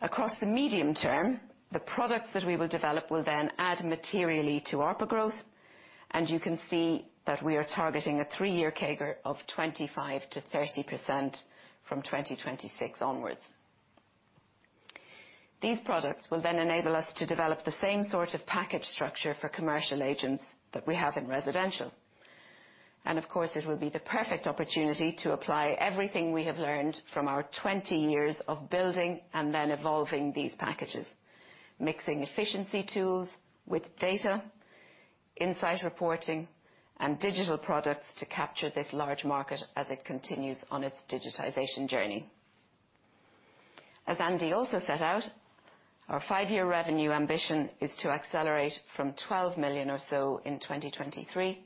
Across the medium term, the products that we will develop will then add materially to ARPA growth, and you can see that we are targeting a three-year CAGR of 25%-30% from 2026 onwards. These products will then enable us to develop the same sort of package structure for commercial agents that we have in residential. And of course, it will be the perfect opportunity to apply everything we have learned from our 20 years of building and then evolving these packages, mixing efficiency tools with data, insight reporting, and digital products to capture this large market as it continues on its digitization journey. As Andy also set out, our five-year revenue ambition is to accelerate from 12 million or so in 2023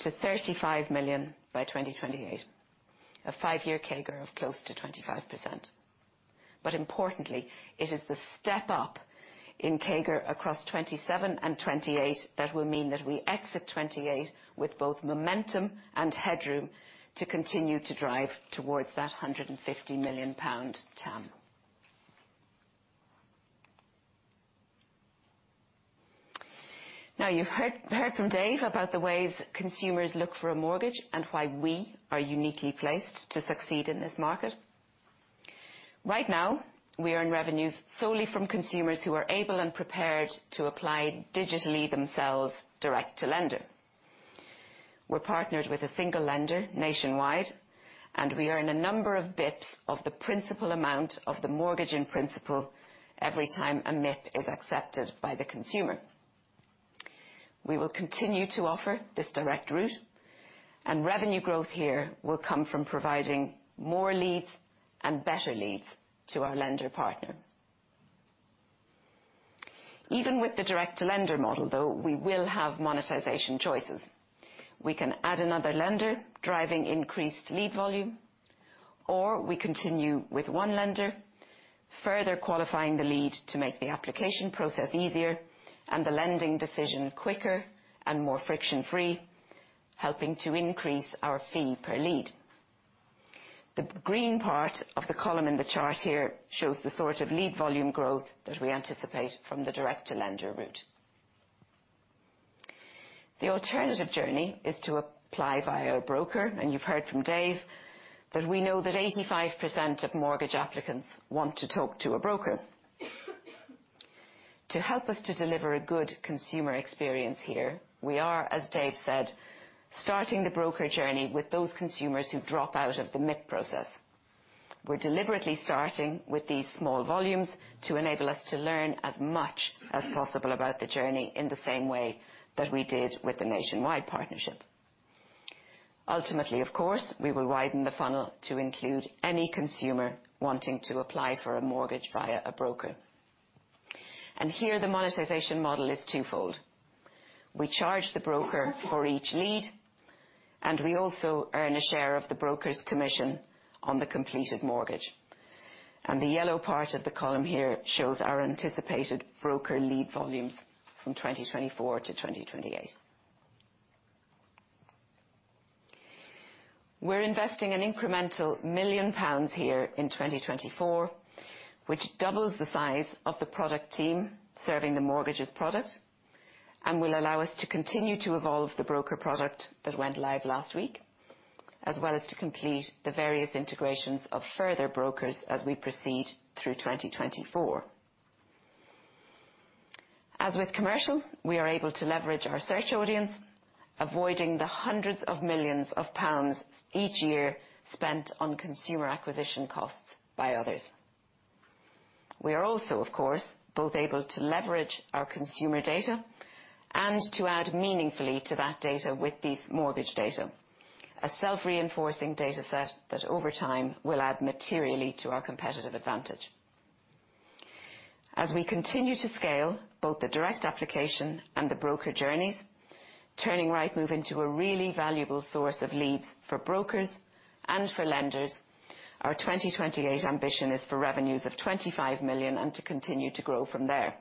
to 35 million by 2028, a five-year CAGR of close to 25%. But importantly, it is the step up in CAGR across 2027 and 2028 that will mean that we exit 2028 with both momentum and headroom to continue to drive towards that 150 million pound TAM. Now, you've heard from Dave about the ways consumers look for a mortgage and why we are uniquely placed to succeed in this market. Right now, we earn revenues solely from consumers who are able and prepared to apply digitally themselves, direct to lender. We're partnered with a single lender, Nationwide, and we earn a number of basis points of the principal amount of the mortgage in principle every time a MIP is accepted by the consumer. We will continue to offer this direct route, and revenue growth here will come from providing more leads and better leads to our lender partner. Even with the direct-to-lender model, though, we will have monetization choices. We can add another lender, driving increased lead volume, or we continue with one lender, further qualifying the lead to make the application process easier and the lending decision quicker and more friction-free, helping to increase our fee per lead. The green part of the column in the chart here shows the sort of lead volume growth that we anticipate from the direct-to-lender route. The alternative journey is to apply via a broker, and you've heard from Dave that we know that 85% of mortgage applicants want to talk to a broker. To help us to deliver a good consumer experience here, we are, as Dave said, starting the broker journey with those consumers who drop out of the MIP process. We're deliberately starting with these small volumes to enable us to learn as much as possible about the journey in the same way that we did with the Nationwide partnership. Ultimately, of course, we will widen the funnel to include any consumer wanting to apply for a mortgage via a broker. Here, the monetization model is twofold: We charge the broker for each lead, and we also earn a share of the broker's commission on the completed mortgage. The yellow part of the column here shows our anticipated broker lead volumes from 2024 to 2028. We're investing an incremental 1 million pounds here in 2024, which doubles the size of the product team serving the mortgages product and will allow us to continue to evolve the broker product that went live last week, as well as to complete the various integrations of further brokers as we proceed through 2024. As with commercial, we are able to leverage our search audience, avoiding the hundreds of millions of GBP each year spent on consumer acquisition costs by others. We are also, of course, both able to leverage our consumer data and to add meaningfully to that data with these mortgage data, a self-reinforcing data set that, over time, will add materially to our competitive advantage. As we continue to scale both the direct application and the broker journeys, turning Rightmove into a really valuable source of leads for brokers and for lenders, our 2028 ambition is for revenues of 25 million and to continue to grow from there.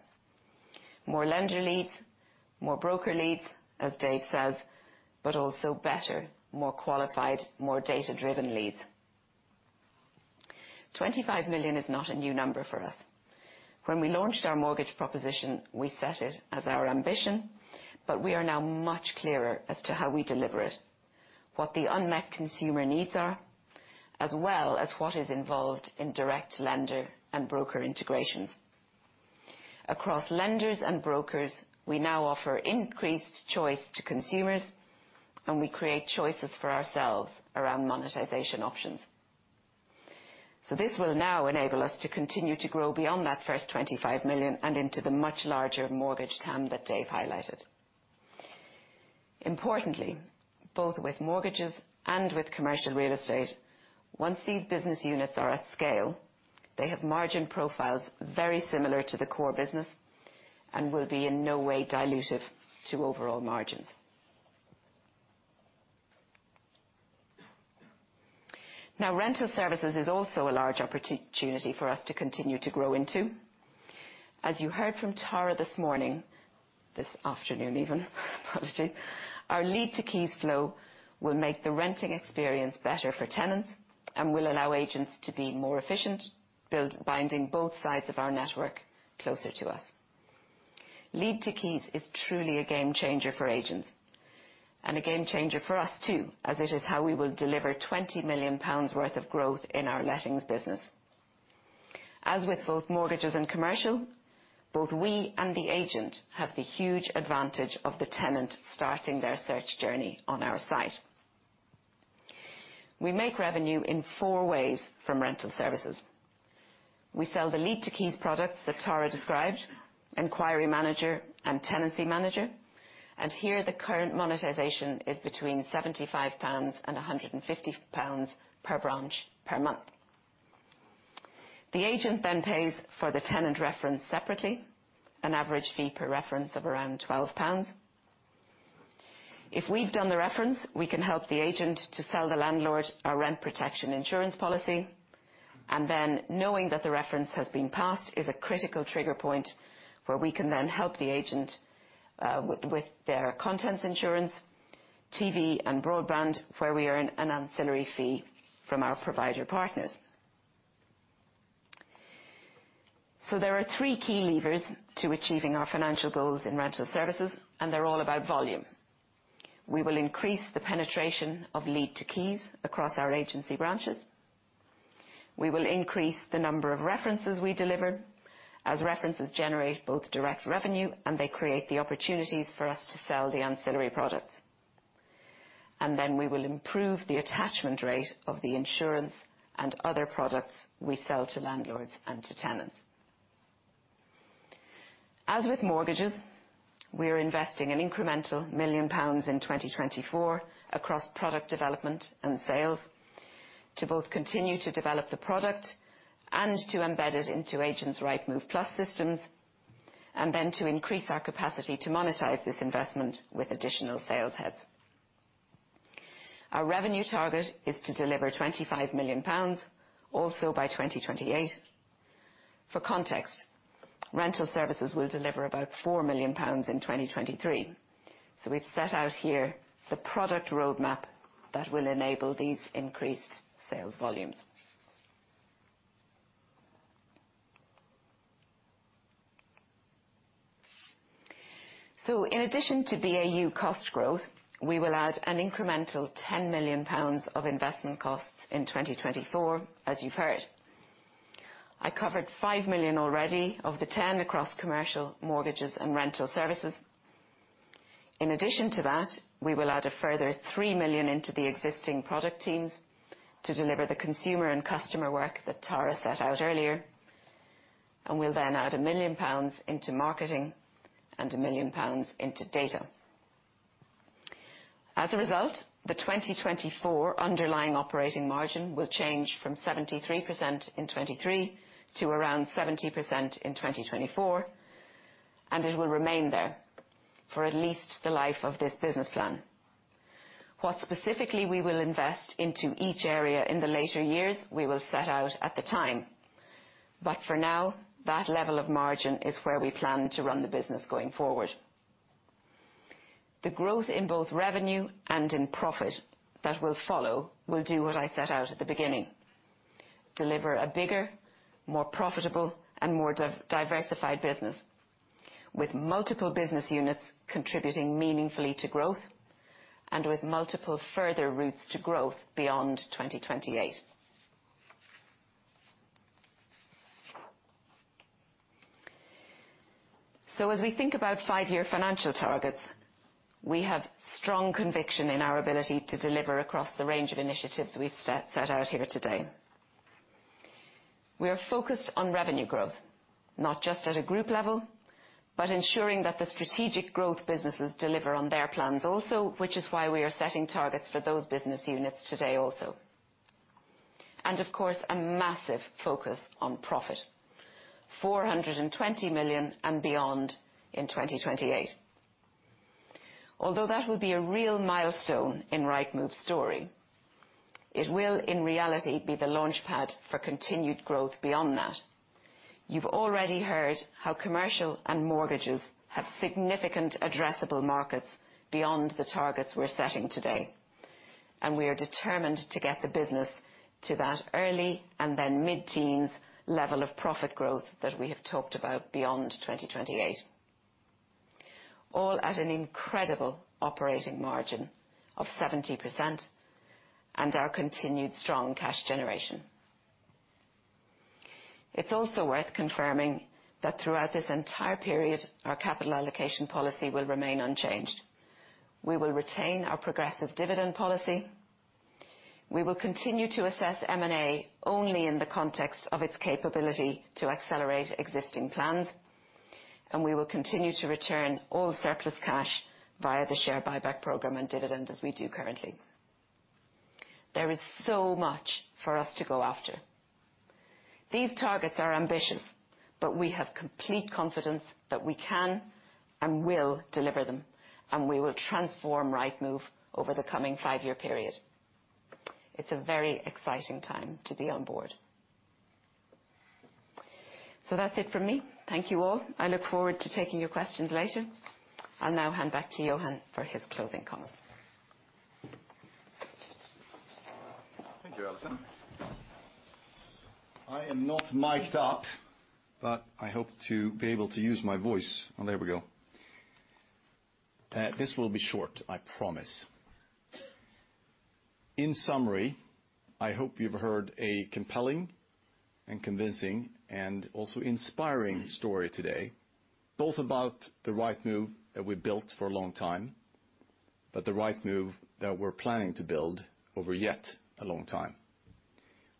More lender leads, more broker leads, as Dave says, but also better, more qualified, more data-driven leads. 25 million is not a new number for us. When we launched our mortgage proposition, we set it as our ambition, but we are now much clearer as to how we deliver it, what the unmet consumer needs are, as well as what is involved in direct lender and broker integrations. Across lenders and brokers, we now offer increased choice to consumers, and we create choices for ourselves around monetization options. So this will now enable us to continue to grow beyond that first 25 million and into the much larger mortgage TAM that Dave highlighted. Importantly, both with mortgages and with commercial real estate, once these business units are at scale, they have margin profiles very similar to the core business and will be in no way dilutive to overall margins. Now, rental services is also a large opportunity for us to continue to grow into. As you heard from Tara this morning, this afternoon, even, apologies, our Lead to Keys flow will make the renting experience better for tenants and will allow agents to be more efficient, binding both sides of our network closer to us. Lead to Keys is truly a game changer for agents, and a game changer for us, too, as it is how we will deliver 20 million pounds worth of growth in our lettings business. As with both mortgages and commercial, both we and the agent have the huge advantage of the tenant starting their search journey on our site. We make revenue in four ways from rental services. We sell the Lead to Keys product that Tara described, Enquiry Manager, and Tenancy Manager, and here the current monetization is between 75 pounds and 150 pounds per branch per month. The agent then pays for the tenant reference separately, an average fee per reference of around 12 pounds. If we've done the reference, we can help the agent to sell the landlord our rent protection insurance policy, and then knowing that the reference has been passed is a critical trigger point, where we can then help the agent with their contents insurance, TV, and broadband, where we earn an ancillary fee from our provider partners. So there are three key levers to achieving our financial goals in rental services, and they're all about volume. We will increase the penetration of Lead to Keys across our agency branches. We will increase the number of references we deliver, as references generate both direct revenue, and they create the opportunities for us to sell the ancillary products. And then we will improve the attachment rate of the insurance and other products we sell to landlords and to tenants. As with mortgages, we are investing an incremental 1 million pounds in 2024 across product development and sales, to both continue to develop the product and to embed it into agents' Rightmove Plus systems, and then to increase our capacity to monetize this investment with additional sales heads. Our revenue target is to deliver 25 million pounds, also by 2028. For context, rental services will deliver about 4 million pounds in 2023. So we've set out here the product roadmap that will enable these increased sales volumes. So in addition to BAU cost growth, we will add an incremental 10 million pounds of investment costs in 2024, as you've heard. I covered 5 million already of the 10 across commercial, mortgages, and rental services. In addition to that, we will add a further 3 million into the existing product teams to deliver the consumer and customer work that Tara set out earlier, and we'll then add a 1 million pounds into marketing and a 1 million pounds into data. As a result, the 2024 underlying operating margin will change from 73% in 2023 to around 70% in 2024, and it will remain there for at least the life of this business plan. What specifically we will invest into each area in the later years, we will set out at the time. But for now, that level of margin is where we plan to run the business going forward. The growth in both revenue and in profit that will follow will do what I set out at the beginning: deliver a bigger, more profitable, and more diversified business, with multiple business units contributing meaningfully to growth and with multiple further routes to growth beyond 2028. So as we think about five-year financial targets, we have strong conviction in our ability to deliver across the range of initiatives we've set out here today. We are focused on revenue growth, not just at a group level, but ensuring that the strategic growth businesses deliver on their plans also, which is why we are setting targets for those business units today also. And of course, a massive focus on profit, 420 million and beyond in 2028. Although that will be a real milestone in Rightmove's story, it will, in reality, be the launchpad for continued growth beyond that. You've already heard how commercial and mortgages have significant addressable markets beyond the targets we're setting today, and we are determined to get the business to that early and then mid-teens level of profit growth that we have talked about beyond 2028, all at an incredible operating margin of 70% and our continued strong cash generation. It's also worth confirming that throughout this entire period, our capital allocation policy will remain unchanged. We will retain our progressive dividend policy. We will continue to assess M&A only in the context of its capability to accelerate existing plans, and we will continue to return all surplus cash via the share buyback program and dividend, as we do currently. There is so much for us to go after. These targets are ambitious, but we have complete confidence that we can and will deliver them, and we will transform Rightmove over the coming five-year period. It's a very exciting time to be on board. So that's it for me. Thank you, all. I look forward to taking your questions later. I'll now hand back to Johan for his closing comments. Thank you, Alison. I am not miked up, but I hope to be able to use my voice. Oh, there we go. This will be short, I promise. In summary, I hope you've heard a compelling and convincing and also inspiring story today, both about the Rightmove that we built for a long time, but the Rightmove that we're planning to build over yet a long time.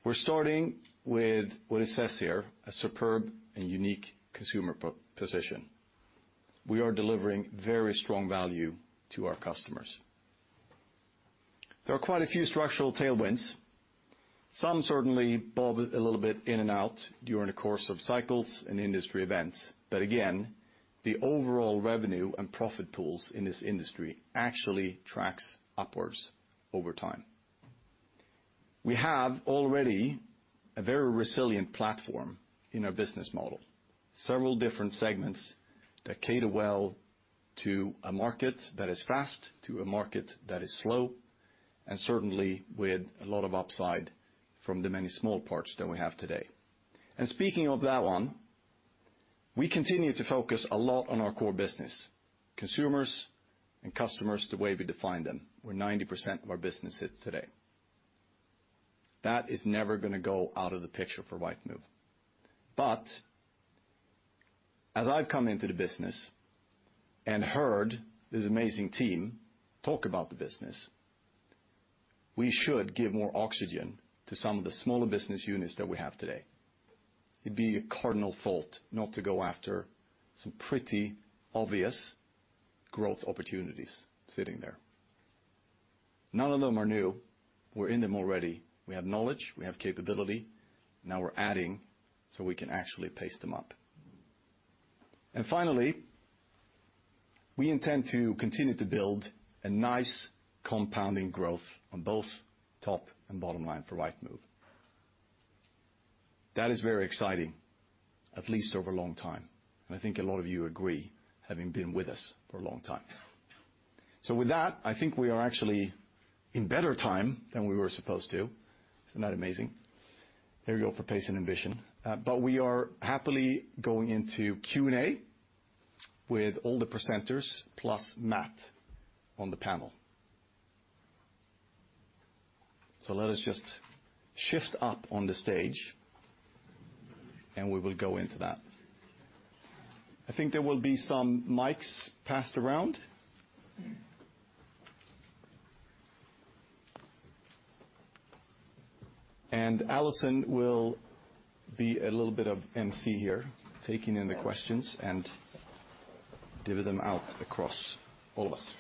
We're starting with what it says here, a superb and unique consumer position. We are delivering very strong value to our customers. There are quite a few structural tailwinds. Some certainly bob a little bit in and out during the course of cycles and industry events, but again, the overall revenue and profit pools in this industry actually tracks upwards over time. We have already a very resilient platform in our business model, several different segments that cater well to a market that is fast, to a market that is slow, and certainly with a lot of upside from the many small parts that we have today. Speaking of that one, we continue to focus a lot on our core business, consumers and customers, the way we define them, where 90% of our business sits today. That is never gonna go out of the picture for Rightmove. But as I've come into the business and heard this amazing team talk about the business, we should give more oxygen to some of the smaller business units that we have today. It'd be a cardinal fault not to go after some pretty obvious growth opportunities sitting there. None of them are new. We're in them already. We have knowledge, we have capability. Now we're adding, so we can actually pace them up. And finally, we intend to continue to build a nice compounding growth on both top and bottom line for Rightmove. That is very exciting, at least over a long time, and I think a lot of you agree, having been with us for a long time. So with that, I think we are actually in better time than we were supposed to. Isn't that amazing? There you go, for pace and ambition. But we are happily going into Q&A with all the presenters, plus Matt on the panel. So let us just shift up on the stage, and we will go into that. I think there will be some mics passed around. And Alison will be a little bit of emcee here, taking in the questions and give them out across all of us.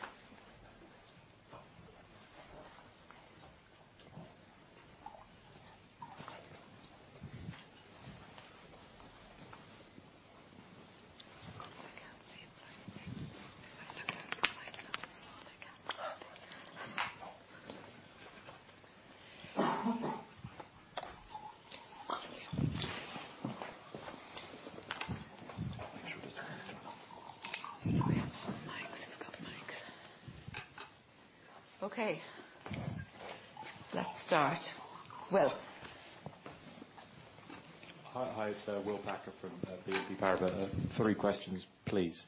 Okay, let's start. Will? Hi. Hi, it's Will Packer from BNP Paribas. Three questions, please.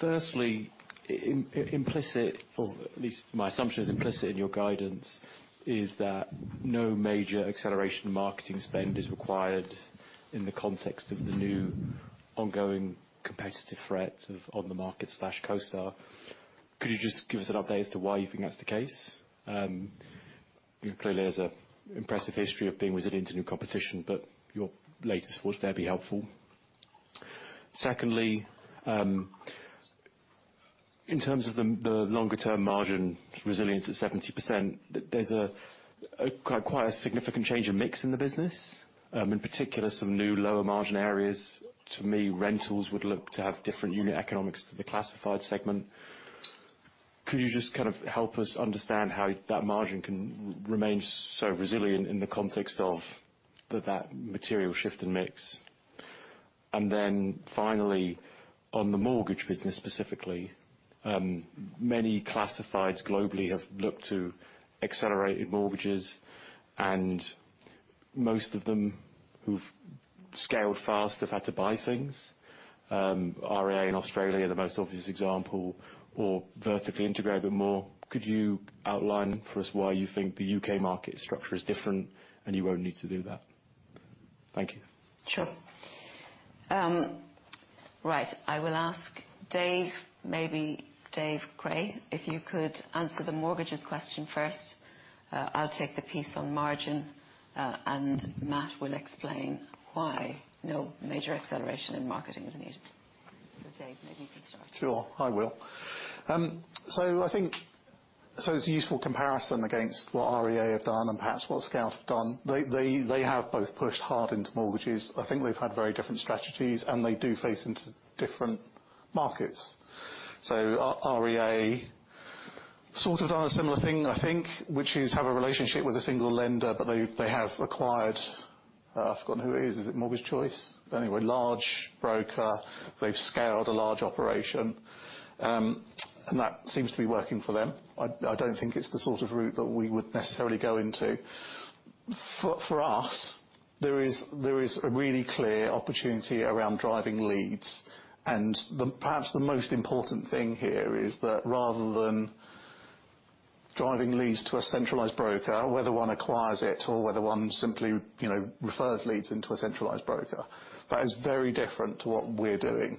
Firstly, implicit, or at least my assumption, is implicit in your guidance, is that no major acceleration marketing spend is required in the context of the new ongoing competitive threat of OnTheMarket / CoStar. Could you just give us an update as to why you think that's the case? Clearly, there's an impressive history of being resilient to new competition, but your latest thoughts there would be helpful. Secondly, in terms of the longer term margin resilience at 70%, there's a quite significant change of mix in the business, in particular, some new lower margin areas. To me, rentals would look to have different unit economics to the classified segment. Could you just kind of help us understand how that margin can remain so resilient in the context of that, that material shift in mix? And then finally, on the mortgage business, specifically, many classifieds globally have looked to accelerated mortgages, and most of them who've scaled fast have had to buy things. REA in Australia are the most obvious example, or vertically integrated a bit more. Could you outline for us why you think the U.K. market structure is different and you won't need to do that? Thank you. Sure. Right, I will ask Dave, maybe Dave Cray, if you could answer the mortgages question first. I'll take the piece on margin, and Matt will explain why no major acceleration in marketing is needed. So Dave, maybe you can start. Sure, I will. So I think, so it's a useful comparison against what REA have done and perhaps what Scout have done. They have both pushed hard into mortgages. I think they've had very different strategies, and they do face into different markets. So REA sort of done a similar thing, I think, which is have a relationship with a single lender, but they have acquired, I've forgotten who it is. Is it Mortgage Choice? Anyway, large broker, they've scaled a large operation. And that seems to be working for them. I don't think it's the sort of route that we would necessarily go into. For us, there is a really clear opportunity around driving leads, and, perhaps, the most important thing here is that rather than driving leads to a centralized broker, whether one acquires it or whether one simply, you know, refers leads into a centralized broker, that is very different to what we're doing.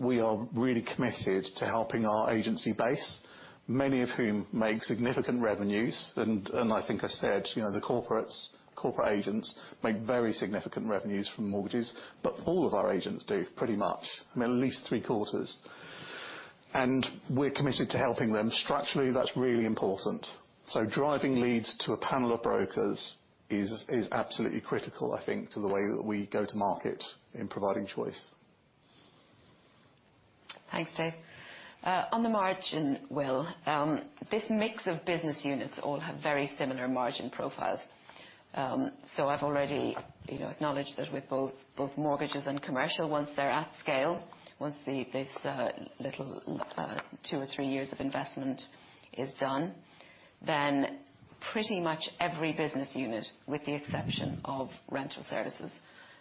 We are really committed to helping our agency base, many of whom make significant revenues. I think I said, you know, the corporates, corporate agents make very significant revenues from mortgages. All of our agents do, pretty much, I mean, at least three quarters, and we're committed to helping them. Structurally, that's really important. Driving leads to a panel of brokers is absolutely critical, I think, to the way that we go to market in providing choice. Thanks, Dave. On the margin, Will, this mix of business units all have very similar margin profiles. So I've already, you know, acknowledged that with both, both mortgages and commercial, once they're at scale, once the this little two or three years of investment is done, then pretty much every business unit, with the exception of rental services, will have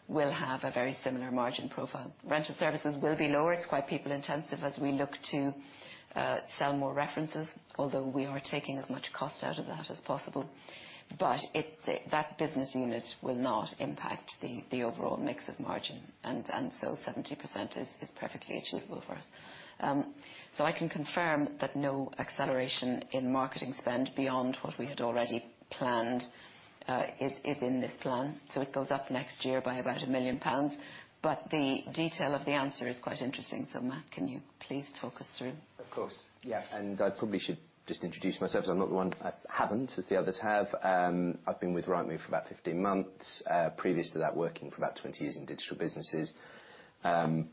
a very similar margin profile. Rental services will be lower. It's quite people-intensive as we look to sell more references, although we are taking as much cost out of that as possible. But it's that business unit will not impact the overall mix of margin, and so 70% is perfectly achievable for us. So I can confirm that no acceleration in marketing spend beyond what we had already planned is in this plan. So it goes up next year by about 1 million pounds, but the detail of the answer is quite interesting. So Matt, can you please talk us through? Of course, yes, and I probably should just introduce myself, as I'm not the one—I haven't, as the others have. I've been with Rightmove for about 15 months. Previous to that, working for about 20 years in digital businesses.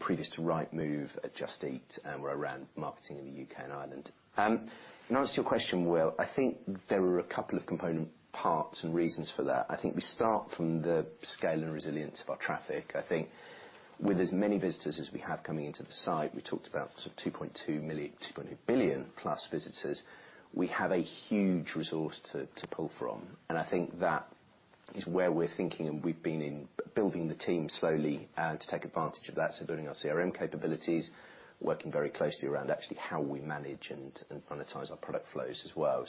Previous to Rightmove, at Just Eat, where around marketing in the U.K. and Ireland. In answer to your question, Will, I think there are a couple of component parts and reasons for that. I think we start from the scale and resilience of our traffic. I think with as many visitors as we have coming into the site, we talked about sort of 2.2+ billion visitors, we have a huge resource to pull from, and I think that is where we're thinking, and we've been building the team slowly to take advantage of that. So building our CRM capabilities, working very closely around actually how we manage and monetize our product flows as well.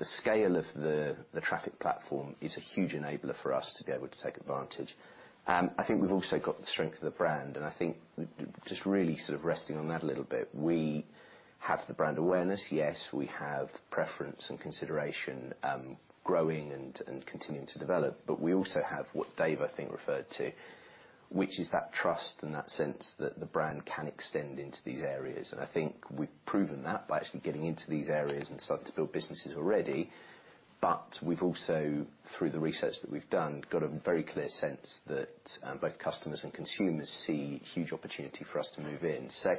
So the scale of the traffic platform is a huge enabler for us to be able to take advantage. I think we've also got the strength of the brand, and I think just really sort of resting on that a little bit. We have the brand awareness, yes, we have preference and consideration, growing and continuing to develop. But we also have what Dave, I think, referred to, which is that trust and that sense that the brand can extend into these areas. And I think we've proven that by actually getting into these areas and starting to build businesses already. But we've also, through the research that we've done, got a very clear sense that both customers and consumers see huge opportunity for us to move in. So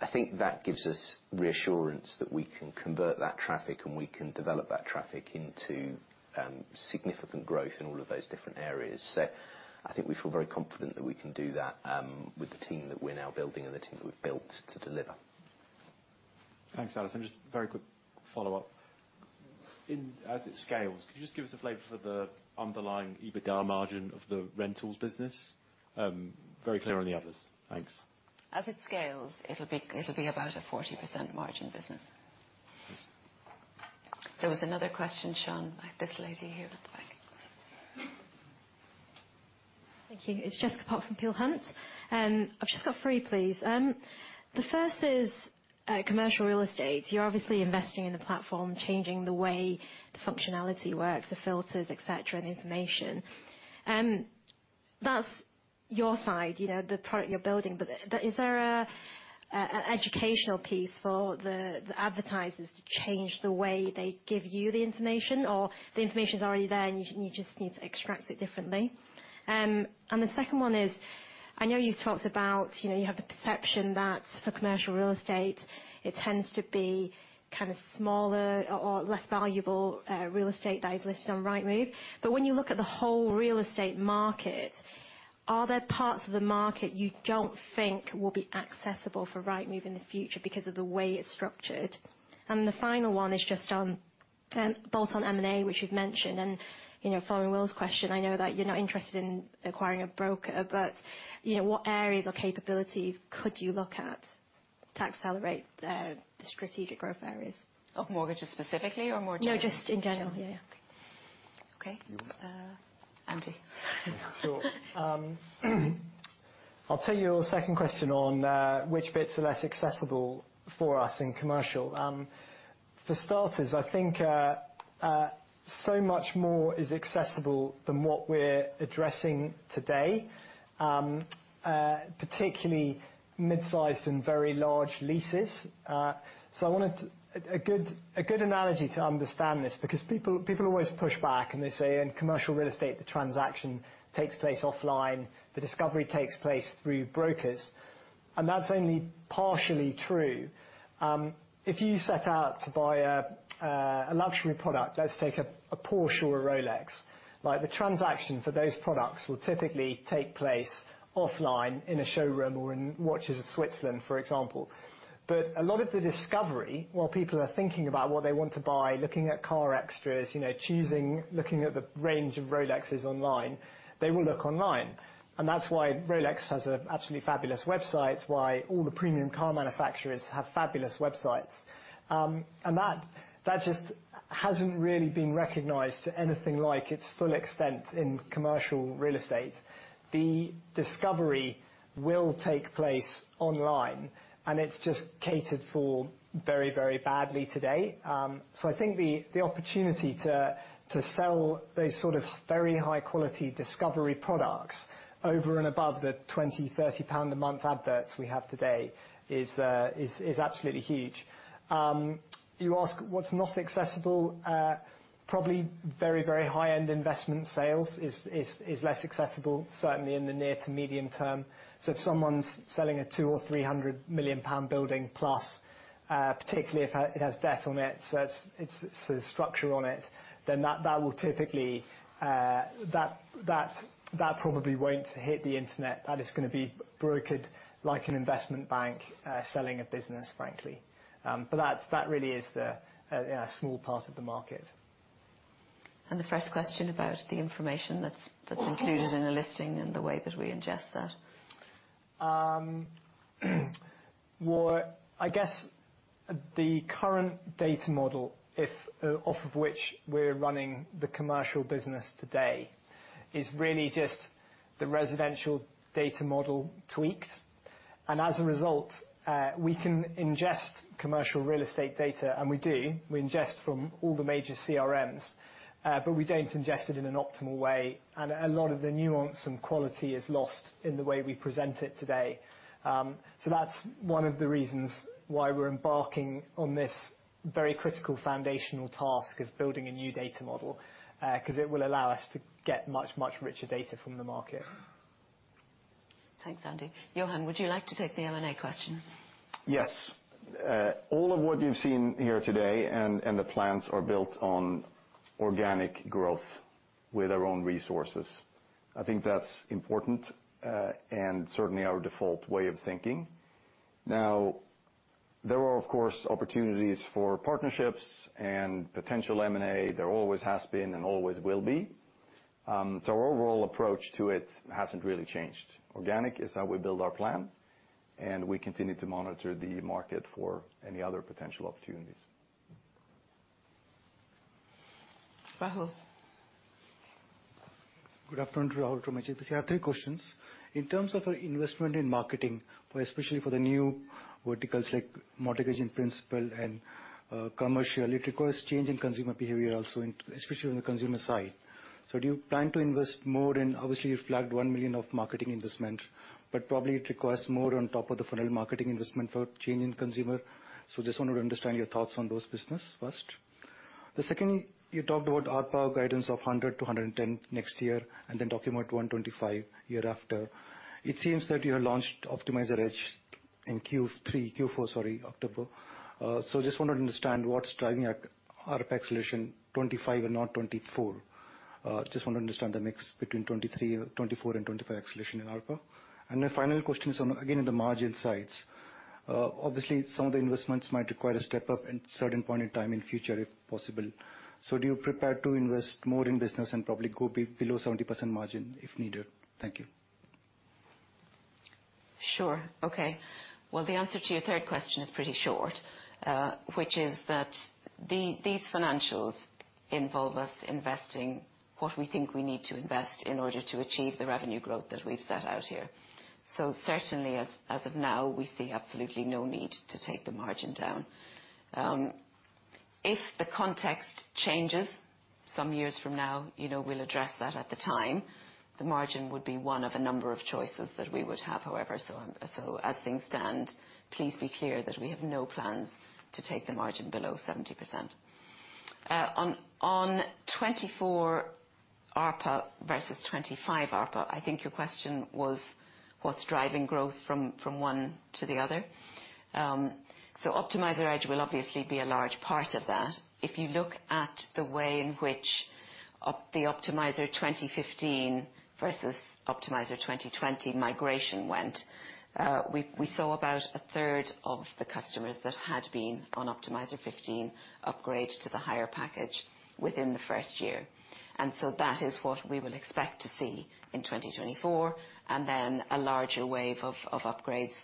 I think that gives us reassurance that we can convert that traffic, and we can develop that traffic into significant growth in all of those different areas. So I think we feel very confident that we can do that with the team that we're now building and the team that we've built to deliver. Thanks, Alison. Just very quick follow-up. In, as it scales, could you just give us a flavor for the underlying EBITDA margin of the rentals business? Very clear on the others. Thanks. As it scales, it'll be, it'll be about a 40% margin business. Thanks. There was another question, Sean. By this lady here at the back. Thank you. It's Jessica Pok from Peel Hunt, and I've just got three, please. The first is commercial real estate. You're obviously investing in the platform, changing the way the functionality works, the filters, et cetera, and the information. That's your side, you know, the product you're building, but is there an educational piece for the advertisers to change the way they give you the information, or the information's already there, and you just need to extract it differently? And the second one is, I know you've talked about, you know, you have the perception that for commercial real estate, it tends to be kind of smaller or less valuable real estate that is listed on Rightmove. But when you look at the whole real estate market, are there parts of the market you don't think will be accessible for Rightmove in the future because of the way it's structured? The final one is just on, both on M&A, which you've mentioned, and, you know, following Will's question, I know that you're not interested in acquiring a broker, but, you know, what areas or capabilities could you look at the fill rate, the strategic growth areas. Of mortgages specifically or more generally? No, just in general. Yeah. Okay. Andy? Sure. I'll tell you your second question on which bits are less accessible for us in commercial. For starters, I think so much more is accessible than what we're addressing today. Particularly mid-sized and very large leases. So I wanted to a good analogy to understand this, because people always push back, and they say, "In commercial real estate, the transaction takes place offline. The discovery takes place through brokers." And that's only partially true. If you set out to buy a luxury product, let's take a Porsche or a Rolex. Like, the transaction for those products will typically take place offline in a showroom or in Watches of Switzerland, for example. But a lot of the discovery, while people are thinking about what they want to buy, looking at car extras, you know, choosing, looking at the range of Rolexes online, they will look online. And that's why Rolex has an absolutely fabulous website, why all the premium car manufacturers have fabulous websites. And that, that just hasn't really been recognized to anything like its full extent in commercial real estate. The discovery will take place online, and it's just catered for very, very badly today. So I think the, the opportunity to, to sell those sort of very high-quality discovery products over and above the GBP 20-30-a-month adverts we have today is, is absolutely huge. You ask what's not accessible, probably very, very high-end investment sales is, is less accessible, certainly in the near to medium term. So if someone's selling a 200 or 300 million pound building plus, particularly if it has debt on it, so it's a structure on it, then that will typically, that probably won't hit the internet. That is gonna be brokered like an investment bank, selling a business, frankly. But that really is a small part of the market. The first question about the information that's included in the listing and the way that we ingest that. I guess the current data model, off of which we're running the commercial business today, is really just the residential data model tweaked, and as a result, we can ingest commercial real estate data, and we do. We ingest from all the major CRMs, but we don't ingest it in an optimal way, and a lot of the nuance and quality is lost in the way we present it today. So that's one of the reasons why we're embarking on this very critical foundational task of building a new data model, 'cause it will allow us to get much, much richer data from the market. Thanks, Andy. Johan, would you like to take the M&A question? Yes. All of what you've seen here today, and, and the plans are built on organic growth with our own resources. I think that's important, and certainly our default way of thinking. Now, there are, of course, opportunities for partnerships and potential M&A. There always has been and always will be. So our overall approach to it hasn't really changed. Organic is how we build our plan, and we continue to monitor the market for any other potential opportunities. Rahul. Good afternoon, Rahul from JP. I have three questions. In terms of our investment in marketing, especially for the new verticals like mortgage in principle and, commercial, it requires change in consumer behavior also, in especially on the consumer side. So do you plan to invest more in-- Obviously, you flagged 1 million of marketing investment, but probably it requires more on top of the final marketing investment for change in consumer. So just wanted to understand your thoughts on those business first. The second, you talked about ARPA guidance of 100-110 next year, and then talking about 125 year after. It seems that you have launched Optimiser Edge in Q3, Q4, sorry, October. So just wanted to understand what's driving at ARPA acceleration 2025 and not 2024. Just want to understand the mix between 2023, 2024, and 2025 acceleration in ARPA. My final question is on, again, in the margin sides. Obviously, some of the investments might require a step up in certain point in time in future, if possible. So do you prepare to invest more in business and probably go be below 70% margin if needed? Thank you. Sure. Okay. Well, the answer to your third question is pretty short, which is that these financials involve us investing what we think we need to invest in order to achieve the revenue growth that we've set out here. So certainly as, as of now, we see absolutely no need to take the margin down. If the context changes some years from now, you know, we'll address that at the time. The margin would be one of a number of choices that we would have, however, so, so as things stand, please be clear that we have no plans to take the margin below 70%. On, on 24 ARPA versus 25 ARPA, I think your question was what's driving growth from, from one to the other? So Optimiser Edge will obviously be a large part of that. If you look at the way in which the Optimiser 2015 versus Optimiser 2020 migration went, we saw about a third of the customers that had been on Optimiser 2015 upgrade to the higher package within the first year. And so that is what we will expect to see in 2024, and then a larger wave of upgrades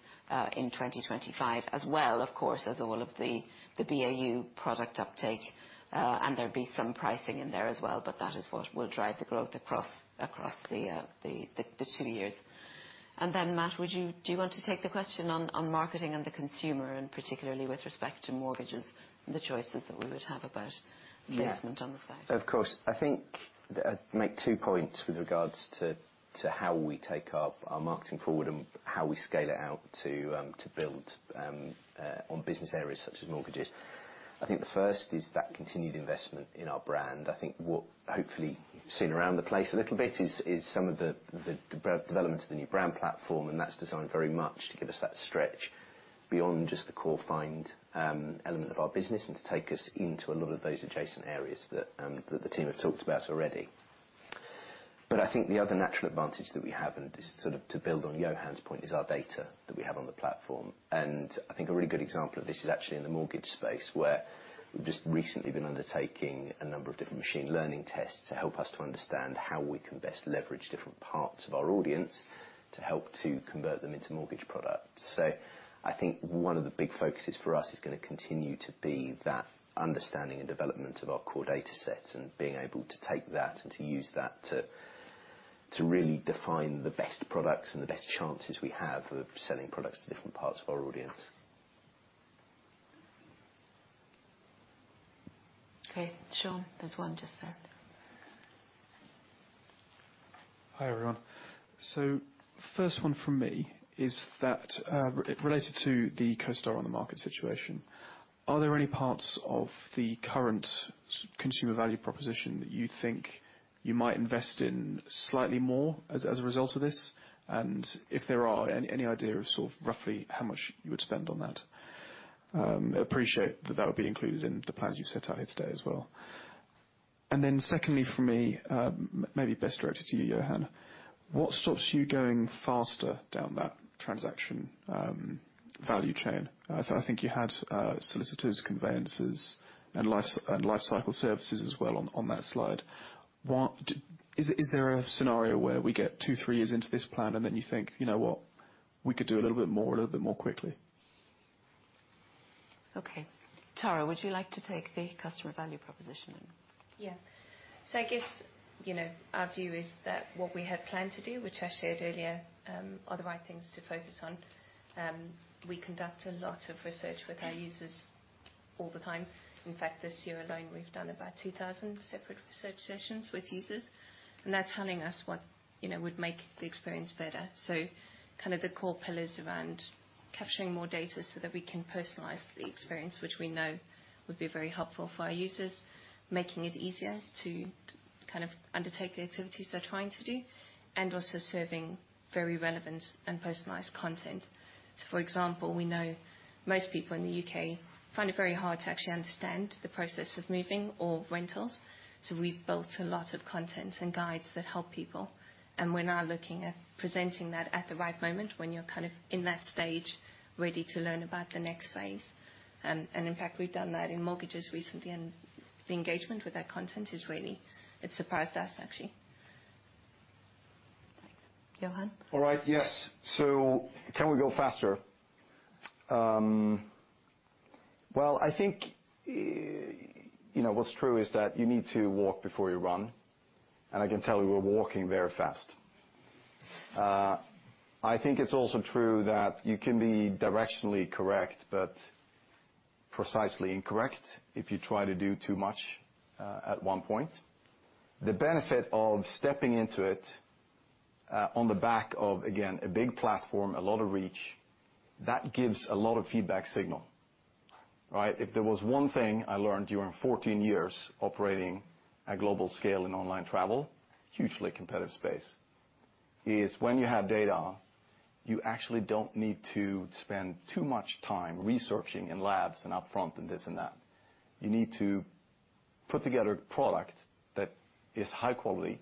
in 2025 as well, of course, as all of the BAU product uptake. And there'll be some pricing in there as well, but that is what will drive the growth across the two years. And then, Matt, would you do you want to take the question on marketing and the consumer, and particularly with respect to mortgages and the choices that we would have about yeah on the placement on the site? Of course. I think I'd make two points with regards to how we take our marketing forward and how we scale it out to build on business areas such as mortgages. I think the first is that continued investment in our brand. I think what hopefully you've seen around the place a little bit is some of the development of the new brand platform, and that's designed very much to give us that stretch beyond just the core find element of our business, and to take us into a lot of those adjacent areas that the team have talked about already. But I think the other natural advantage that we have, and this is sort of to build on Johan's point, is our data that we have on the platform. I think a really good example of this is actually in the mortgage space, where we've just recently been undertaking a number of different machine learning tests to help us to understand how we can best leverage different parts of our audience to help to convert them into mortgage products. So I think one of the big focuses for us is gonna continue to be that understanding and development of our core data sets, and being able to take that and to use that to really define the best products and the best chances we have of selling products to different parts of our audience. Okay, Sean, there's one just there. Hi, everyone. So first one from me is that, related to the CoStar OnTheMarket situation, are there any parts of the current consumer value proposition that you think you might invest in slightly more as a result of this? And if there are, any idea of sort of roughly how much you would spend on that? Appreciate that that would be included in the plans you've set out here today as well. And then secondly, for me, maybe best directed to you, Johan, what stops you going faster down that transaction value chain? I think you had solicitors, conveyancers, and life, and lifecycle services as well on that slide. What is there a scenario where we get two, three years into this plan, and then you think, "You know what? We could do a little bit more, a little bit more quickly? Okay. Tara, would you like to take the customer value proposition? Yeah. So I guess, you know, our view is that what we had planned to do, which I shared earlier, are the right things to focus on. We conduct a lot of research with our users all the time. In fact, this year alone, we've done about 2,000 separate research sessions with users, and they're telling us what, you know, would make the experience better. So kind of the core pillars around capturing more data so that we can personalize the experience, which we know would be very helpful for our users, making it easier to kind of undertake the activities they're trying to do, and also serving very relevant and personalized content. So for example, we know most people in the U.K. find it very hard to actually understand the process of moving or rentals, so we've built a lot of content and guides that help people, and we're now looking at presenting that at the right moment when you're kind of in that stage, ready to learn about the next phase. And in fact, we've done that in mortgages recently, and the engagement with that content is really... It surprised us, actually. Thanks. Johan? All right. Yes. So can we go faster? Well, I think, you know, what's true is that you need to walk before you run, and I can tell you we're walking very fast. I think it's also true that you can be directionally correct, but precisely incorrect if you try to do too much at one point. The benefit of stepping into it on the back of, again, a big platform, a lot of reach, that gives a lot of feedback signal, right? If there was one thing I learned during 14 years operating at global scale in online travel, hugely competitive space, is when you have data, you actually don't need to spend too much time researching in labs and upfront and this and that. You need to put together a product that is high quality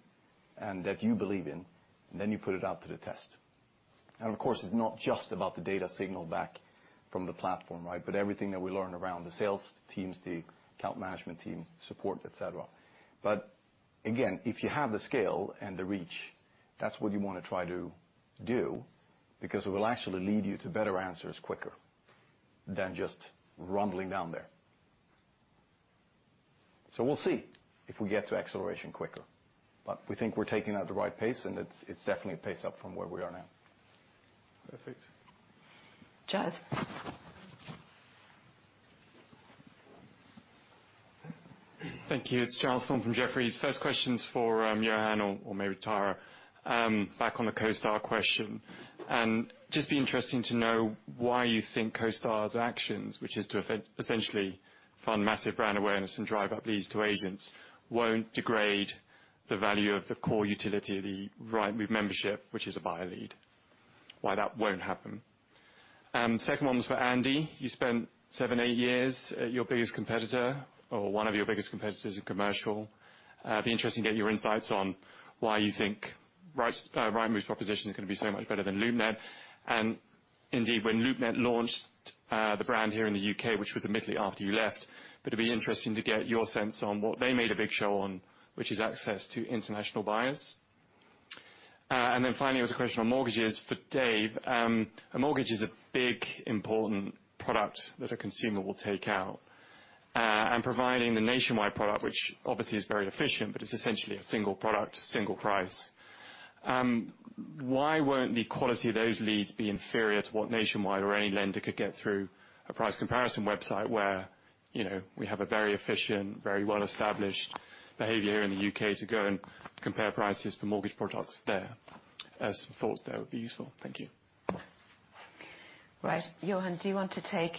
and that you believe in, and then you put it out to the test. And of course, it's not just about the data signal back from the platform, right, but everything that we learn around the sales teams, the account management team, support, et cetera. But again, if you have the scale and the reach, that's what you wanna try to do, because it will actually lead you to better answers quicker than just rumbling down there. So we'll see if we get to acceleration quicker, but we think we're taking it at the right pace, and it's, it's definitely a pace up from where we are now. Perfect. Charles? Thank you. It's Charles Thorne from Jefferies. First question's for Johan or maybe Tara. Back on the CoStar question, and just be interesting to know why you think CoStar's actions, which is to essentially fund massive brand awareness and drive up leads to agents, won't degrade the value of the core utility of the Rightmove membership, which is a buyer lead, why that won't happen? Second one is for Andy: You spent seven, eight years at your biggest competitor, or one of your biggest competitors in commercial. It'd be interesting to get your insights on why you think Rightmove proposition is going to be so much better than LoopNet. Indeed, when LoopNet launched the brand here in the U.K., which was admittedly after you left, but it'd be interesting to get your sense on what they made a big show on, which is access to international buyers. Then finally, there was a question on mortgages for Dave. A mortgage is a big, important product that a consumer will take out. And providing the Nationwide product, which obviously is very efficient, but it's essentially a single product, single price. Why won't the quality of those leads be inferior to what Nationwide or any lender could get through a price comparison website, where, you know, we have a very efficient, very well-established behavior here in the U.K. to go and compare prices for mortgage products there? Any thoughts, that would be useful. Thank you. Right. Johan, do you want to take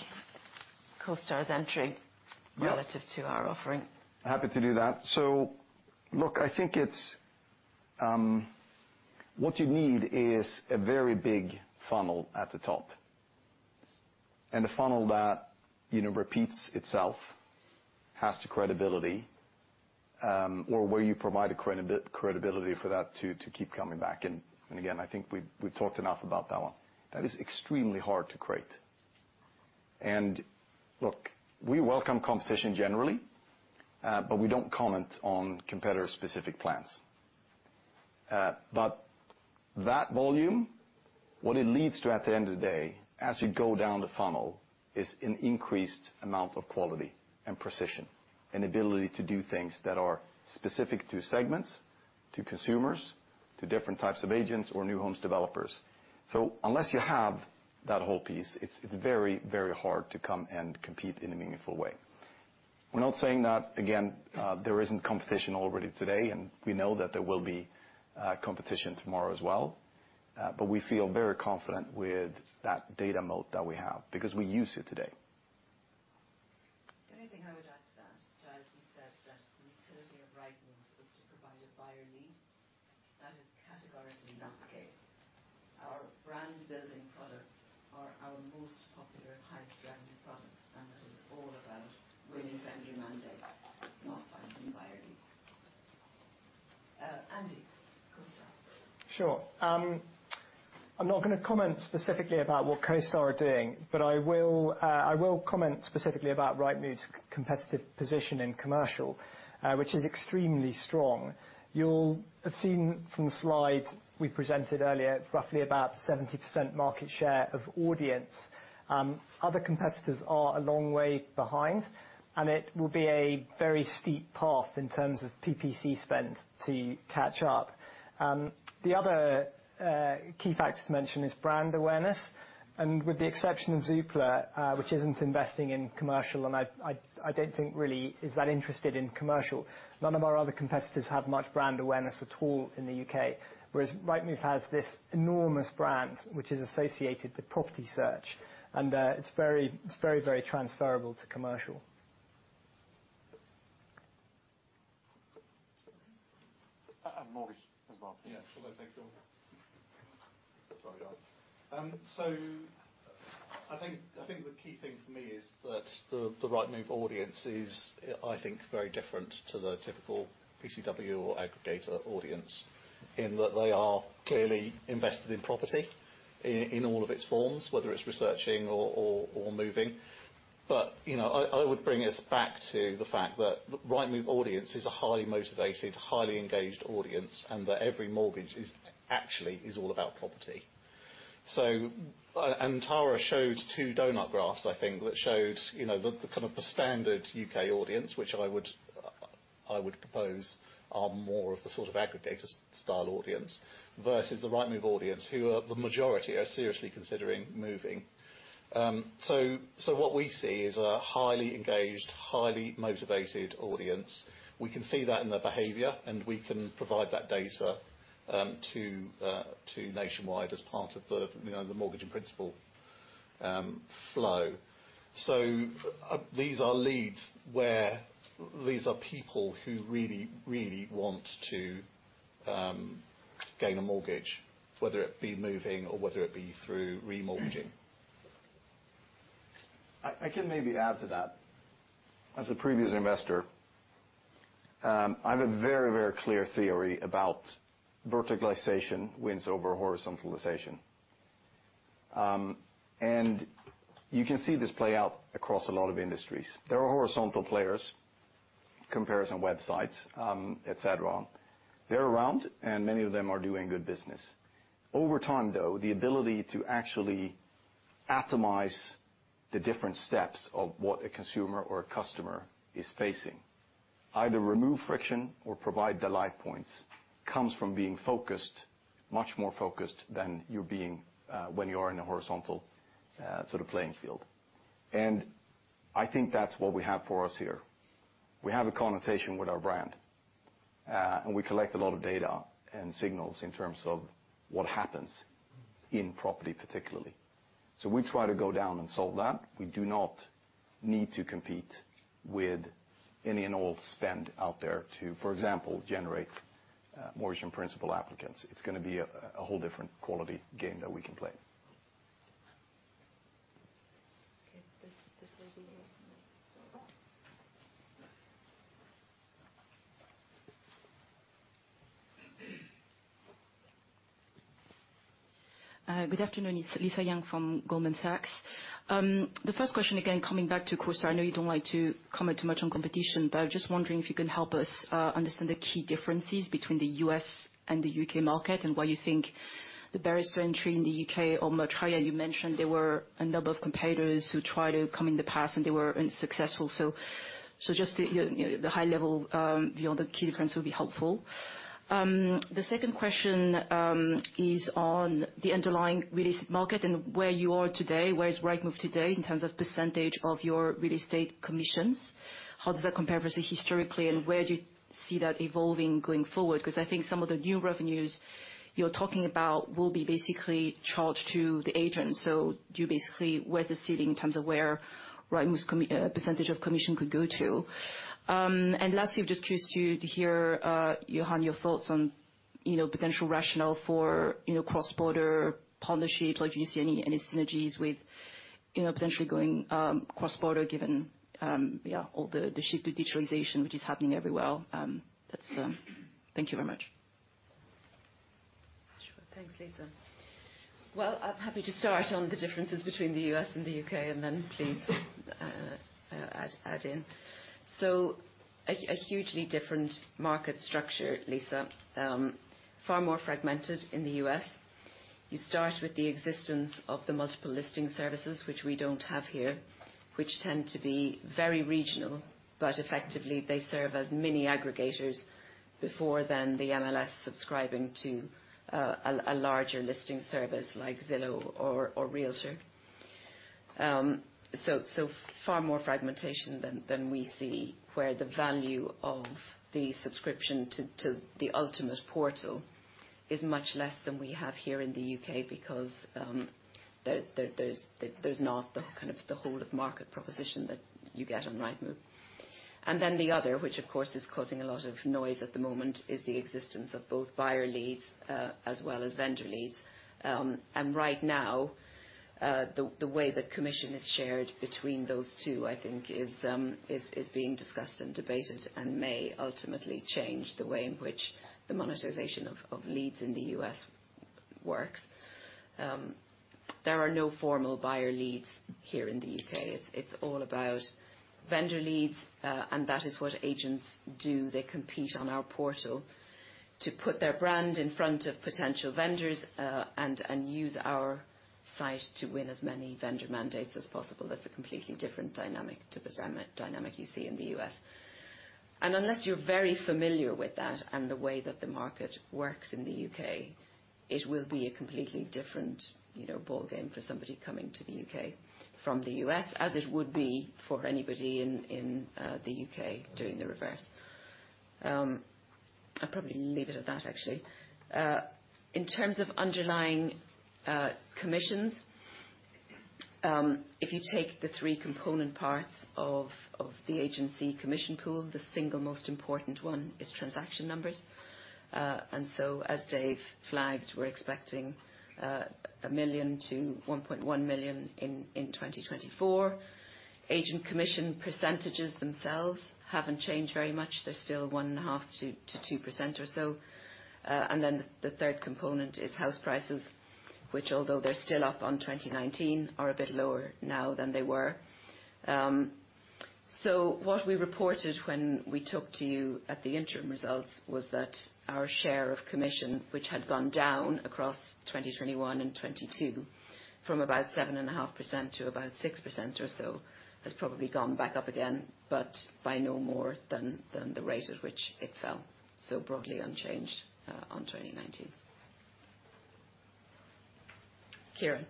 CoStar's entry-relative to our offering? Happy to do that. So look, I think it's what you need is a very big funnel at the top, and a funnel that, you know, repeats itself, has the credibility, or where you provide the credibility for that to keep coming back. And again, I think we've talked enough about that one. That is extremely hard to create. And look, we welcome competition generally, but we don't comment on competitor-specific plans. But that volume, what it leads to at the end of the day, as you go down the funnel, is an increased amount of quality and precision, and ability to do things that are specific to segments, to consumers, to different types of agents or new homes developers. So unless you have that whole piece, it's very, very hard to come and compete in a meaningful way. We're not saying that, again, there isn't competition already today, and we know that there will be competition tomorrow as well, but we feel very confident with that data moat that we have, because we use it today. The only thing I would add to that, as he said, that the utility of Rightmove is to provide a buyer lead. That is categorically not the case. Our brand building products are our most popular, highest revenue products, and it is all about winning vendor mandates, not finding buyer leads. Andy, CoStar. Sure. I'm not going to comment specifically about what CoStar are doing, but I will, I will comment specifically about Rightmove's competitive position in commercial, which is extremely strong. You'll have seen from the slide we presented earlier, roughly about 70% market share of audience. Other competitors are a long way behind, and it will be a very steep path in terms of PPC spend to catch up. The other, key factor to mention is brand awareness, and with the exception of Zoopla, which isn't investing in commercial, and I, I, I don't think really is that interested in commercial, none of our other competitors have much brand awareness at all in the U.K. Whereas Rightmove has this enormous brand, which is associated with property search, and, it's very, it's very, very transferable to commercial. And mortgage as well. Yes. Hello. Thanks, Johan. Sorry, guys. So I think the key thing for me is that the Rightmove audience is, I think, very different to the typical PCW or aggregator audience, in that they are clearly invested in property, in all of its forms, whether it's researching or moving. But, you know, I would bring us back to the fact that Rightmove audience is a highly motivated, highly engaged audience, and that every mortgage is actually all about property. So, and Tara showed two donut graphs, I think, that showed, you know, the kind of the standard UK audience, which I would propose are more of the sort of aggregator style audience, versus the Rightmove audience, who are the majority, are seriously considering moving. So what we see is a highly engaged, highly motivated audience. We can see that in their behavior, and we can provide that data to to Nationwide as part of the, you know, the Mortgage in Principle flow. So these are leads where these are people who really, really want to gain a mortgage, whether it be moving or whether it be through remortgaging. I can maybe add to that. As a previous investor, I have a very, very clear theory about verticalization wins over horizontalization. And you can see this play out across a lot of industries. There are horizontal players, comparison websites, et cetera. They're around, and many of them are doing good business. Over time, though, the ability to actually atomize the different steps of what a consumer or a customer is facing, either remove friction or provide delight points, comes from being focused, much more focused than you're being when you are in a horizontal sort of playing field. And I think that's what we have for us here. We have a connotation with our brand, and we collect a lot of data and signals in terms of what happens in property, particularly. So we try to go down and solve that. We do not need to compete with any and all spend out there to, for example, generate Mortgage in Principle applicants. It's gonna be a whole different quality game that we can play. Good afternoon. It's Lisa Yang from Goldman Sachs. The first question, again, coming back to CoStar, I know you don't like to comment too much on competition, but I was just wondering if you can help us understand the key differences between the U.S. and the U.K. market, and why you think the barriers to entry in the U.K. are much higher. You mentioned there were a number of competitors who tried to come in the past, and they were unsuccessful. So just the, you know, the high level, you know, the key differences will be helpful. The second question is on the underlying real estate market and where you are today. Where is Rightmove today in terms of percentage of your real estate commissions? How does that compare versus historically, and where do you see that evolving going forward? Cause I think some of the new revenues you're talking about will be basically charged to the agent. So you basically, where's the ceiling in terms of where Rightmove.com percentage of commission could go to? And lastly, I'd just curious to hear, Johan, your thoughts on, you know, potential rationale for, you know, cross-border partnerships, or do you see any, any synergies with, you know, potentially going cross-border, given, yeah, all the, the shift to digitalization, which is happening everywhere. That's... Thank you very much. Sure. Thanks, Lisa. Well, I'm happy to start on the differences between the U.S. and the U.K., and then please add in. So a hugely different market structure, Lisa. Far more fragmented in the U.S. You start with the existence of the multiple listing services, which we don't have here, which tend to be very regional, but effectively, they serve as mini aggregators before then the MLS subscribing to a larger listing service like Zillow or Realtor. So far more fragmentation than we see, where the value of the subscription to the ultimate portal is much less than we have here in the U.K. because there's not the kind of the whole of market proposition that you get on Rightmove. And then the other, which of course is causing a lot of noise at the moment, is the existence of both buyer leads, as well as vendor leads. And right now, the way the commission is shared between those two, I think, is being discussed and debated and may ultimately change the way in which the monetization of leads in the U.S. works. There are no formal buyer leads here in the U.K. It's all about vendor leads, and that is what agents do. They compete on our portal to put their brand in front of potential vendors, and use our site to win as many vendor mandates as possible. That's a completely different dynamic to the dynamic you see in the U.S. Unless you're very familiar with that and the way that the market works in the U.K., it will be a completely different, you know, ballgame for somebody coming to the U.K. from the U.S., as it would be for anybody in the U.K. doing the reverse. I'll probably leave it at that, actually. In terms of underlying commissions, if you take the three component parts of the agency commission pool, the single most important one is transaction numbers. So, as Dave flagged, we're expecting 1 million to 1.1 million in 2024. Agent commission percentages themselves haven't changed very much. They're still 1.5%-2% or so. And then the third component is house prices, which although they're still up on 2019, are a bit lower now than they were. So what we reported when we talked to you at the interim results was that our share of commission, which had gone down across 2021 and 2022, from about 7.5% to about 6% or so, has probably gone back up again, but by no more than the rate at which it fell. So broadly unchanged on 2019. Kieran?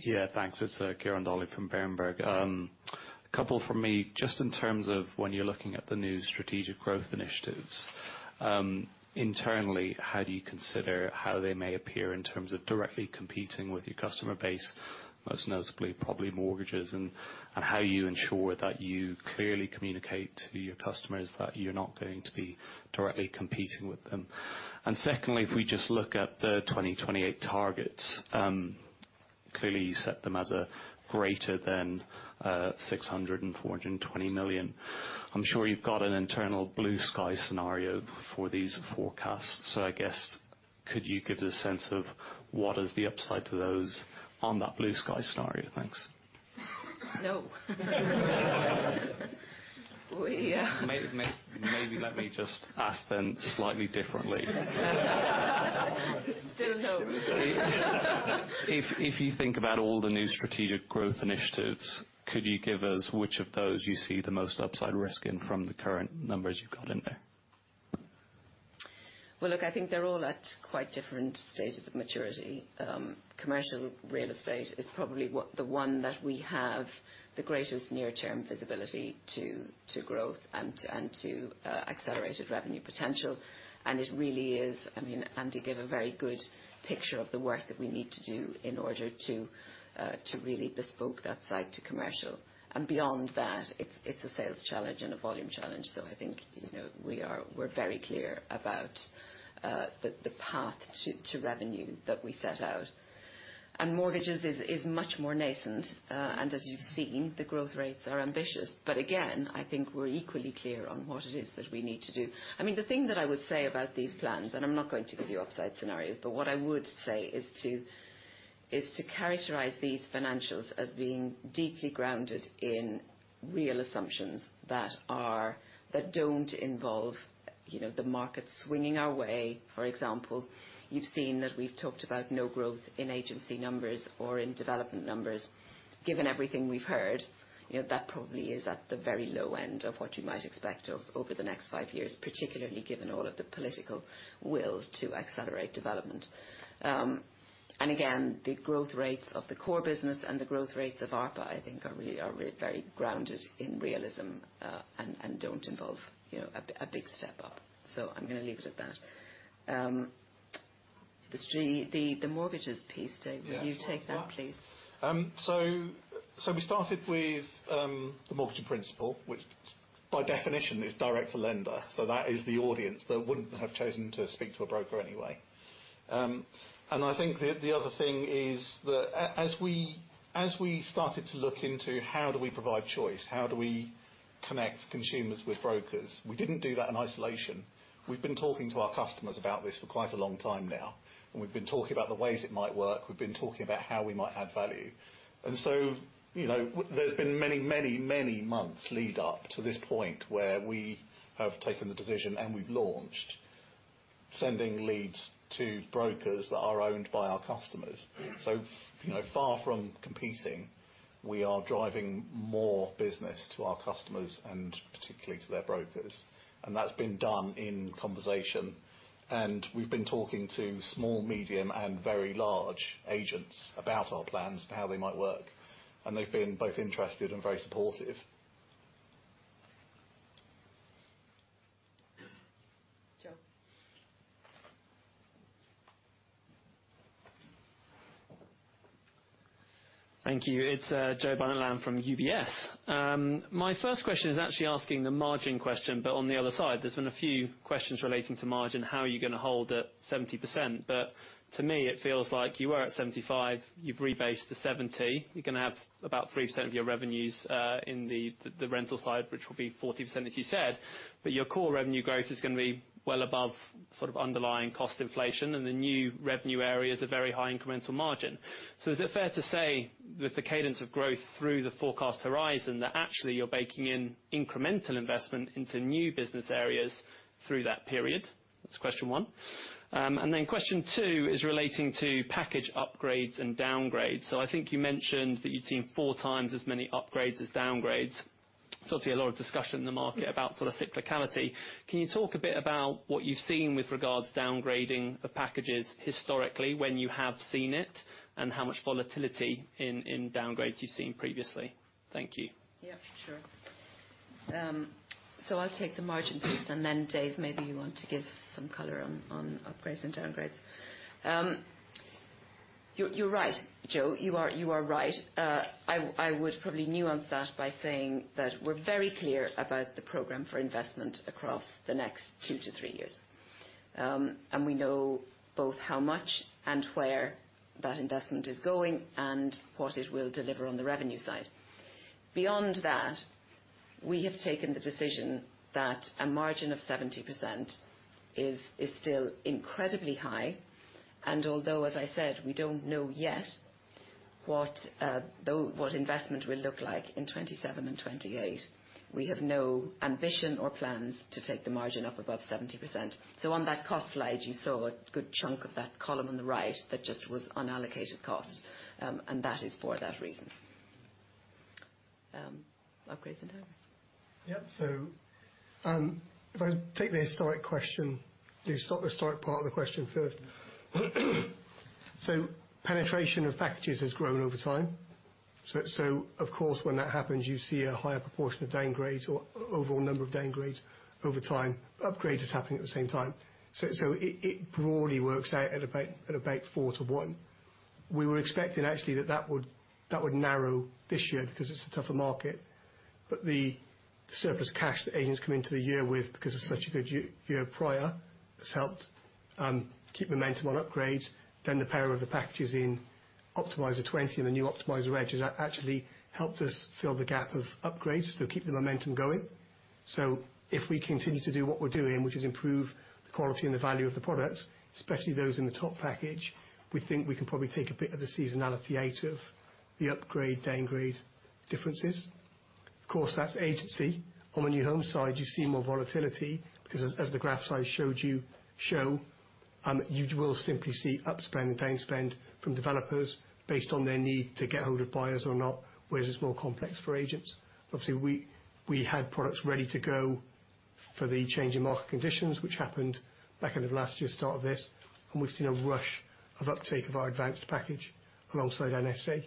Yeah, thanks. It's Ciarán Donnelly from Berenberg. A couple from me. Just in terms of when you're looking at the new strategic growth initiatives, internally, how do you consider how they may appear in terms of directly competing with your customer base, most notably, probably mortgages, and, and how you ensure that you clearly communicate to your customers that you're not going to be directly competing with them? And secondly, if we just look at the 2028 targets, clearly, you set them as greater than 640 million. I'm sure you've got an internal blue sky scenario for these forecasts, so I guess could you give us a sense of what is the upside to those on that blue sky scenario? Thanks. No. We Maybe let me just ask then slightly differently. Still no. If you think about all the new strategic growth initiatives, could you give us which of those you see the most upside risk in from the current numbers you've got in there? Well, look, I think they're all at quite different stages of maturity. Commercial real estate is probably what, the one that we have the greatest near-term visibility to growth and to accelerated revenue potential. And it really is... I mean, Andy gave a very good picture of the work that we need to do in order to really bespoke that site to commercial. And beyond that, it's a sales challenge and a volume challenge, so I think, you know, we're very clear about the path to revenue that we set out. And mortgages is much more nascent. And as you've seen, the growth rates are ambitious. But again, I think we're equally clear on what it is that we need to do. I mean, the thing that I would say about these plans, and I'm not going to give you upside scenarios, but what I would say is to characterize these financials as being deeply grounded in real assumptions that don't involve, you know, the market swinging our way. For example, you've seen that we've talked about no growth in agency numbers or in development numbers. Given everything we've heard, you know, that probably is at the very low end of what you might expect over the next five years, particularly given all of the political will to accelerate development. And again, the growth rates of the core business and the growth rates of ARPA, I think, are really very grounded in realism, and don't involve, you know, a big step up. So I'm gonna leave it at that. The mortgages piece, Dave- Yes. Will you take that, please? So, so we started with the Mortgage in Principle, which by definition is direct to lender. So that is the audience that wouldn't have chosen to speak to a broker anyway. And I think the other thing is that as we started to look into how do we provide choice, how do we connect consumers with brokers, we didn't do that in isolation. We've been talking to our customers about this for quite a long time now, and we've been talking about the ways it might work. We've been talking about how we might add value. And so, you know, there's been many, many, many months lead up to this point where we have taken the decision and we've launched, sending leads to brokers that are owned by our customers. So, you know, far from competing, we are driving more business to our customers and particularly to their brokers, and that's been done in conversation. We've been talking to small, medium, and very large agents about our plans, how they might work, and they've been both interested and very supportive. Joe? Thank you. It's Joe Barnet-Lamb. My first question is actually asking the margin question, but on the other side. There's been a few questions relating to margin, how are you gonna hold at 70%? But to me, it feels like you were at 75, you've rebased to 70. You're gonna have about 3% of your revenues in the rental side, which will be 40%, as you said, but your core revenue growth is gonna be well above sort of underlying cost inflation, and the new revenue areas are very high incremental margin. So is it fair to say that the cadence of growth through the forecast horizon, that actually you're baking in incremental investment into new business areas through that period? That's question one. And then question two is relating to package upgrades and downgrades. I think you mentioned that you've seen 4 times as many upgrades as downgrades. Obviously, a lot of discussion in the market about sort of cyclicality. Can you talk a bit about what you've seen with regards downgrading of packages historically, when you have seen it, and how much volatility in downgrades you've seen previously? Thank you. Yeah, sure. So I'll take the margin piece, and then Dave, maybe you want to give some color on, on upgrades and downgrades. You're, you're right, Joe. You are, you are right. I, I would probably nuance that by saying that we're very clear about the program for investment across the next 2-3 years. And we know both how much and where that investment is going and what it will deliver on the revenue side. Beyond that, we have taken the decision that a margin of 70% is, is still incredibly high, and although, as I said, we don't know yet what, though, what investment will look like in 2027 and 2028, we have no ambition or plans to take the margin up above 70%. So on that cost slide, you saw a good chunk of that column on the right that just was unallocated cost, and that is for that reason. Upgrades and downgrades. Yeah. So, if I take the historic question, the historic part of the question first. So penetration of packages has grown over time. So, so of course, when that happens, you see a higher proportion of downgrades or overall number of downgrades over time. Upgrades is happening at the same time. So, so it, it broadly works out at about, at about 4-to-1. We were expecting actually, that that would, that would narrow this year because it's a tougher market, but the surplus cash that agents come into the year with because it's such a good year prior, has helped keep momentum on upgrades. Then the power of the packages in Optimiser 2020 and the new Optimiser Edge has actually helped us fill the gap of upgrades to keep the momentum going. So if we continue to do what we're doing, which is improve the quality and the value of the products, especially those in the top package, we think we can probably take a bit of the seasonality out of the upgrade, downgrade differences. Of course, that's agency. On the new home side, you see more volatility, because as the graphs I showed you show, you will simply see upspend and downspend from developers based on their need to get hold of buyers or not, whereas it's more complex for agents. Obviously, we had products ready to go for the change in market conditions, which happened back end of last year, start of this, and we've seen a rush of uptake of our advanced package alongside NSA,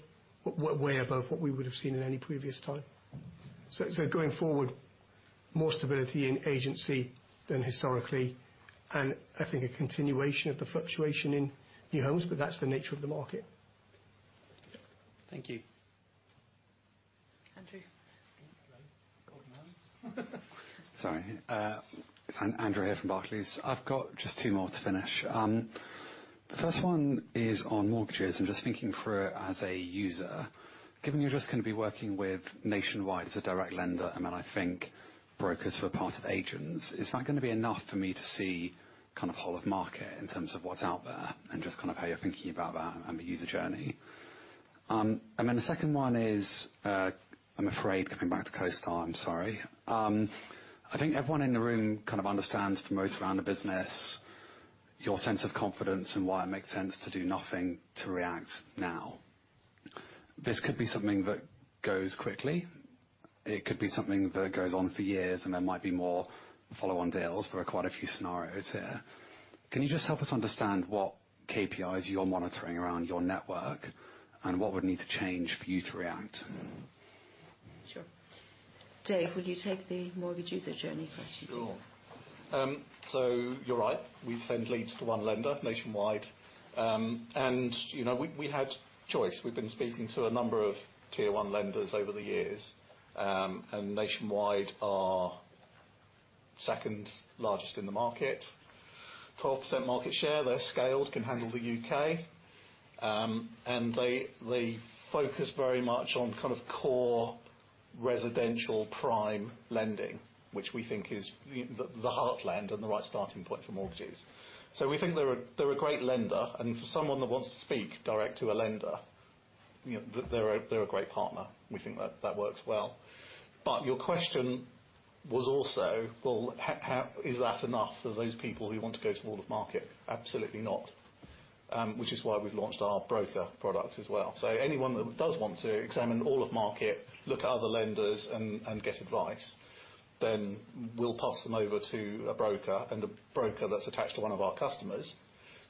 way above what we would have seen in any previous time. So, going forward, more stability in agency than historically, and I think a continuation of the fluctuation in new homes, but that's the nature of the market. Thank you. Andrew? Sorry, it's Andrew here from Barclays. I've got just two more to finish. The first one is on mortgages. I'm just thinking through it as a user. Given you're just gonna be working with Nationwide as a direct lender, and then I think brokers for part of the agents, is that gonna be enough for me to see kind of whole of market in terms of what's out there and just kind of how you're thinking about that and the user journey? And then the second one is, I'm afraid, coming back to CoStar. I'm sorry. I think everyone in the room kind of understands the moat around the business, your sense of confidence and why it makes sense to do nothing, to react now. This could be something that goes quickly. It could be something that goes on for years, and there might be more follow-on deals. There are quite a few scenarios here. Can you just help us understand what KPIs you're monitoring around your network, and what would need to change for you to react? Sure. Dave, will you take the mortgage user journey question, please? Sure. So you're right, we send leads to one lender, Nationwide. And, you know, we had choice. We've been speaking to a number of Tier 1 lenders over the years. And Nationwide are second largest in the market, 12% market share. They're scaled, can handle the U.K. And they focus very much on kind of core residential prime lending, which we think is the heartland and the right starting point for mortgages. So we think they're a great lender, and for someone that wants to speak direct to a lender, you know, they're a great partner. We think that works well. But your question was also: well, how is that enough for those people who want to go to all of market? Absolutely not, which is why we've launched our broker product as well. So anyone that does want to examine all of market, look at other lenders and get advice, then we'll pass them over to a broker, and a broker that's attached to one of our customers,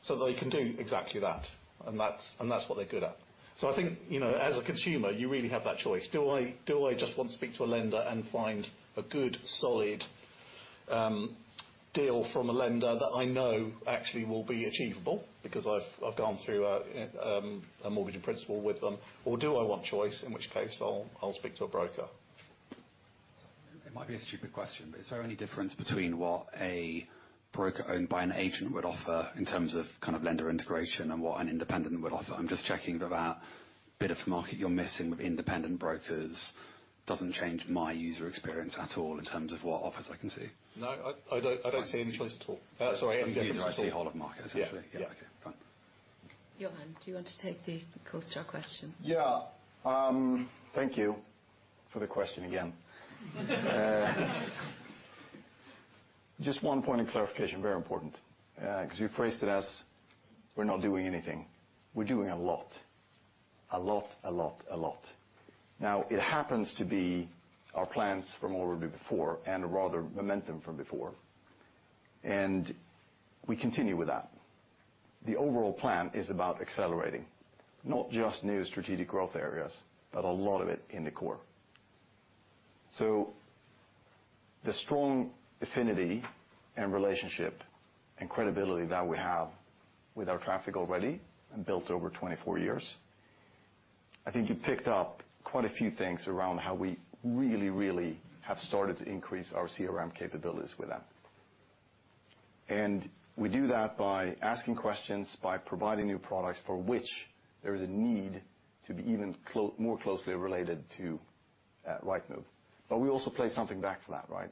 so they can do exactly that. And that's what they're good at. So I think, you know, as a consumer, you really have that choice. Do I just want to speak to a lender and find a good, solid deal from a lender that I know actually will be achievable because I've gone through a mortgage in principle with them, or do I want choice, in which case I'll speak to a broker. It might be a stupid question, but is there any difference between what a broker owned by an agent would offer in terms of kind of lender integration and what an independent would offer? I'm just checking that that bit of market you're missing with independent brokers doesn't change my user experience at all in terms of what offers I can see. No, I don't see any difference at all. Sorry, I see- I see whole of market, essentially. Yeah. Yeah. Okay, fine. Johan, do you want to take the CoStar question? Yeah. Thank you for the question again. Just one point of clarification, very important, 'cause you phrased it as, "We're not doing anything." We're doing a lot. A lot, a lot, a lot. Now, it happens to be our plans from already before and rather momentum from before, and we continue with that. The overall plan is about accelerating, not just new strategic growth areas, but a lot of it in the core. So the strong affinity and relationship and credibility that we have with our traffic already and built over 24 years, I think you picked up quite a few things around how we really, really have started to increase our CRM capabilities with them. And we do that by asking questions, by providing new products for which there is a need to be more closely related to Rightmove. But we also play something back for that, right?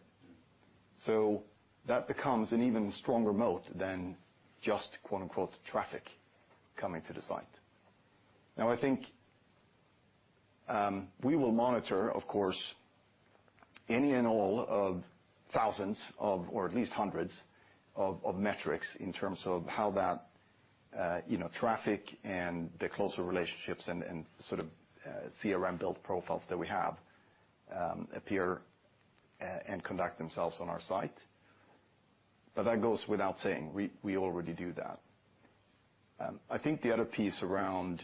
So that becomes an even stronger moat than just, quote, unquote, traffic coming to the site. Now, I think, we will monitor, of course, any and all of thousands of, or at least hundreds of, of metrics in terms of how that, you know, traffic and the closer relationships and, and sort of, CRM-built profiles that we have, appear and conduct themselves on our site. But that goes without saying. We, we already do that. I think the other piece around,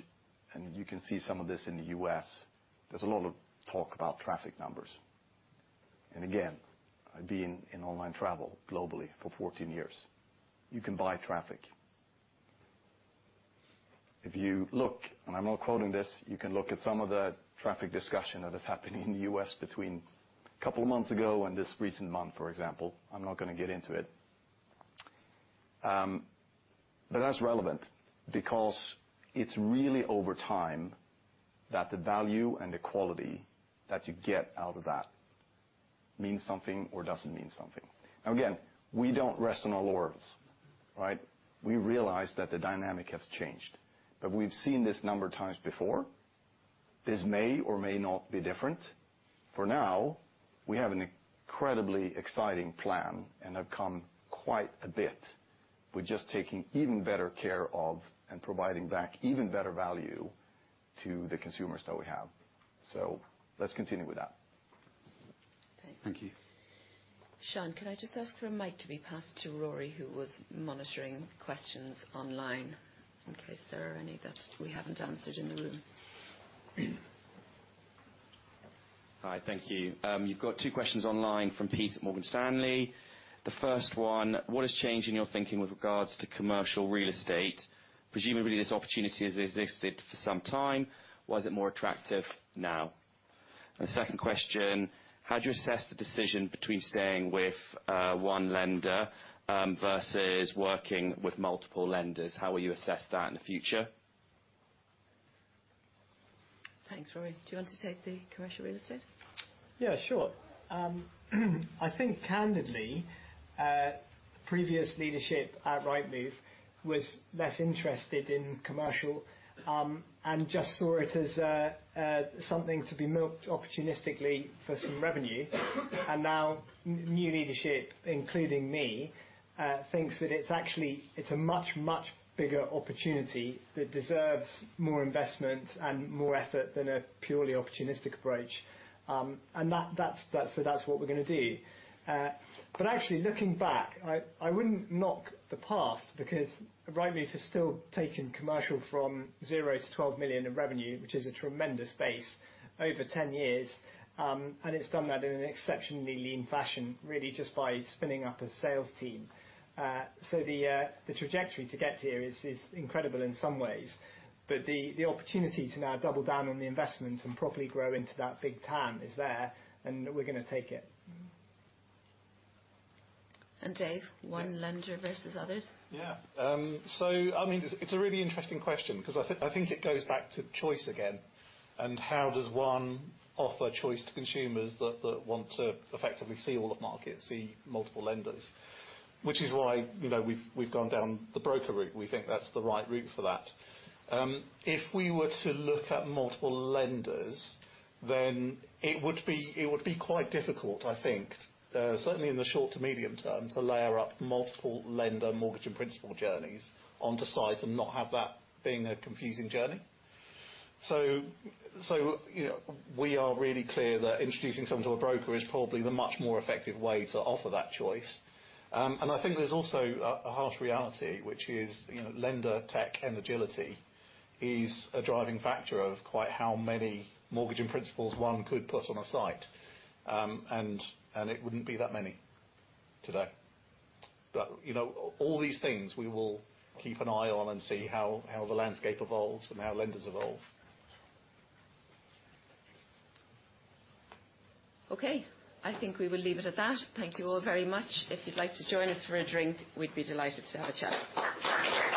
and you can see some of this in the US, there's a lot of talk about traffic numbers. And again, I've been in online travel globally for 14 years. You can buy traffic. If you look, and I'm not quoting this, you can look at some of the traffic discussion that is happening in the U.S. between couple of months ago and this recent month, for example. I'm not gonna get into it. But that's relevant because it's really over time that the value and the quality that you get out of that means something or doesn't mean something. Now, again, we don't rest on our laurels, right? We realize that the dynamic has changed, but we've seen this number of times before. This may or may not be different. For now, we have an incredibly exciting plan and have come quite a bit. We're just taking even better care of and providing back even better value to the consumers that we have. So let's continue with that. Thank you. Thank you. Sean, can I just ask for a mic to be passed to Rory, who was monitoring questions online, in case there are any that we haven't answered in the room? Hi, thank you. You've got two questions online from Pete at Morgan Stanley. The first one: What has changed in your thinking with regards to commercial real estate? Presumably, this opportunity has existed for some time. Why is it more attractive now? The second question, how do you assess the decision between staying with one lender versus working with multiple lenders? How will you assess that in the future? Thanks, Rory. Do you want to take the commercial real estate? Yeah, sure. I think candidly, previous leadership at Rightmove was less interested in commercial, and just saw it as something to be milked opportunistically for some revenue. And now, new leadership, including me, thinks that it's actually, it's a much, much bigger opportunity that deserves more investment and more effort than a purely opportunistic approach. And that, so that's what we're gonna do. But actually, looking back, I wouldn't knock the past, because Rightmove has still taken commercial from zero to 12 million in revenue, which is a tremendous base, over 10 years. And it's done that in an exceptionally lean fashion, really just by spinning up a sales team. So the trajectory to get here is incredible in some ways, but the opportunity to now double down on the investment and properly grow into that big TAM is there, and we're gonna take it. Dave, one lender versus others? Yeah. So I mean, it's a really interesting question, 'cause I think it goes back to choice again, and how does one offer choice to consumers that want to effectively see all the market, see multiple lenders? Which is why, you know, we've gone down the broker route. We think that's the right route for that. If we were to look at multiple lenders, then it would be quite difficult, I think, certainly in the short to medium term, to layer up multiple lender mortgage and principal journeys onto site and not have that being a confusing journey. So, you know, we are really clear that introducing someone to a broker is probably the much more effective way to offer that choice. I think there's also a harsh reality, which is, you know, lender tech and agility is a driving factor of quite how many Mortgage in Principle one could put on a site. And it wouldn't be that many today. But you know, all these things we will keep an eye on and see how the landscape evolves and how lenders evolve. Okay, I think we will leave it at that. Thank you all very much. If you'd like to join us for a drink, we'd be delighted to have a chat.